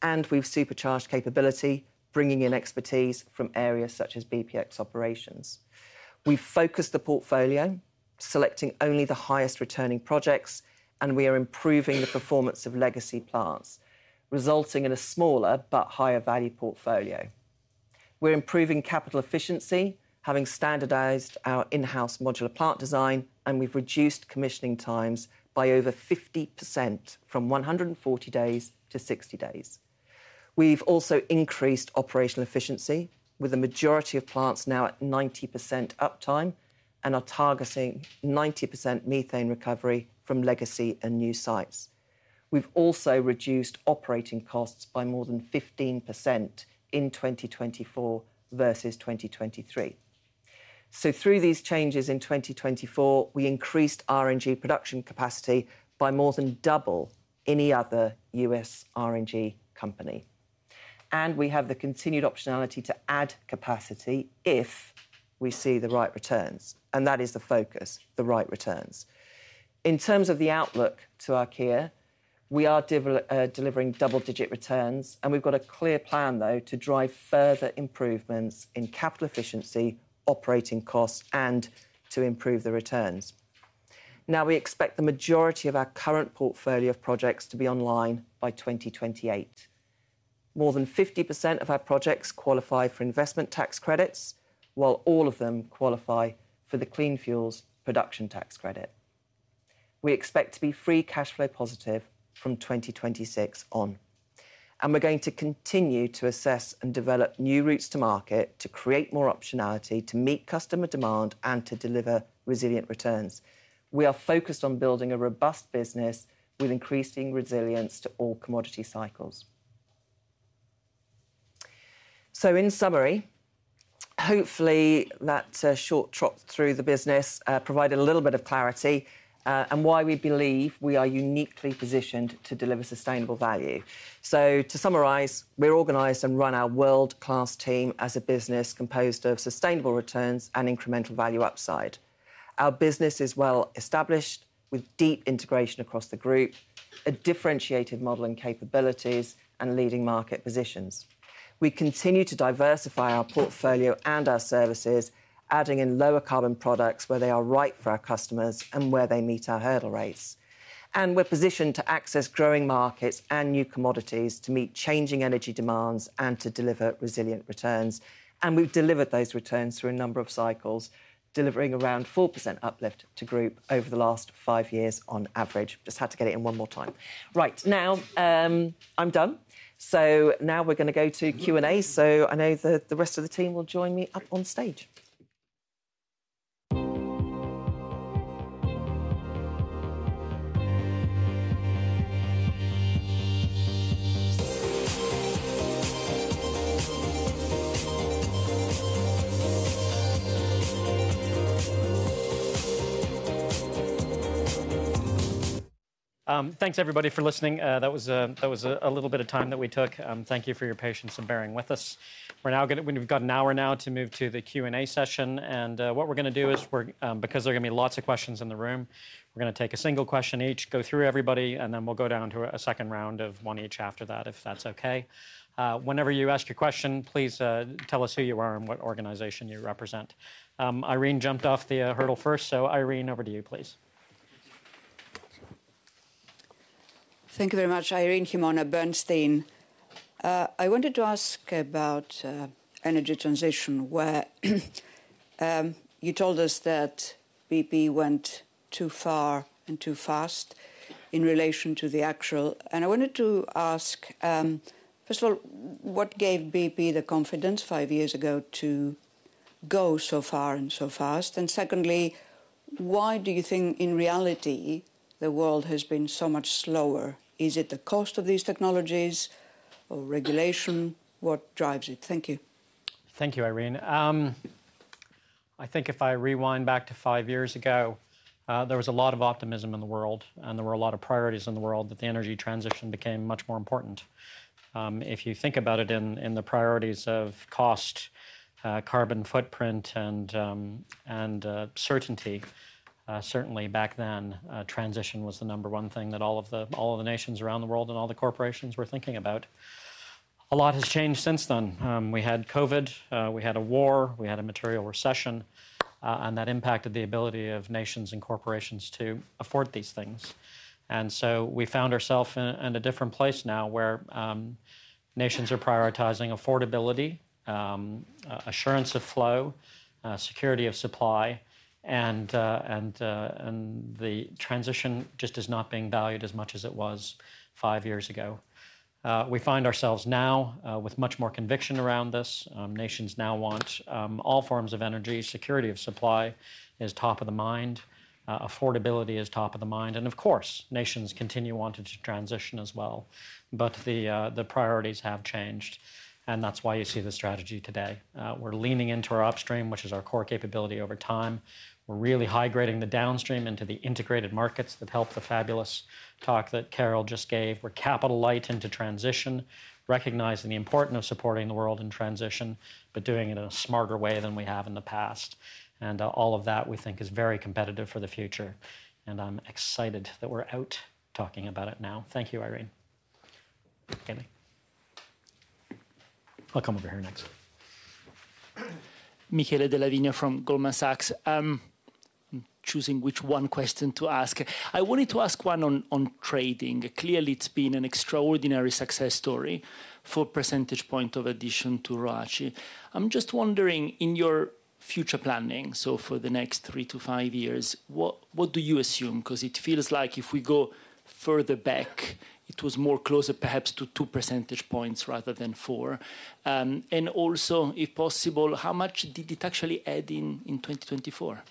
and we've supercharged capability, bringing in expertise from areas such as BPX operations. We've focused the portfolio, selecting only the highest returning projects, and we are improving the performance of legacy plants, resulting in a smaller but higher value portfolio. We're improving capital efficiency, having standardized our in-house modular plant design, and we've reduced commissioning times by over 50% from 140 days to 60 days. We've also increased operational efficiency with the majority of plants now at 90% uptime, and are targeting 90% methane recovery from legacy and new sites. We've also reduced operating costs by more than 15% in 2024 versus 2023. Through these changes in 2024, we increased RNG production capacity by more than double any other U.S. RNG company. We have the continued optionality to add capacity if we see the right returns, and that is the focus, the right returns. In terms of the outlook to Archaea, we are delivering double-digit returns, and we've got a clear plan, though, to drive further improvements in capital efficiency, operating costs, and to improve the returns. Now, we expect the majority of our current portfolio of projects to be online by 2028. More than 50% of our projects qualify for investment tax credits, while all of them qualify for the Clean Fuels production tax credit. We expect to be free cash flow positive from 2026 on. And we're going to continue to assess and develop new routes to market to create more optionality to meet customer demand and to deliver resilient returns. We are focused on building a robust business with increasing resilience to all commodity cycles. So in summary, hopefully that short trot through the business provided a little bit of clarity and why we believe we are uniquely positioned to deliver sustainable value. So to summarize, we're organized and run our world-class team as a business composed of sustainable returns and incremental value upside. Our business is well established with deep integration across the group, a differentiated model and capabilities, and leading market positions. We continue to diversify our portfolio and our services, adding in lower carbon products where they are right for our customers and where they meet our hurdle rates. And we're positioned to access growing markets and new commodities to meet changing energy demands and to deliver resilient returns. And we've delivered those returns through a number of cycles, delivering around 4% uplift to group over the last five years on average. Just had to get it in one more time. Right, now I'm done. So now we're going to go to Q&A. So I know that the rest of the team will join me up on stage. Thanks, everybody, for listening. That was a little bit of time that we took. Thank you for your patience and bearing with us. We've got an hour now to move to the Q&A session. What we're going to do is, because there are going to be lots of questions in the room, we're going to take a single question each, go through everybody, and then we'll go down to a second round of one each after that, if that's okay. Whenever you ask your question, please tell us who you are and what organization you represent. Irene jumped off the hurdle first, so Irene, over to you, please. Thank you very much, Irene Himona, Bernstein. I wanted to ask about energy transition, where you told us that BP went too far and too fast in relation to the actual. And I wanted to ask, first of all, what gave BP the confidence five years ago to go so far and so fast? And secondly, why do you think in reality the world has been so much slower? Is it the cost of these technologies or regulation? What drives it? Thank you. Thank you, Irene. I think if I rewind back to five years ago, there was a lot of optimism in the world, and there were a lot of priorities in the world that the energy transition became much more important. If you think about it in the priorities of cost, carbon footprint, and certainty, certainly back then, transition was the number one thing that all of the nations around the world and all the corporations were thinking about. A lot has changed since then. We had COVID, we had a war, we had a material recession, and that impacted the ability of nations and corporations to afford these things. And so we found ourselves in a different place now where nations are prioritizing affordability, assurance of flow, security of supply, and the transition just is not being valued as much as it was five years ago. We find ourselves now with much more conviction around this. Nations now want all forms of energy. Security of supply is top of the mind. Affordability is top of the mind. And of course, nations continue wanting to transition as well, but the priorities have changed, and that's why you see the strategy today. We're leaning into our upstream, which is our core capability over time. We're really high grading the downstream into the integrated markets that helped the fabulous talk that Carol just gave. We're capital light into transition, recognizing the importance of supporting the world in transition, but doing it in a smarter way than we have in the past. All of that, we think, is very competitive for the future. I'm excited that we're out talking about it now. Thank you, Irene. I'll come over here next. Michele Della Vigna from Goldman Sachs. I'm choosing which one question to ask. I wanted to ask one on trading. Clearly, it's been an extraordinary success story for percentage point of addition to ROACE. I'm just wondering, in your future planning, so for the next three to five years, what do you assume? Because it feels like if we go further back, it was more closer perhaps to two percentage points rather than four. And also, if possible, how much did it actually add in 2024?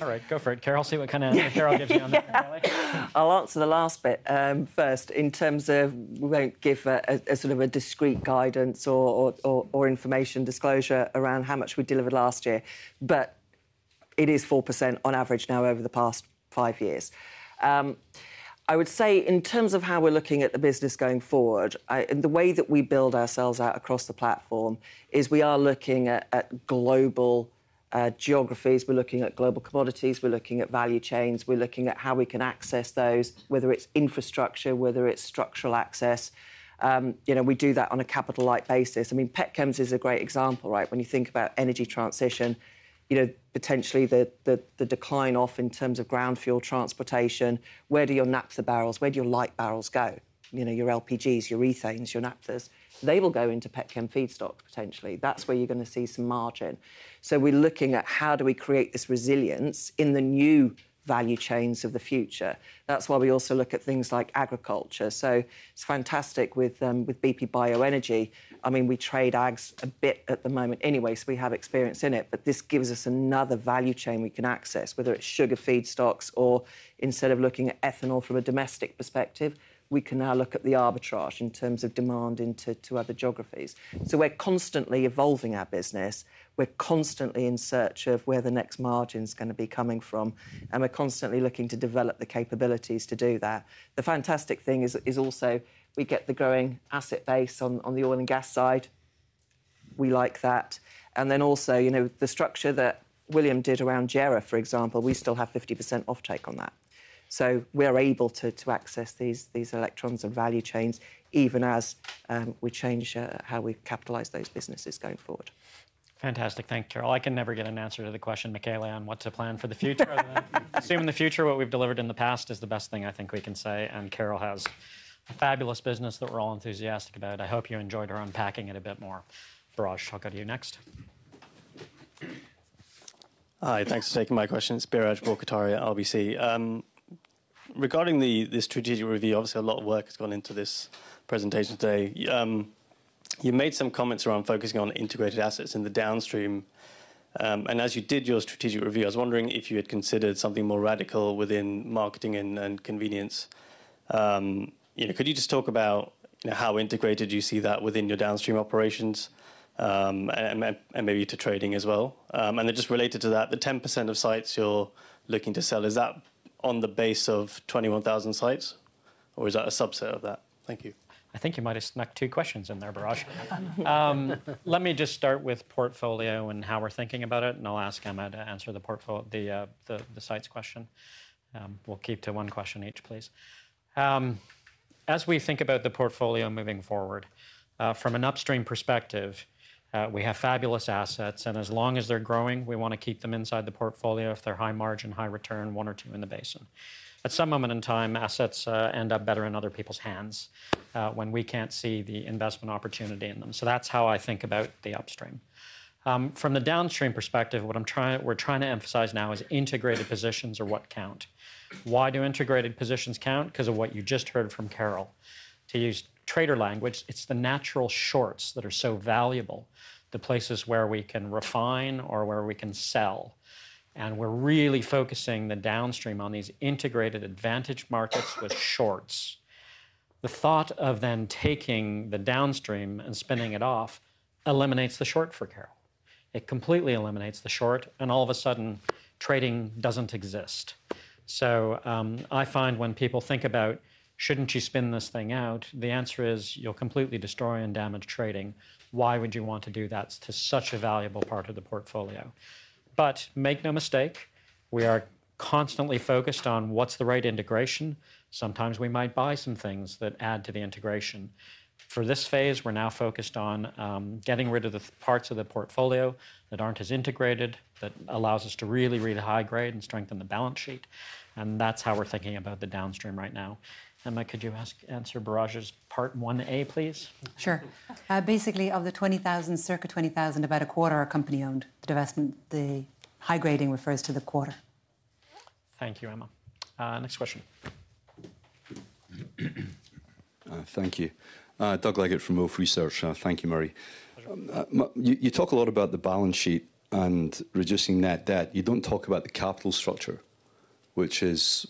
All right, go for it, Carol. See what kind of answer Carol gives you on that. I'll answer the last bit first. In terms of, we won't give a sort of a discrete guidance or information disclosure around how much we delivered last year, but it is 4% on average now over the past five years. I would say in terms of how we're looking at the business going forward, the way that we build ourselves out across the platform is we are looking at global geographies. We're looking at global commodities. We're looking at value chains. We're looking at how we can access those, whether it's infrastructure, whether it's structural access. We do that on a capital light basis. I mean, petchems is a great example, right? When you think about energy transition, potentially the decline off in terms of road fuel transportation, where do your naphtha barrels, where do your light barrels go? Your LPGs, your ethanes, your naphthas, they will go into petchem feedstock potentially. That's where you're going to see some margin. So we're looking at how do we create this resilience in the new value chains of the future. That's why we also look at things like agriculture. So it's fantastic with BP Bioenergy. I mean, we trade ags a bit at the moment anyway, so we have experience in it, but this gives us another value chain we can access, whether it's sugar feedstocks or instead of looking at ethanol from a domestic perspective, we can now look at the arbitrage in terms of demand into other geographies. So we're constantly evolving our business. We're constantly in search of where the next margin is going to be coming from, and we're constantly looking to develop the capabilities to do that. The fantastic thing is also we get the growing asset base on the oil and gas side. We like that. And then also the structure that William did around JERA, for example, we still have 50% offtake on that. So we're able to access these electrons and value chains even as we change how we capitalize those businesses going forward. Fantastic. Thank you, Carol. I can never get an answer to the question, Mikhail, on what to plan for the future. Assuming the future, what we've delivered in the past is the best thing I think we can say. And Carol has a fabulous business that we're all enthusiastic about. I hope you enjoyed her unpacking it a bit more. Biraj, I'll go to you next. Hi, thanks for taking my question. It's Biraj Borkhataria, RBC. Regarding this strategic review, obviously a lot of work has gone into this presentation today. You made some comments around focusing on integrated assets in the downstream. As you did your strategic review, I was wondering if you had considered something more radical within marketing and convenience. Could you just talk about how integrated you see that within your downstream operations and maybe to trading as well? And then just related to that, the 10% of sites you're looking to sell, is that on the base of 21,000 sites or is that a subset of that? Thank you. I think you might have snuck two questions in there, Biraj. Let me just start with portfolio and how we're thinking about it, and I'll ask Emma to answer the sites question. We'll keep to one question each, please. As we think about the portfolio moving forward, from an upstream perspective, we have fabulous assets, and as long as they're growing, we want to keep them inside the portfolio if they're high margin, high return, one or two in the basin. At some moment in time, assets end up better in other people's hands when we can't see the investment opportunity in them. So that's how I think about the upstream. From the downstream perspective, what we're trying to emphasize now is integrated positions are what count. Why do integrated positions count? Because of what you just heard from Carol. To use trader language, it's the natural shorts that are so valuable, the places where we can refine or where we can sell, and we're really focusing the downstream on these integrated advantage markets with shorts. The thought of then taking the downstream and spinning it off eliminates the short for Carol. It completely eliminates the short, and all of a sudden, trading doesn't exist. So I find when people think about, shouldn't you spin this thing out? The answer is you'll completely destroy and damage trading. Why would you want to do that to such a valuable part of the portfolio? But make no mistake, we are constantly focused on what's the right integration. Sometimes we might buy some things that add to the integration. For this phase, we're now focused on getting rid of the parts of the portfolio that aren't as integrated, that allows us to really, really high grade and strengthen the balance sheet. And that's how we're thinking about the downstream right now. Emma, could you answer Biraj's part one A, please? Sure. Basically, of the 20,000, circa 20,000, about a quarter are company-owned. The high grading refers to the quarter. Thank you, Emma. Next question. Thank you. Doug Leggett from Wolfe Research. Thank you, Murray. You talk a lot about the balance sheet and reducing net debt. You don't talk about the capital structure, which is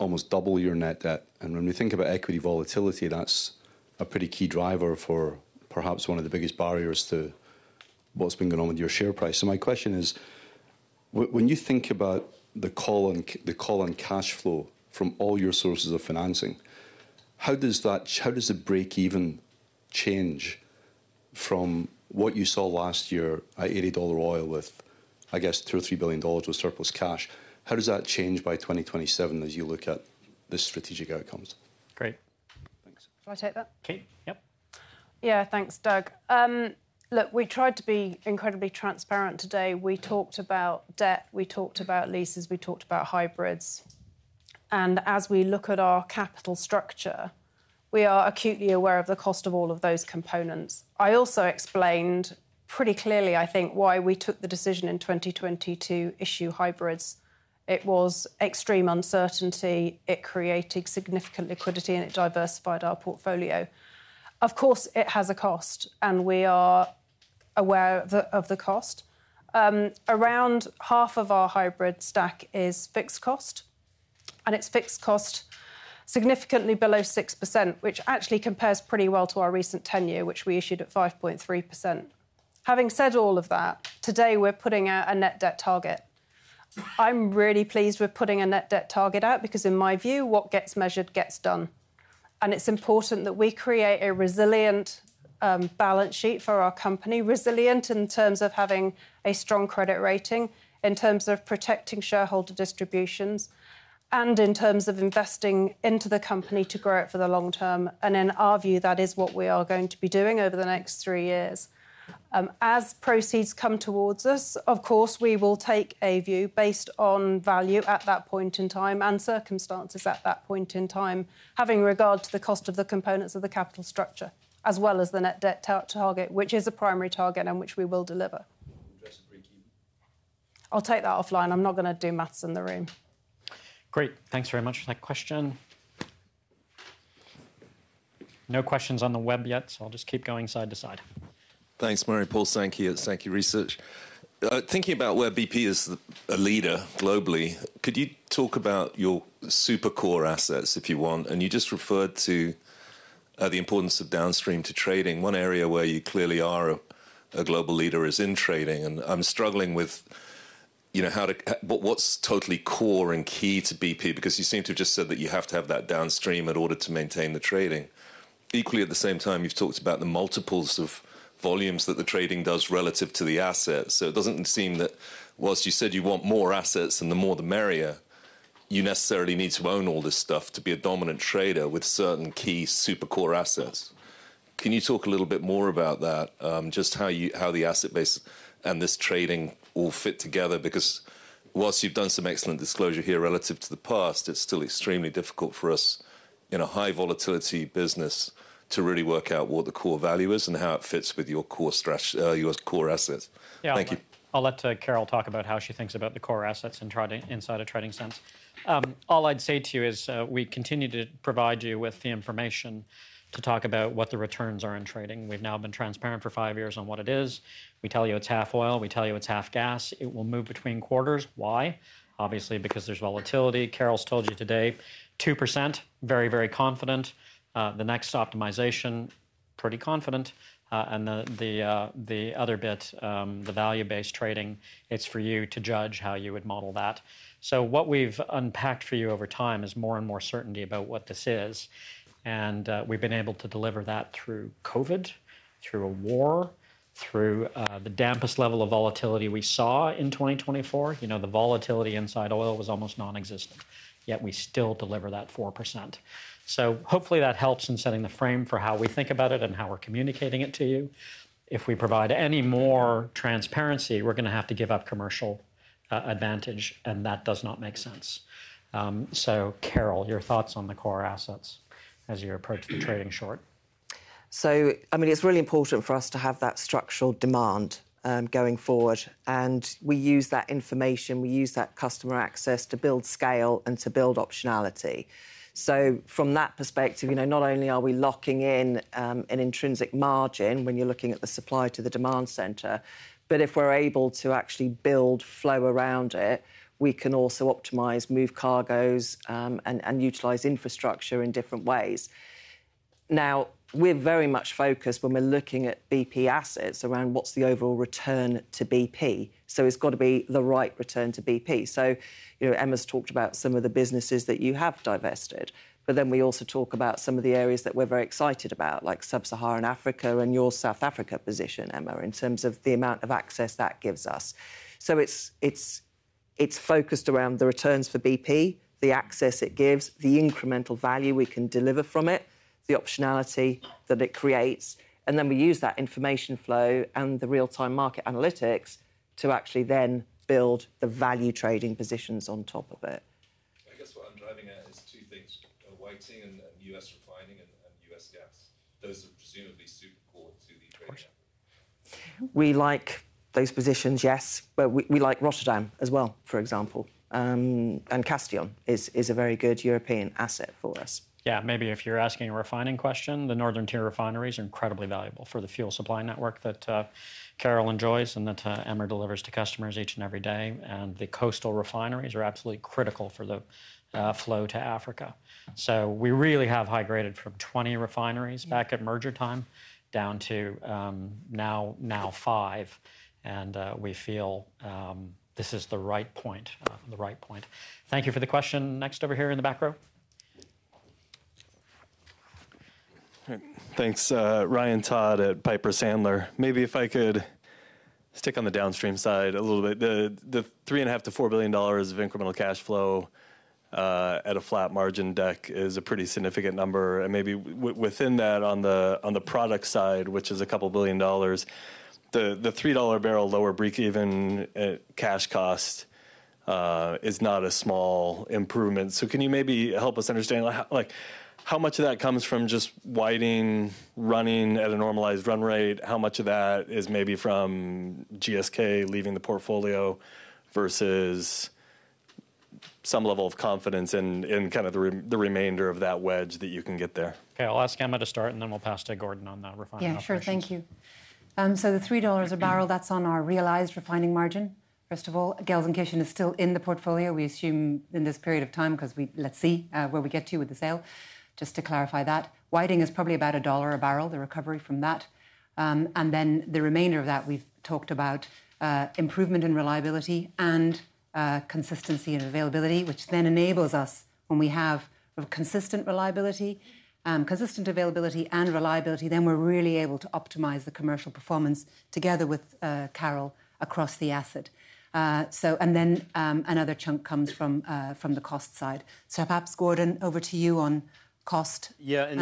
almost double your net debt. And when we think about equity volatility, that's a pretty key driver for perhaps one of the biggest barriers to what's been going on with your share price. So my question is, when you think about the call on cash flow from all your sources of financing, how does it break even change from what you saw last year at $80 oil with, I guess, $2 billion-$3 billion with surplus cash? How does that change by 2027 as you look at the strategic outcomes? Great. Thanks. Shall I take that? Okay. Yep. Yeah, thanks, Doug. Look, we tried to be incredibly transparent today. We talked about debt. We talked about leases. We talked about hybrids. And as we look at our capital structure, we are acutely aware of the cost of all of those components. I also explained pretty clearly, I think, why we took the decision in 2020 to issue hybrids. It was extreme uncertainty. It created significant liquidity, and it diversified our portfolio. Of course, it has a cost, and we are aware of the cost. Around half of our hybrid stack is fixed cost, and it's fixed cost significantly below 6%, which actually compares pretty well to our recent ten-year, which we issued at 5.3%. Having said all of that, today we're putting out a net debt target. I'm really pleased we're putting a net debt target out because, in my view, what gets measured gets done. And it's important that we create a resilient balance sheet for our company, resilient in terms of having a strong credit rating, in terms of protecting shareholder distributions, and in terms of investing into the company to grow it for the long term. And in our view, that is what we are going to be doing over the next three years. As proceeds come towards us, of course, we will take a view based on value at that point in time and circumstances at that point in time, having regard to the cost of the components of the capital structure, as well as the net debt target, which is a primary target and which we will deliver. I'll take that offline. I'm not going to do math in the room. Great. Thanks very much. Next question. No questions on the web yet, so I'll just keep going side to side. Thanks, Murray. Paul Sankey at Sankey Research. Thinking about where BP is a leader globally, could you talk about your super core assets if you want? And you just referred to the importance of downstream to trading. One area where you clearly are a global leader is in trading. And I'm struggling with what's totally core and key to BP because you seem to have just said that you have to have that downstream in order to maintain the trading. Equally, at the same time, you've talked about the multiples of volumes that the trading does relative to the assets. So it doesn't seem that whilst you said you want more assets and the more, the merrier, you necessarily need to own all this stuff to be a dominant trader with certain key super core assets. Can you talk a little bit more about that, just how the asset base and this trading all fit together? Because whilst you've done some excellent disclosure here relative to the past, it's still extremely difficult for us in a high volatility business to really work out what the core value is and how it fits with your core assets. Thank you. I'll let Carol talk about how she thinks about the core assets inside a trading sense. All I'd say to you is we continue to provide you with the information to talk about what the returns are in trading. We've now been transparent for five years on what it is. We tell you it's half oil. We tell you it's half gas. It will move between quarters. Why? Obviously, because there's volatility. Carol's told you today, 2%, very, very confident. The next optimization, pretty confident. And the other bit, the value-based trading, it's for you to judge how you would model that. So what we've unpacked for you over time is more and more certainty about what this is. And we've been able to deliver that through COVID, through a war, through the dampest level of volatility we saw in 2024. The volatility inside oil was almost nonexistent, yet we still deliver that 4%. So hopefully that helps in setting the frame for how we think about it and how we're communicating it to you. If we provide any more transparency, we're going to have to give up commercial advantage, and that does not make sense. So, Carol, your thoughts on the core assets as you approach the trading short? So, I mean, it's really important for us to have that structural demand going forward. And we use that information. We use that customer access to build scale and to build optionality. So from that perspective, not only are we locking in an intrinsic margin when you're looking at the supply to the demand center, but if we're able to actually build flow around it, we can also optimize, move cargoes, and utilize infrastructure in different ways. Now, we're very much focused when we're looking at BP assets around what's the overall return to BP. So it's got to be the right return to BP. So Emma's talked about some of the businesses that you have divested, but then we also talk about some of the areas that we're very excited about, like Sub-Saharan Africa and your South Africa position, Emma, in terms of the amount of access that gives us. So it's focused around the returns for BP, the access it gives, the incremental value we can deliver from it, the optionality that it creates. And then we use that information flow and the real-time market analytics to actually then build the value trading positions on top of it. I guess what I'm driving at is two things: trading and U.S. refining and U.S. gas. Those are presumably super core to the trading asset. We like those positions, yes, but we like Rotterdam as well, for example. And Castellón is a very good European asset for us. Yeah, maybe if you're asking a refining question, the Northern Tier refineries are incredibly valuable for the fuel supply network that Carol enjoys and that Emma delivers to customers each and every day. And the coastal refineries are absolutely critical for the flow to Africa. So we really have high graded from 20 refineries back at merger time down to now five. And we feel this is the right point, the right point. Thank you for the question. Next over here in the back row. Thanks. Ryan Todd at Piper Sandler. Maybe if I could stick on the downstream side a little bit. The $3.5-$4 billion of incremental cash flow at a flat margin deck is a pretty significant number. And maybe within that, on the product side, which is a couple billion dollars, the $3 barrel lower break-even cash cost is not a small improvement. So can you maybe help us understand how much of that comes from just Whiting, running at a normalized run rate? How much of that is maybe from Gelsenkirchen leaving the portfolio versus some level of confidence in kind of the remainder of that wedge that you can get there? Okay, I'll ask Emma to start, and then we'll pass to Gordon on the refining options. Yeah, sure. Thank you. So the $3 a barrel, that's on our realized refining margin. First of all, Gelsenkirchen is still in the portfolio, we assume in this period of time because we'll see where we get to with the sale. Just to clarify that, Whiting is probably about a dollar a barrel, the recovery from that. And then the remainder of that, we've talked about improvement in reliability and consistency and availability, which then enables us. When we have consistent reliability, consistent availability and reliability, then we're really able to optimize the commercial performance together with Carol across the asset. And then another chunk comes from the cost side. So perhaps, Gordon, over to you on cost and reliability.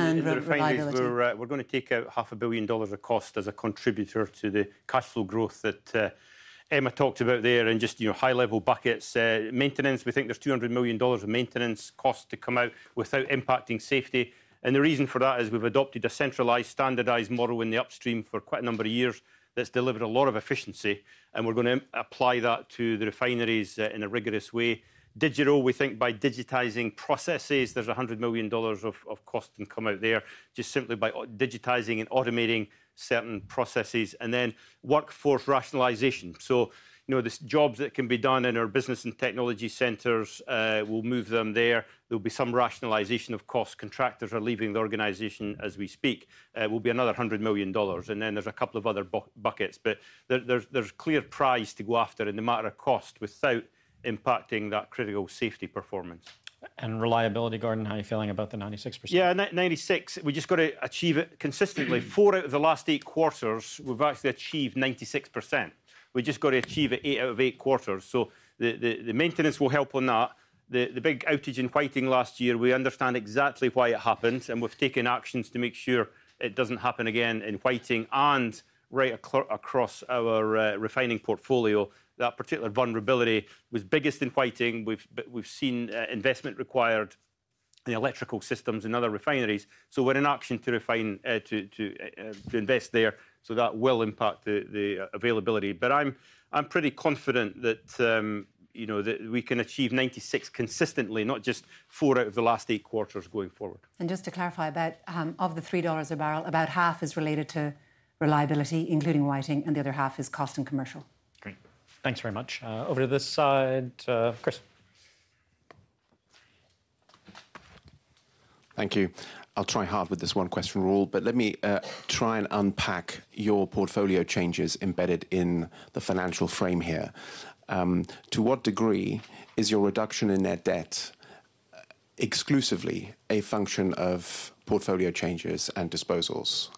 Yeah, and we're going to take out $500 million of cost as a contributor to the cash flow growth that Emma talked about there and just high-level buckets. Maintenance, we think there's $200 million of maintenance cost to come out without impacting safety. And the reason for that is we've adopted a centralized standardized model in the upstream for quite a number of years that's delivered a lot of efficiency. And we're going to apply that to the refineries in a rigorous way. Digital, we think by digitizing processes, there's $100 million of cost can come out there just simply by digitizing and automating certain processes. And then workforce rationalization. So the jobs that can be done in our business and technology centers, we'll move them there. There'll be some rationalization of costs. Contractors are leaving the organization as we speak. It will be another $100 million. And then there's a couple of other buckets. But there's clear prize to go after in the matter of cost without impacting that critical safety performance. And reliability, Gordon, how are you feeling about the 96%? Yeah, 96%. We just got to achieve it consistently. Four out of the last eight quarters, we've actually achieved 96%. We just got to achieve it eight out of eight quarters. So the maintenance will help on that. The big outage in Whiting last year, we understand exactly why it happened. We've taken actions to make sure it doesn't happen again in Whiting and right across our refining portfolio. That particular vulnerability was biggest in Whiting. We've seen investment required in electrical systems in other refineries. So we're in action to invest there so that will impact the availability. But I'm pretty confident that we can achieve 96% consistently, not just four out of the last eight quarters going forward. Just to clarify about half of the $3 a barrel, about half is related to reliability, including Whiting, and the other half is cost and commercial. Great. Thanks very much. Over to this side, Chris. Thank you. I'll try hard with this one question rule, but let me try and unpack your portfolio changes embedded in the financial frame here. To what degree is your reduction in net debt exclusively a function of portfolio changes and disposals?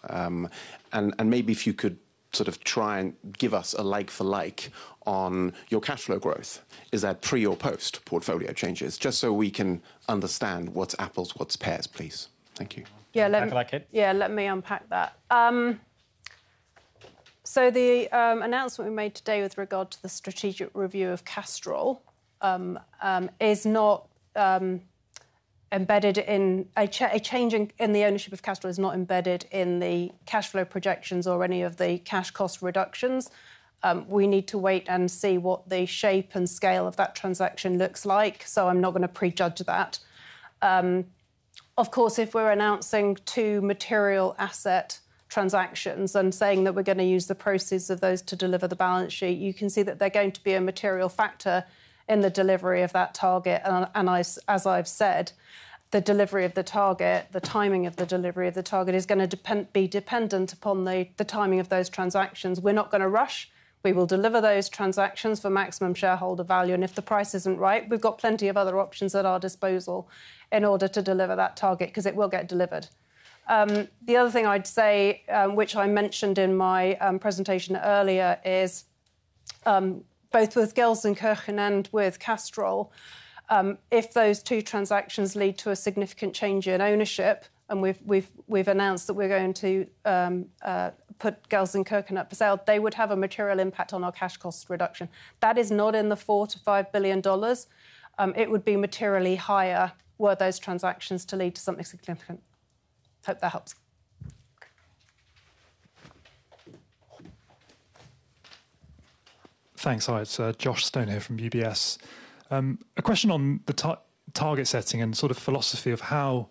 And maybe if you could sort of try and give us a like for like on your cash flow growth, is that pre or post portfolio changes? Just so we can understand what's apples to what's pears, please. Thank you. Yeah, let me unpack that, so the announcement we made today with regard to the strategic review of Castrol is not embedded in a change in the ownership of Castrol, is not embedded in the cash flow projections or any of the cash cost reductions. We need to wait and see what the shape and scale of that transaction looks like. So I'm not going to prejudge that. Of course, if we're announcing two material asset transactions and saying that we're going to use the proceeds of those to deliver the balance sheet, you can see that there's going to be a material factor in the delivery of that target. And as I've said, the delivery of the target, the timing of the delivery of the target is going to be dependent upon the timing of those transactions. We're not going to rush. We will deliver those transactions for maximum shareholder value. And if the price isn't right, we've got plenty of other options at our disposal in order to deliver that target because it will get delivered. The other thing I'd say, which I mentioned in my presentation earlier, is both with Gelsenkirchen and with Castrol, if those two transactions lead to a significant change in ownership, and we've announced that we're going to put Gelsenkirchen up for sale, they would have a material impact on our cash cost reduction. That is not in the $4-$5 billion. It would be materially higher were those transactions to lead to something significant. Hope that helps. Thanks, guys. Josh Stone here from UBS. A question on the target setting and sort of philosophy of how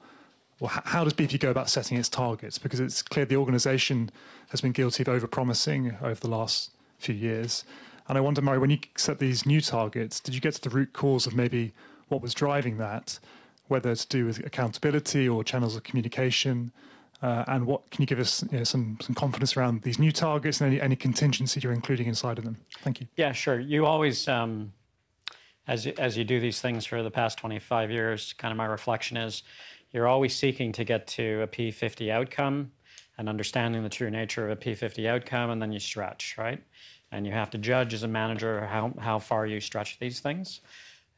does BP go about setting its targets? Because it's clear the organization has been guilty of overpromising over the last few years. I wonder, Murray, when you set these new targets, did you get to the root cause of maybe what was driving that, whether to do with accountability or channels of communication? And can you give us some confidence around these new targets and any contingency you're including inside of them? Thank you. Yeah, sure. You always, as you do these things for the past 25 years, kind of, my reflection is you're always seeking to get to a P50 outcome and understanding the true nature of a P50 outcome, and then you stretch, right? And you have to judge as a manager how far you stretch these things.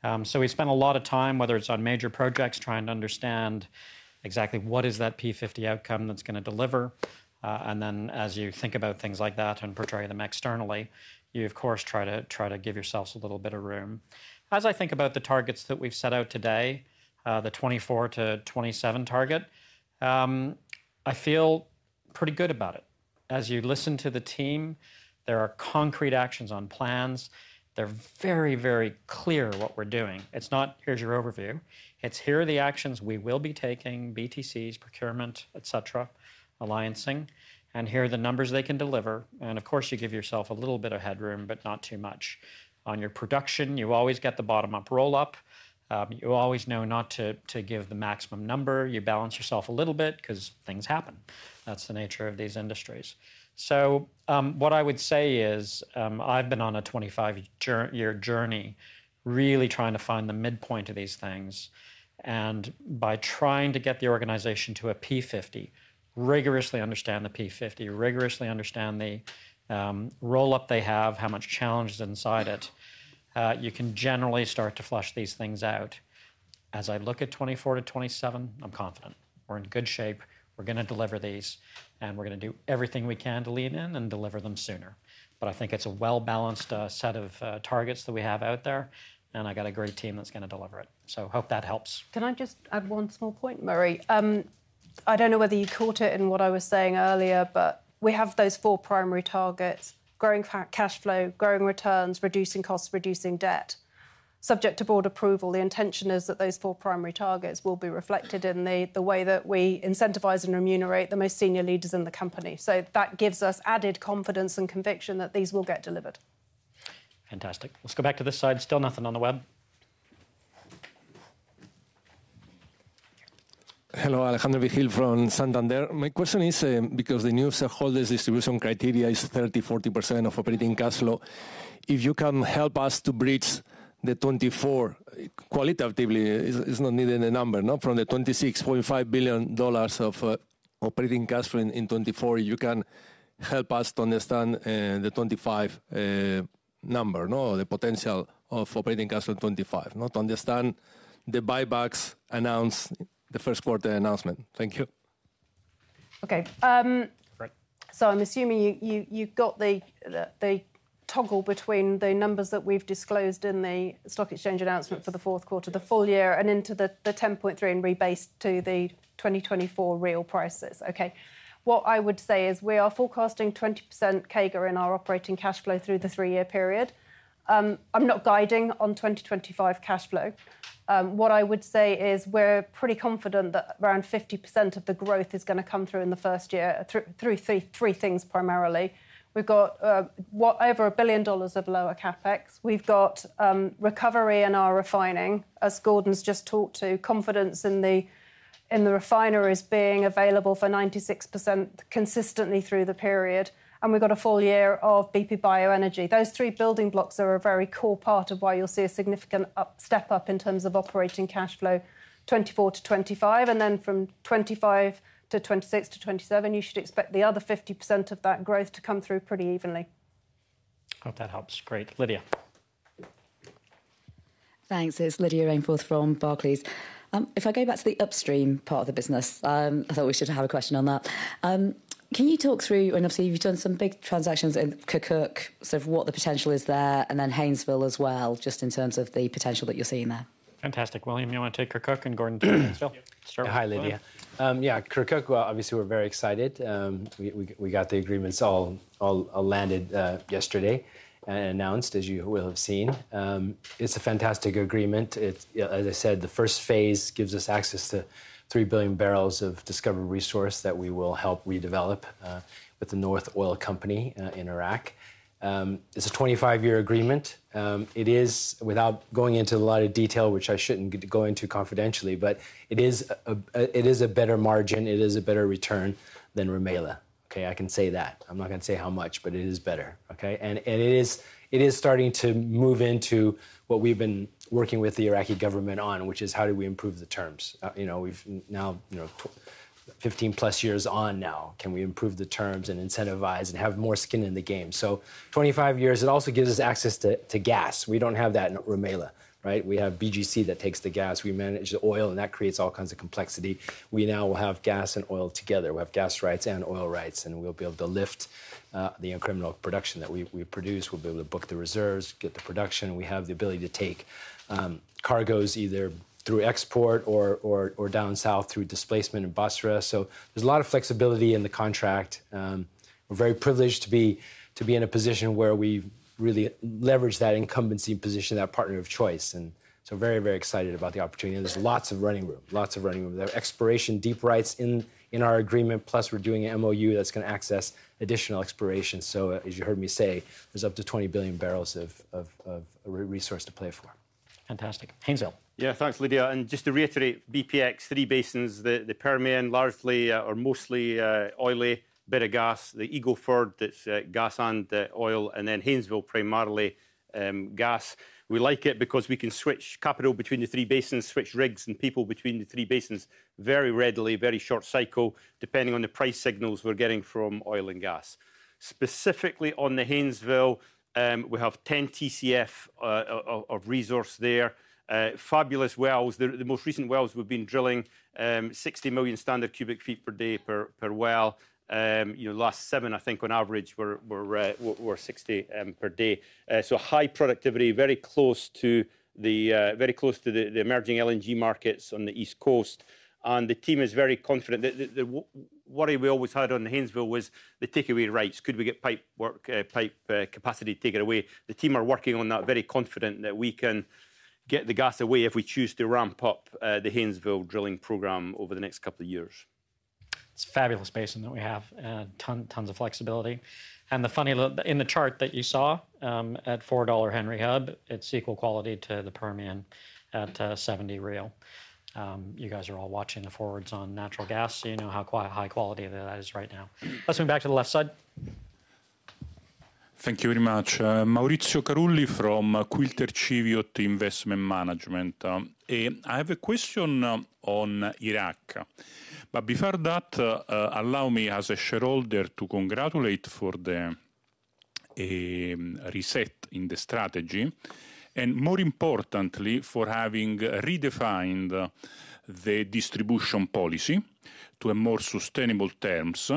We spend a lot of time, whether it's on major projects, trying to understand exactly what is that P50 outcome that's going to deliver. And then as you think about things like that and portray them externally, you, of course, try to give yourselves a little bit of room. As I think about the targets that we've set out today, the 24 to 27 target, I feel pretty good about it. As you listen to the team, there are concrete actions on plans. They're very, very clear what we're doing. It's not, here's your overview. It's here are the actions we will be taking, BTCs, procurement, et cetera, alliancing. And here are the numbers they can deliver. And of course, you give yourself a little bit of headroom, but not too much on your production. You always get the bottom-up roll-up. You always know not to give the maximum number. You balance yourself a little bit because things happen. That's the nature of these industries. So what I would say is I've been on a 25-year journey really trying to find the midpoint of these things. And by trying to get the organization to a P50, rigorously understand the P50, rigorously understand the roll-up they have, how much challenge is inside it, you can generally start to flesh these things out. As I look at 2024 to 2027, I'm confident. We're in good shape. We're going to deliver these. And we're going to do everything we can to lean in and deliver them sooner. But I think it's a well-balanced set of targets that we have out there. And I got a great team that's going to deliver it. So I hope that helps. Can I just add one small point, Murray? I don't know whether you caught it in what I was saying earlier, but we have those four primary targets: growing cash flow, growing returns, reducing costs, reducing debt, subject to board approval. The intention is that those four primary targets will be reflected in the way that we incentivize and remunerate the most senior leaders in the company. So that gives us added confidence and conviction that these will get delivered. Fantastic. Let's go back to this side. Still nothing on the web. Hello, Alejandro Vigil from Santander. My question is, because the new shareholders' distribution criteria is 30%-40% of operating cash flow, if you can help us to bridge the 2024 qualitatively, it's not needed a number, from the $26.5 billion of operating cash flow in 2024, you can help us to understand the 2025 number, the potential of operating cash flow in 2025, to understand the buybacks announced, the first quarter announcement. Thank you. Okay. So I'm assuming you've got the toggle between the numbers that we've disclosed in the stock exchange announcement for the fourth quarter, the full year, and into the 10.3 and rebase to the 2024 real prices. Okay. What I would say is we are forecasting 20% CAGR in our operating cash flow through the three-year period. I'm not guiding on 2025 cash flow. What I would say is we're pretty confident that around 50% of the growth is going to come through in the first year through three things primarily. We've got whatever $1 billion of lower CapEx. We've got recovery in our refining, as Gordon's just talked to, confidence in the refineries being available for 96% consistently through the period. And we've got a full year of BP Bioenergy. Those three building blocks are a very core part of why you'll see a significant step up in terms of operating cash flow 2024 to 2025. And then from 2025 to 2026 to 2027, you should expect the other 50% of that growth to come through pretty evenly. Hope that helps. Great. Lydia. Thanks. It's Lydia Rainforth from Barclays. If I go back to the upstream part of the business, I thought we should have a question on that. Can you talk through, and obviously you've done some big transactions in Kirkuk, sort of what the potential is there, and then Haynesville as well, just in terms of the potential that you're seeing there? Fantastic. William, you want to take Kirkuk and Gordon to Haynesville? Hi, Lydia. Yeah, Kirkuk, obviously we're very excited. We got the agreements all landed yesterday and announced, as you will have seen. It's a fantastic agreement. As I said, the first phase gives us access to 3 billion barrels of discovered resource that we will help redevelop with the North Oil Company in Iraq. It's a 25-year agreement. It is, without going into a lot of detail, which I shouldn't go into confidentially, but it is a better margin. It is a better return than Rumaila. Okay, I can say that. I'm not going to say how much, but it is better. Okay. And it is starting to move into what we've been working with the Iraqi government on, which is how do we improve the terms? We've now 15 plus years on now. Can we improve the terms and incentivize and have more skin in the game? So 25 years, it also gives us access to gas. We don't have that in Rumaila, right? We have BGC that takes the gas. We manage the oil, and that creates all kinds of complexity. We now will have gas and oil together. We'll have gas rights and oil rights, and we'll be able to lift the incremental production that we produce. We'll be able to book the reserves, get the production. We have the ability to take cargos either through export or down south through displacement and Basrah routes. So there's a lot of flexibility in the contract. We're very privileged to be in a position where we really leverage that incumbency position, that partner of choice. And so very, very excited about the opportunity. There's lots of running room, lots of running room. There are exploration deep rights in our agreement, plus we're doing an MOU that's going to access additional exploration. So as you heard me say, there's up to 20 billion barrels of resource to play for. Fantastic. Haynesville. Yeah, thanks, Lydia. And just to reiterate, BPX, three basins, the Permian, largely or mostly oily, but the gas, the Eagle Ford, that's gas and oil, and then Haynesville, primarily gas. We like it because we can switch capital between the three basins, switch rigs and people between the three basins very readily, very short cycle, depending on the price signals we're getting from oil and gas. Specifically on the Haynesville, we have 10 TCF of resource there. Fabulous wells. The most recent wells we've been drilling, 60 million standard cubic feet per day per well. Last seven, I think on average, were 60 per day, so high productivity, very close to the emerging LNG markets on the East Coast, and the team is very confident. The worry we always had on Haynesville was the takeaway rights. Could we get pipe capacity taken away? The team are working on that, very confident that we can get the gas away if we choose to ramp up the Haynesville drilling program over the next couple of years. It's a fabulous basin that we have, tons of flexibility, and the funny little in the chart that you saw at $4 Henry Hub, it's equal quality to the Permian at 70 real. You guys are all watching the forwards on natural gas, so you know how high quality that is right now. Let's move back to the left side. Thank you very much. Maurizio Carulli from Quilter Cheviot Investment Management. I have a question on Iraq. But before that, allow me, as a shareholder, to congratulate for the reset in the strategy and, more importantly, for having redefined the distribution policy to a more sustainable terms,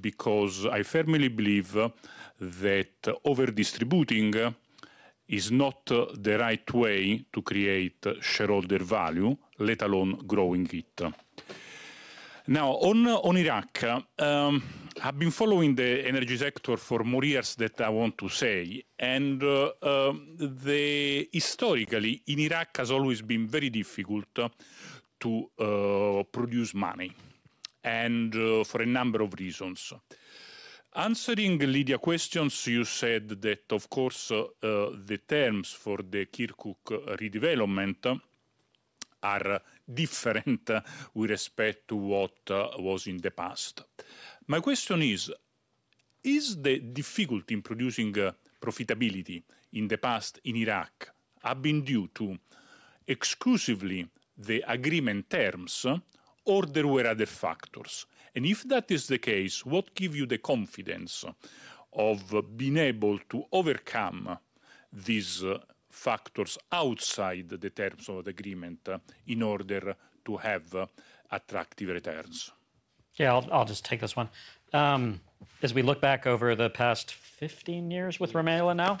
because I firmly believe that over-distributing is not the right way to create shareholder value, let alone growing it. Now, on Iraq, I've been following the energy sector for more years than I want to say. And historically, in Iraq, it has always been very difficult to produce money for a number of reasons. Answering Lydia's questions, you said that, of course, the terms for the Kirkuk redevelopment are different with respect to what was in the past. My question is, is the difficulty in producing profitability in the past in Iraq have been due to exclusively the agreement terms or there were other factors? And if that is the case, what gives you the confidence of being able to overcome these factors outside the terms of the agreement in order to have attractive returns? Yeah, I'll just take this one. As we look back over the past 15 years with Rumaila now,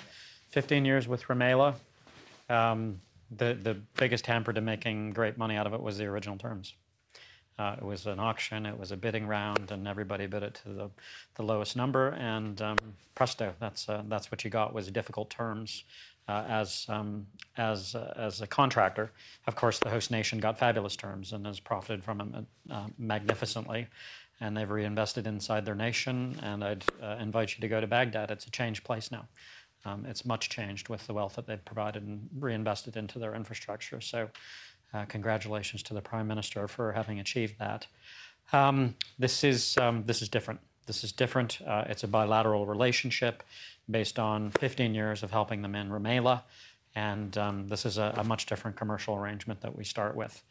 15 years with Rumaila, the biggest hamper to making great money out of it was the original terms. It was an auction, it was a bidding round, and everybody bid it to the lowest number. And presto, that's what you got was difficult terms as a contractor. Of course, the host nation got fabulous terms and has profited from them magnificently. And they've reinvested inside their nation. And I'd invite you to go to Baghdad. It's a changed place now. It's much changed with the wealth that they've provided and reinvested into their infrastructure. So congratulations to the Prime Minister for having achieved that. This is different. This is different. It's a bilateral relationship based on 15 years of helping them in Rumaila. And this is a much different commercial arrangement that we start with.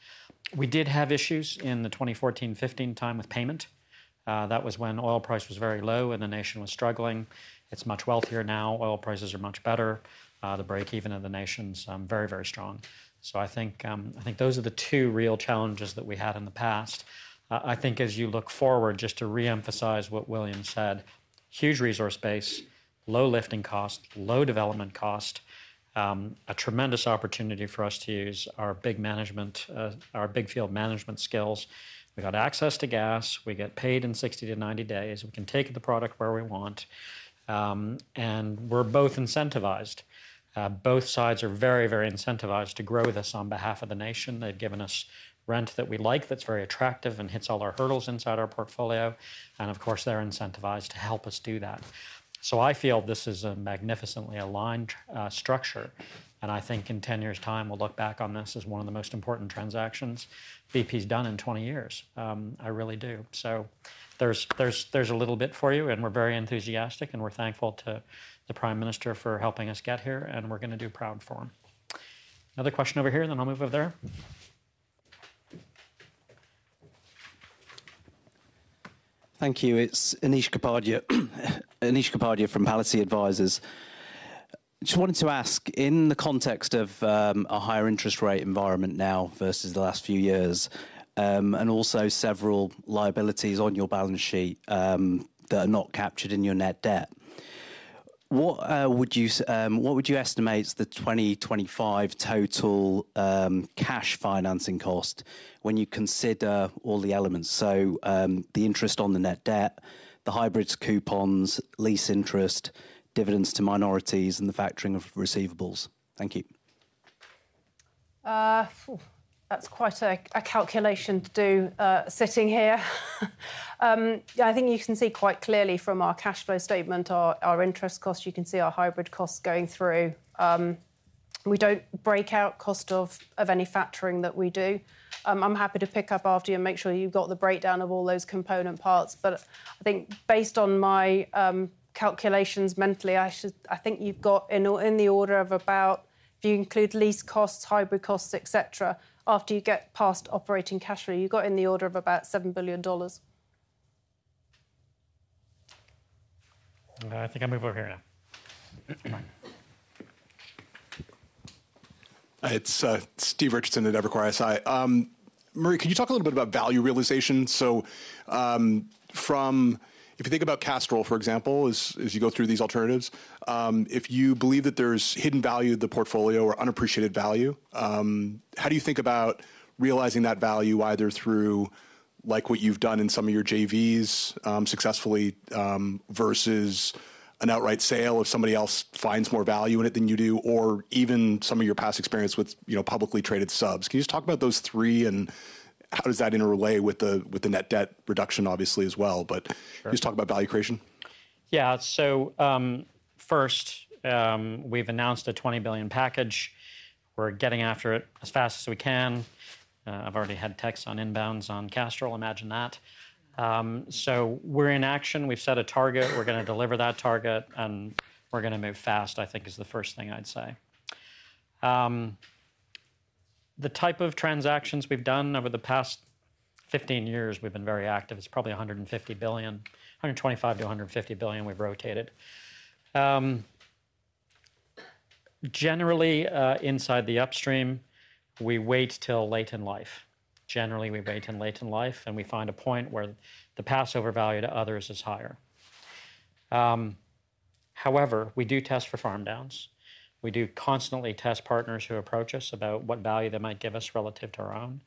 We did have issues in the 2014-2015 time with payment. That was when oil price was very low and the nation was struggling. It's much wealthier now. Oil prices are much better. The breakeven of the nation's very, very strong. So I think those are the two real challenges that we had in the past. I think as you look forward, just to reemphasize what William said, huge resource base, low lifting cost, low development cost, a tremendous opportunity for us to use our rig management, our big field management skills. We got access to gas. We get paid in 60 to 90 days. We can take the product where we want. And we're both incentivized. Both sides are very, very incentivized to grow this on behalf of the nation. They've given us a rate that we like that's very attractive and hits all our hurdles inside our portfolio. And of course, they're incentivized to help us do that. So I feel this is a magnificently aligned structure. And I think in 10 years' time, we'll look back on this as one of the most important transactions BP's done in 20 years. I really do. So there's a little bit for you. And we're very enthusiastic. We're thankful to the Prime Minister for helping us get here. We're going to do proud for him. Another question over here, and then I'll move over there. Thank you. It's Anish Kapadia from Palissy Advisors. Just wanted to ask, in the context of a higher interest rate environment now versus the last few years, and also several liabilities on your balance sheet that are not captured in your net debt, what would you estimate the 2025 total cash financing cost when you consider all the elements? So the interest on the net debt, the hybrids, coupons, lease interest, dividends to minorities, and the factoring of receivables. Thank you. That's quite a calculation to do sitting here. I think you can see quite clearly from our cash flow statement, our interest cost. You can see our hybrid costs going through. We don't break out cost of any factoring that we do. I'm happy to pick up after you and make sure you've got the breakdown of all those component parts. But I think based on my calculations mentally, I think you've got in the order of about, if you include lease costs, hybrid costs, et cetera, after you get past operating cash flow, you've got in the order of about $7 billion. I think I'll move over here now. It's Steve Richardson at Evercore ISI. Murray, can you talk a little bit about value realization? So if you think about Castrol, for example, as you go through these alternatives, if you believe that there's hidden value of the portfolio or unappreciated value, how do you think about realizing that value either through what you've done in some of your JVs successfully versus an outright sale if somebody else finds more value in it than you do, or even some of your past experience with publicly traded subs? Can you just talk about those three and how does that interrelate with the net debt reduction, obviously, as well? But just talk about value creation. Yeah. So first, we've announced a $20 billion package. We're getting after it as fast as we can. I've already had texts on inbounds on Castrol. Imagine that. So we're in action. We've set a target. We're going to deliver that target. And we're going to move fast, I think, is the first thing I'd say. The type of transactions we've done over the past 15 years, we've been very active. It's probably $150 billion, $125-$150 billion we've rotated. Generally, inside the upstream, we wait till late in life. Generally, we wait till late in life, and we find a point where the passover value to others is higher. However, we do test for farm downs. We do constantly test partners who approach us about what value they might give us relative to our own.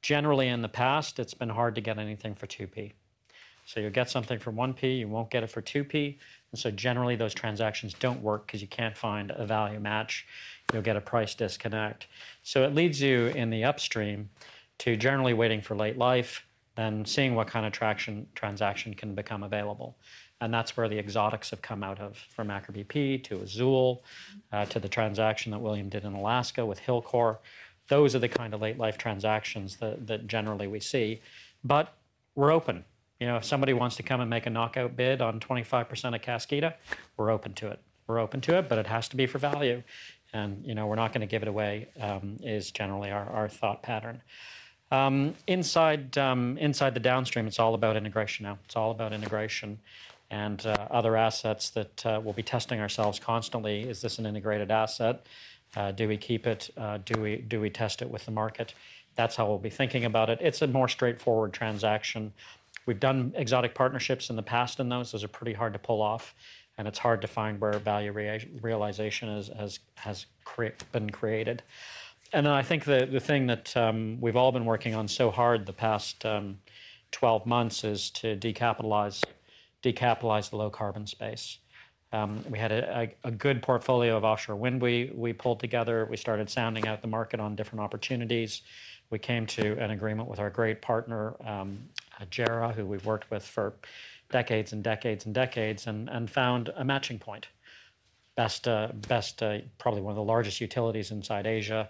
Generally, in the past, it's been hard to get anything for 2P. So you'll get something for 1P. You won't get it for 2P. And so generally, those transactions don't work because you can't find a value match. You'll get a price disconnect. It leads you in the upstream to generally waiting for late life and seeing what kind of transaction can become available. And that's where the exotics have come out of, from Aker BP to Azule to the transaction that William did in Alaska with Hilcorp. Those are the kind of late life transactions that generally we see. But we're open. If somebody wants to come and make a knockout bid on 25% of Kaskida, we're open to it. We're open to it, but it has to be for value. And we're not going to give it away is generally our thought pattern. Inside the downstream, it's all about integration now. It's all about integration and other assets that we'll be testing ourselves constantly. Is this an integrated asset? Do we keep it? Do we test it with the market? That's how we'll be thinking about it. It's a more straightforward transaction. We've done exotic partnerships in the past in those. Those are pretty hard to pull off. And it's hard to find where value realization has been created. And then I think the thing that we've all been working on so hard the past 12 months is to decapitalize the low carbon space. We had a good portfolio of offshore wind we pulled together. We started sounding out the market on different opportunities. We came to an agreement with our great partner, JERA, who we've worked with for decades and decades and decades, and found a matching point. Best probably one of the largest utilities inside Asia.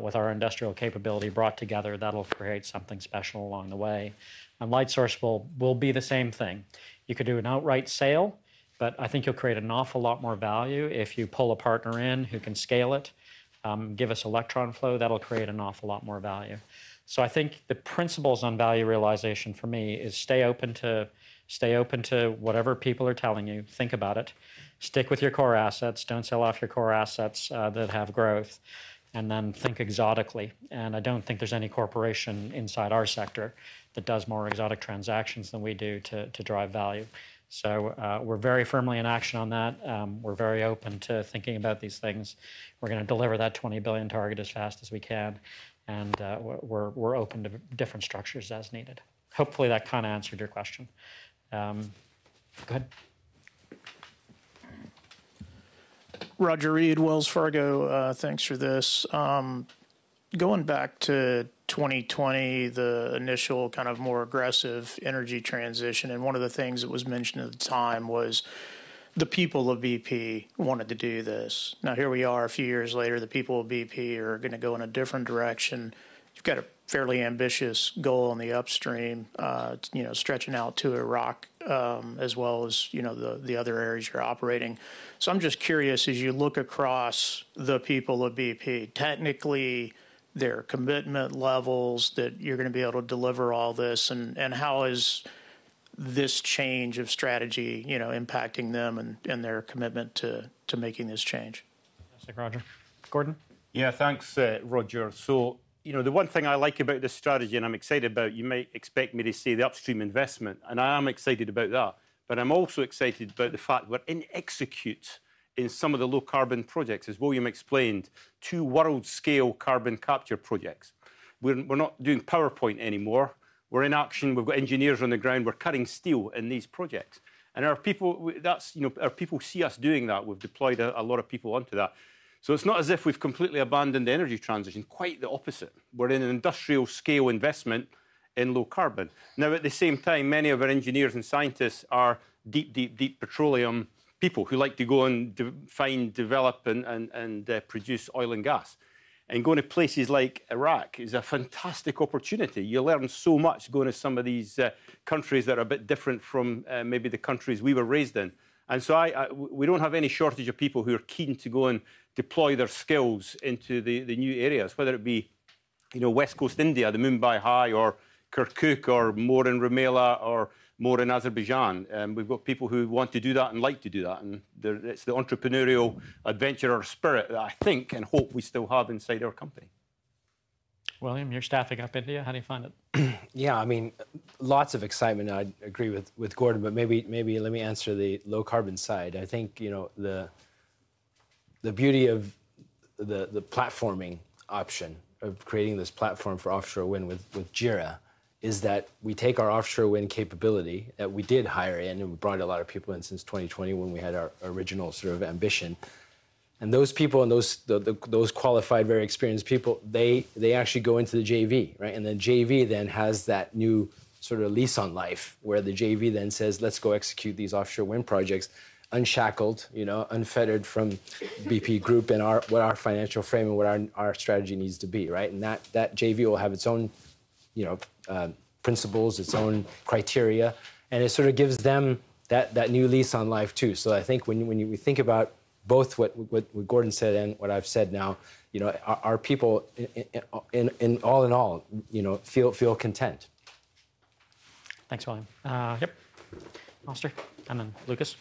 With our industrial capability brought together, that'll create something special along the way. And Lightsource will be the same thing. You could do an outright sale, but I think you'll create an awful lot more value if you pull a partner in who can scale it, give us electron flow. That'll create an awful lot more value. So I think the principles on value realization for me is stay open to whatever people are telling you. Think about it. Stick with your core assets. Don't sell off your core assets that have growth. And then think exotically. And I don't think there's any corporation inside our sector that does more exotic transactions than we do to drive value. So we're very firmly in action on that. We're very open to thinking about these things. We're going to deliver that $20 billion target as fast as we can. And we're open to different structures as needed. Hopefully, that kind of answered your question. Go ahead. Roger Read, Wells Fargo. Thanks for this. Going back to 2020, the initial kind of more aggressive energy transition, and one of the things that was mentioned at the time was the people of BP wanted to do this. Now, here we are a few years later. The people of BP are going to go in a different direction. You've got a fairly ambitious goal in the upstream, stretching out to Iraq, as well as the other areas you're operating. So I'm just curious, as you look across the people of BP, technically, their commitment levels that you're going to be able to deliver all this, and how is this change of strategy impacting them and their commitment to making this change? Thanks Roger. Gordon. Yeah, thanks, Roger. So the one thing I like about this strategy, and I'm excited about, you may expect me to see the upstream investment. I am excited about that. But I'm also excited about the fact we're executing in some of the low carbon projects, as William explained, two world-scale carbon capture projects. We're not doing PowerPoint anymore. We're in action. We've got engineers on the ground. We're cutting steel in these projects. And our people see us doing that. We've deployed a lot of people onto that. So it's not as if we've completely abandoned the energy transition. Quite the opposite. We're in an industrial-scale investment in low carbon. Now, at the same time, many of our engineers and scientists are deep, deep, deep petroleum people who like to go and find, develop, and produce oil and gas. And going to places like Iraq is a fantastic opportunity. You learn so much going to some of these countries that are a bit different from maybe the countries we were raised in. And so we don't have any shortage of people who are keen to go and deploy their skills into the new areas, whether it be West Coast India, the Mumbai High, or Kirkuk, or more in Rumaila, or more in Azerbaijan. We've got people who want to do that and like to do that. And it's the entrepreneurial adventurer spirit that I think and hope we still have inside our company. William, you're staffing up India. How do you find it? Yeah, I mean, lots of excitement. I agree with Gordon. But maybe let me answer the low carbon side. I think the beauty of the platforming option of creating this platform for offshore wind with JERA is that we take our offshore wind capability that we did hire in, and we brought a lot of people in since 2020 when we had our original sort of ambition, and those people, and those qualified, very experienced people, they actually go into the JV, and the JV then has that new sort of lease on life, where the JV then says, let's go execute these offshore wind projects, unshackled, unfettered from BP Group and what our financial frame, and what our strategy needs to be, and that JV will have its own principles, its own criteria, and it sort of gives them that new lease on life, too, so I think when we think about both what Gordon said and what I've said now, our people, all in all, feel content. Thanks, William. Yep. Murray and then Lucas.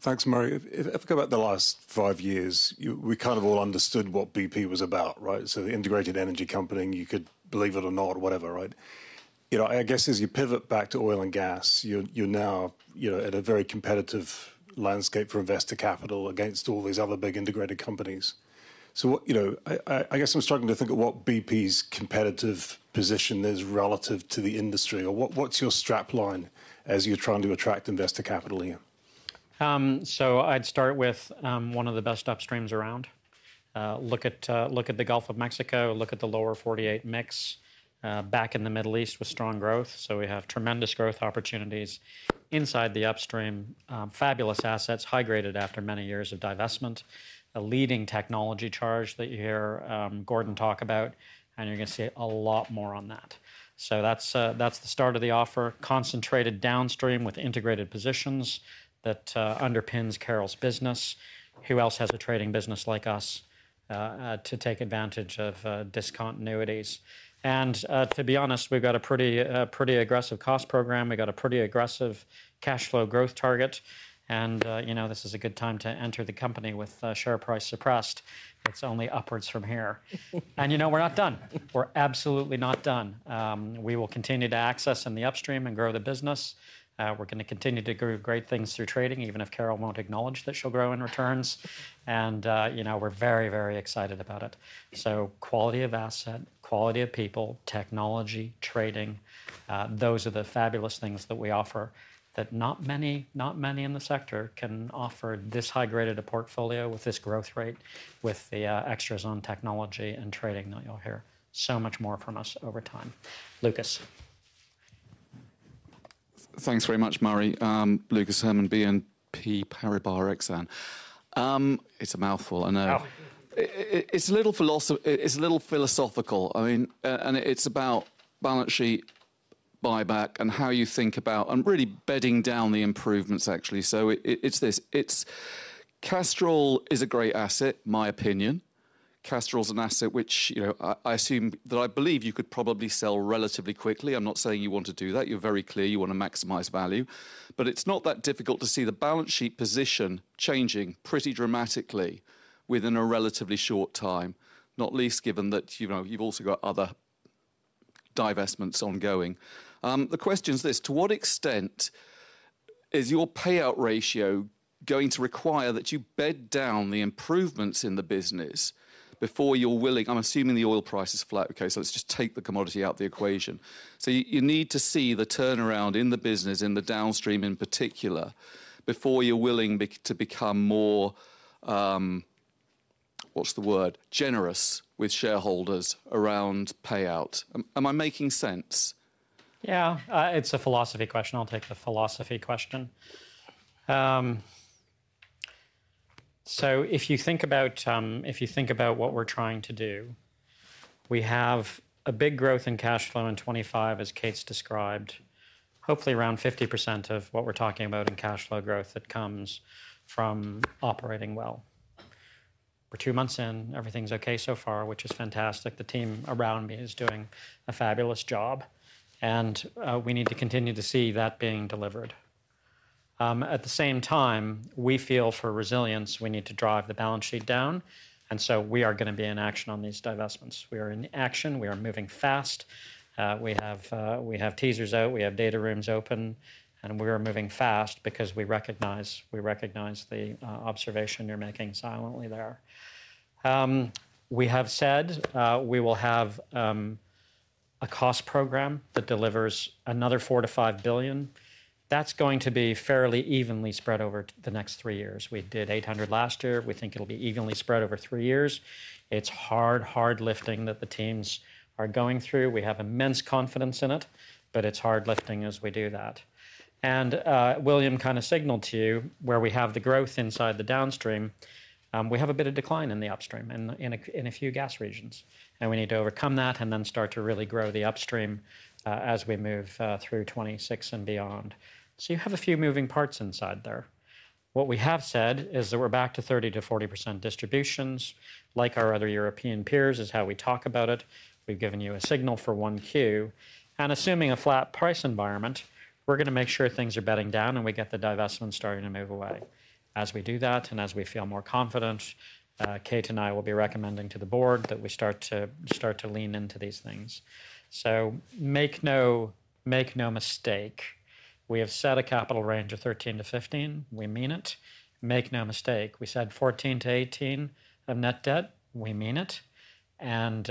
Thanks, Murray. If I go back the last five years, we kind of all understood what BP was about, right? So the integrated energy company, you could believe it or not, whatever, right? I guess as you pivot back to oil and gas, you're now at a very competitive landscape for investor capital against all these other big integrated companies. So I guess I'm struggling to think of what BP's competitive position is relative to the industry. Or what's your strap line as you're trying to attract investor capital here? So I'd start with one of the best upstreams around. Look at the Gulf of Mexico. Look at the Lower 48 mix. Back in the Middle East with strong growth. So we have tremendous growth opportunities. Inside the upstream, fabulous assets, high-graded after many years of divestment. A leading technology charge that you hear Gordon talk about. And you're going to see a lot more on that. So that's the start of the offer. Concentrated downstream with integrated positions that underpins Carol's business. Who else has a trading business like us to take advantage of discontinuities? And to be honest, we've got a pretty aggressive cost program. We've got a pretty aggressive cash flow growth target. And this is a good time to enter the company with share price suppressed. It's only upwards from here. And we're not done. We're absolutely not done. We will continue to access in the upstream and grow the business. We're going to continue to grow great things through trading, even if Carol won't acknowledge that she'll grow in returns. And we're very, very excited about it. So quality of asset, quality of people, technology, trading, those are the fabulous things that we offer that not many in the sector can offer this high-graded portfolio with this growth rate, with the extras on technology and trading that you'll hear. So much more from us over time. Lucas. Thanks very much, Murray. Lucas Herrmann, BNP Paribas Exane. It's a mouthful, I know. It's a little philosophical. I mean, and it's about balance sheet buyback and how you think about and really bedding down the improvements, actually. So it's this. Castrol is a great asset, my opinion. Castrol is an asset which I assume that I believe you could probably sell relatively quickly. I'm not saying you want to do that. You're very clear you want to maximize value. But it's not that difficult to see the balance sheet position changing pretty dramatically within a relatively short time, not least given that you've also got other divestments ongoing. The question is this. To what extent is your payout ratio going to require that you bed down the improvements in the business before you're willing? I'm assuming the oil price is flat. OK, so let's just take the commodity out of the equation. So you need to see the turnaround in the business, in the downstream in particular, before you're willing to become more, what's the word, generous with shareholders around payout. Am I making sense? Yeah, it's a philosophy question. I'll take the philosophy question. If you think about what we're trying to do, we have a big growth in cash flow in 2025, as Kate's described, hopefully around 50% of what we're talking about in cash flow growth that comes from operating well. We're two months in. Everything's OK so far, which is fantastic. The team around me is doing a fabulous job. We need to continue to see that being delivered. At the same time, we feel for resilience, we need to drive the balance sheet down. We are going to be in action on these divestments. We are in action. We are moving fast. We have teasers out. We have data rooms open. We are moving fast because we recognize the observation you're making silently there. We have said we will have a cost program that delivers another $4-$5 billion. That's going to be fairly evenly spread over the next three years. We did $800 last year. We think it'll be evenly spread over three years. It's hard, hard lifting that the teams are going through. We have immense confidence in it. But it's hard lifting as we do that. And William kind of signaled to you where we have the growth inside the downstream. We have a bit of decline in the upstream and in a few gas regions. And we need to overcome that and then start to really grow the upstream as we move through 2026 and beyond. So you have a few moving parts inside there. What we have said is that we're back to 30%-40% distributions, like our other European peers is how we talk about it. We've given you a signal for Q1. Assuming a flat price environment, we're going to make sure things are bedding down and we get the divestment starting to move away. As we do that and as we feel more confident, Kate and I will be recommending to the board that we start to lean into these things. So make no mistake. We have set a capital range of $13-$15. We mean it. Make no mistake. We said $14-$18 of net debt. We mean it. And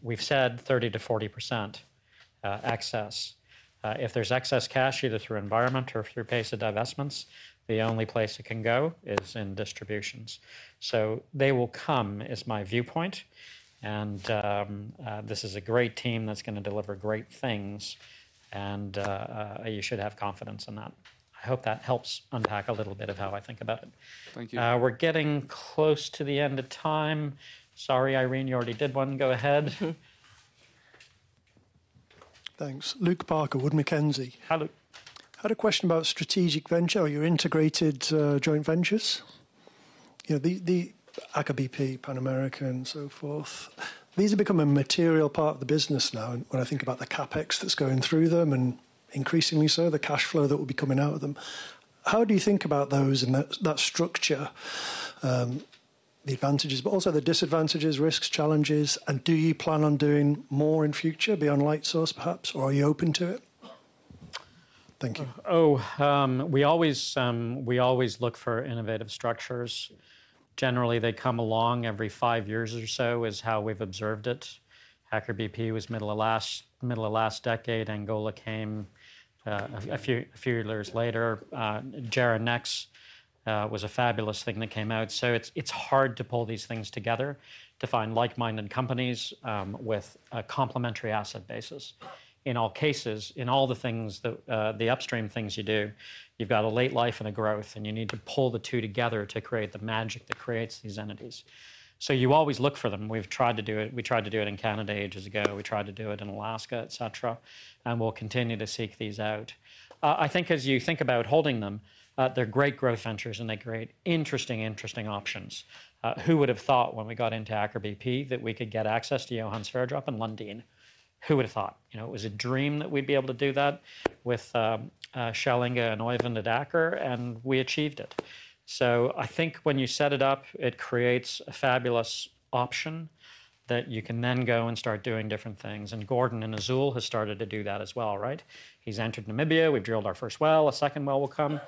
we've said 30%-40% excess. If there's excess cash, either through environment or through pace of divestments, the only place it can go is in distributions. So they will come, is my viewpoint. And this is a great team that's going to deliver great things. And you should have confidence in that. I hope that helps unpack a little bit of how I think about it. Thank you. We're getting close to the end of time. Sorry, Irene, you already did one. Go ahead. Thanks. Luke Parker, Wood Mackenzie. Hi, Luke. I had a question about strategic venture or your integrated joint ventures. The Aker BP, Pan American, and so forth. These have become a material part of the business now. When I think about the CapEx that's going through them and increasingly so, the cash flow that will be coming out of them. How do you think about those and that structure, the advantages, but also the disadvantages, risks, challenges? And do you plan on doing more in future beyond Lightsource bp, perhaps? Or are you open to it? Thank you. Oh, we always look for innovative structures. Generally, they come along every five years or so is how we've observed it. Aker BP was middle of last decade. Angola came a few years later. JERA Nex was a fabulous thing that came out. It's hard to pull these things together to find like-minded companies with a complementary asset basis. In all cases, in all the things, the upstream things you do, you've got a late life and a growth, and you need to pull the two together to create the magic that creates these entities. You always look for them. We've tried to do it. We tried to do it in Canada ages ago. We tried to do it in Alaska, et cetera, and we'll continue to seek these out. I think as you think about holding them, they're great growth ventures and they're great, interesting, interesting options. Who would have thought when we got into Aker BP that we could get access to Johan Sverdrup and Lundin? Who would have thought? It was a dream that we'd be able to do that with Aker BP and Azule Energy. And we achieved it. So I think when you set it up, it creates a fabulous option that you can then go and start doing different things. And Gordon and Azule have started to do that as well, right? He's entered Namibia. We've drilled our first well. A second well will come.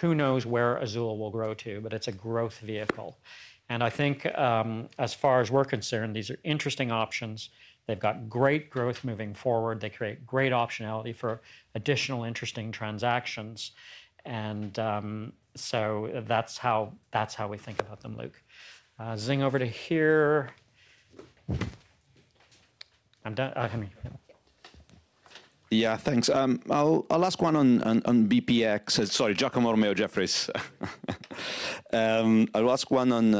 Who knows where Azule will grow to? But it's a growth vehicle. And I think as far as we're concerned, these are interesting options. They've got great growth moving forward. They create great optionality for additional interesting transactions. And so that's how we think about them, Luke. Zing over to here. Yeah, thanks. I'll ask one on BPX. Sorry, Giacomo Romeo, Jefferies. I'll ask one on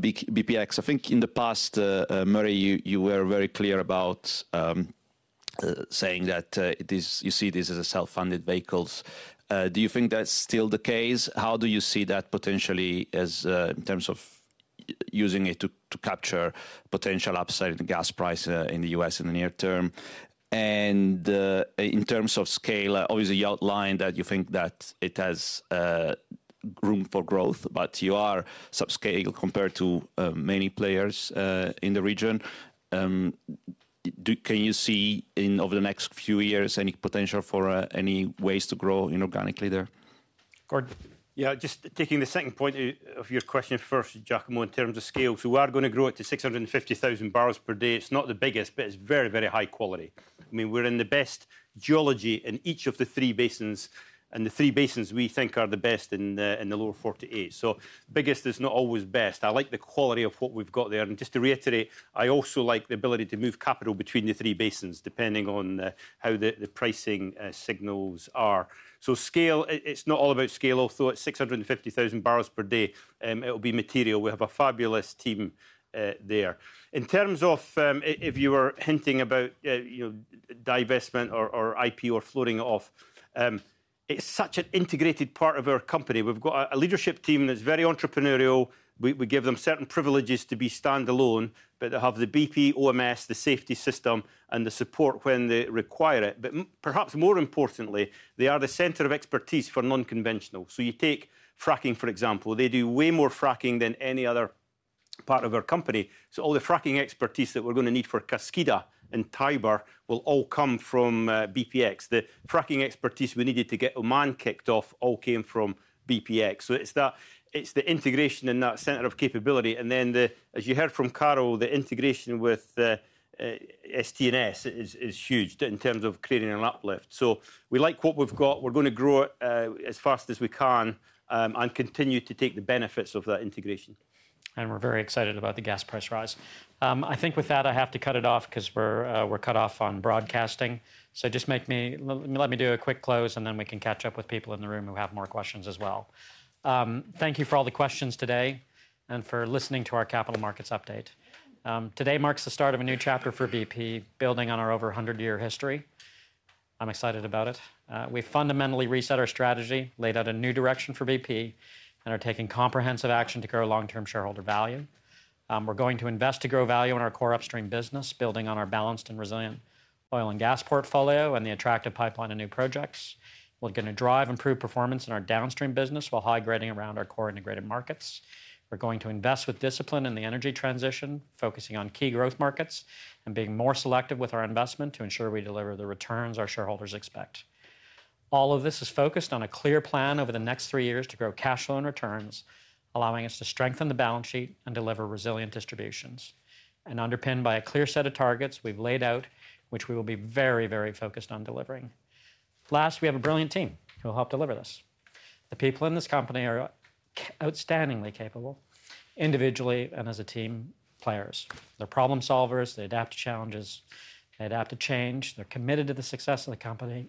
BPX. I think in the past, Murray, you were very clear about saying that you see these as self-funded vehicles. Do you think that's still the case? How do you see that potentially in terms of using it to capture potential upside in the gas price in the U.S. in the near term? And in terms of scale, obviously, you outlined that you think that it has room for growth. But you are subscaled compared to many players in the region. Can you see over the next few years any potential for any ways to grow inorganically there? Gordon? Yeah, just taking the second point of your question first, Giacomo, in terms of scale. So we are going to grow it to 650,000 barrels per day. It's not the biggest, but it's very, very high quality. I mean, we're in the best geology in each of the three basins. And the three basins we think are the best in the Lower 48. So biggest is not always best. I like the quality of what we've got there. And just to reiterate, I also like the ability to move capital between the three basins depending on how the pricing signals are. So scale, it's not all about scale. Although at 650,000 barrels per day, it will be material. We have a fabulous team there. In terms of, if you were hinting about divestment or IP or floating off, it's such an integrated part of our company. We've got a leadership team that's very entrepreneurial. We give them certain privileges to be standalone. But they have the BP OMS, the safety system, and the support when they require it. But perhaps more importantly, they are the center of expertise for non-conventional. So you take fracking, for example. They do way more fracking than any other part of our company. So all the fracking expertise that we're going to need for Kaskida and Tiber will all come from BPX. The fracking expertise we needed to get Oman kicked off all came from BPX. So it's the integration in that center of capability. And then, as you heard from Carol, the integration with ST&S is huge in terms of creating an uplift. So we like what we've got. We're going to grow it as fast as we can and continue to take the benefits of that integration. And we're very excited about the gas price rise. I think with that, I have to cut it off because we're cut off on broadcasting. So just let me do a quick close. And then we can catch up with people in the room who have more questions as well. Thank you for all the questions today and for listening to our capital markets update. Today marks the start of a new chapter for BP, building on our over 100-year history. I'm excited about it. We've fundamentally reset our strategy, laid out a new direction for BP, and are taking comprehensive action to grow long-term shareholder value. We're going to invest to grow value in our core upstream business, building on our balanced and resilient oil and gas portfolio and the attractive pipeline of new projects. We're going to drive improved performance in our downstream business while high grading around our core integrated markets. We're going to invest with discipline in the energy transition, focusing on key growth markets and being more selective with our investment to ensure we deliver the returns our shareholders expect. All of this is focused on a clear plan over the next three years to grow cash flow and returns, allowing us to strengthen the balance sheet and deliver resilient distributions. And underpinned by a clear set of targets we've laid out, which we will be very, very focused on delivering. Last, we have a brilliant team who will help deliver this. The people in this company are outstandingly capable individually and as a team players. They're problem solvers. They adapt to challenges. They adapt to change. They're committed to the success of the company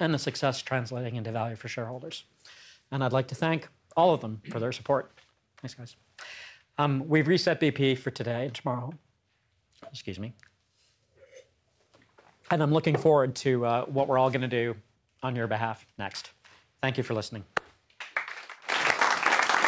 and the success translating into value for shareholders. And I'd like to thank all of them for their support. Thanks, guys. We've reset BP for today and tomorrow. Excuse me. And I'm looking forward to what we're all going to do on your behalf next. Thank you for listening.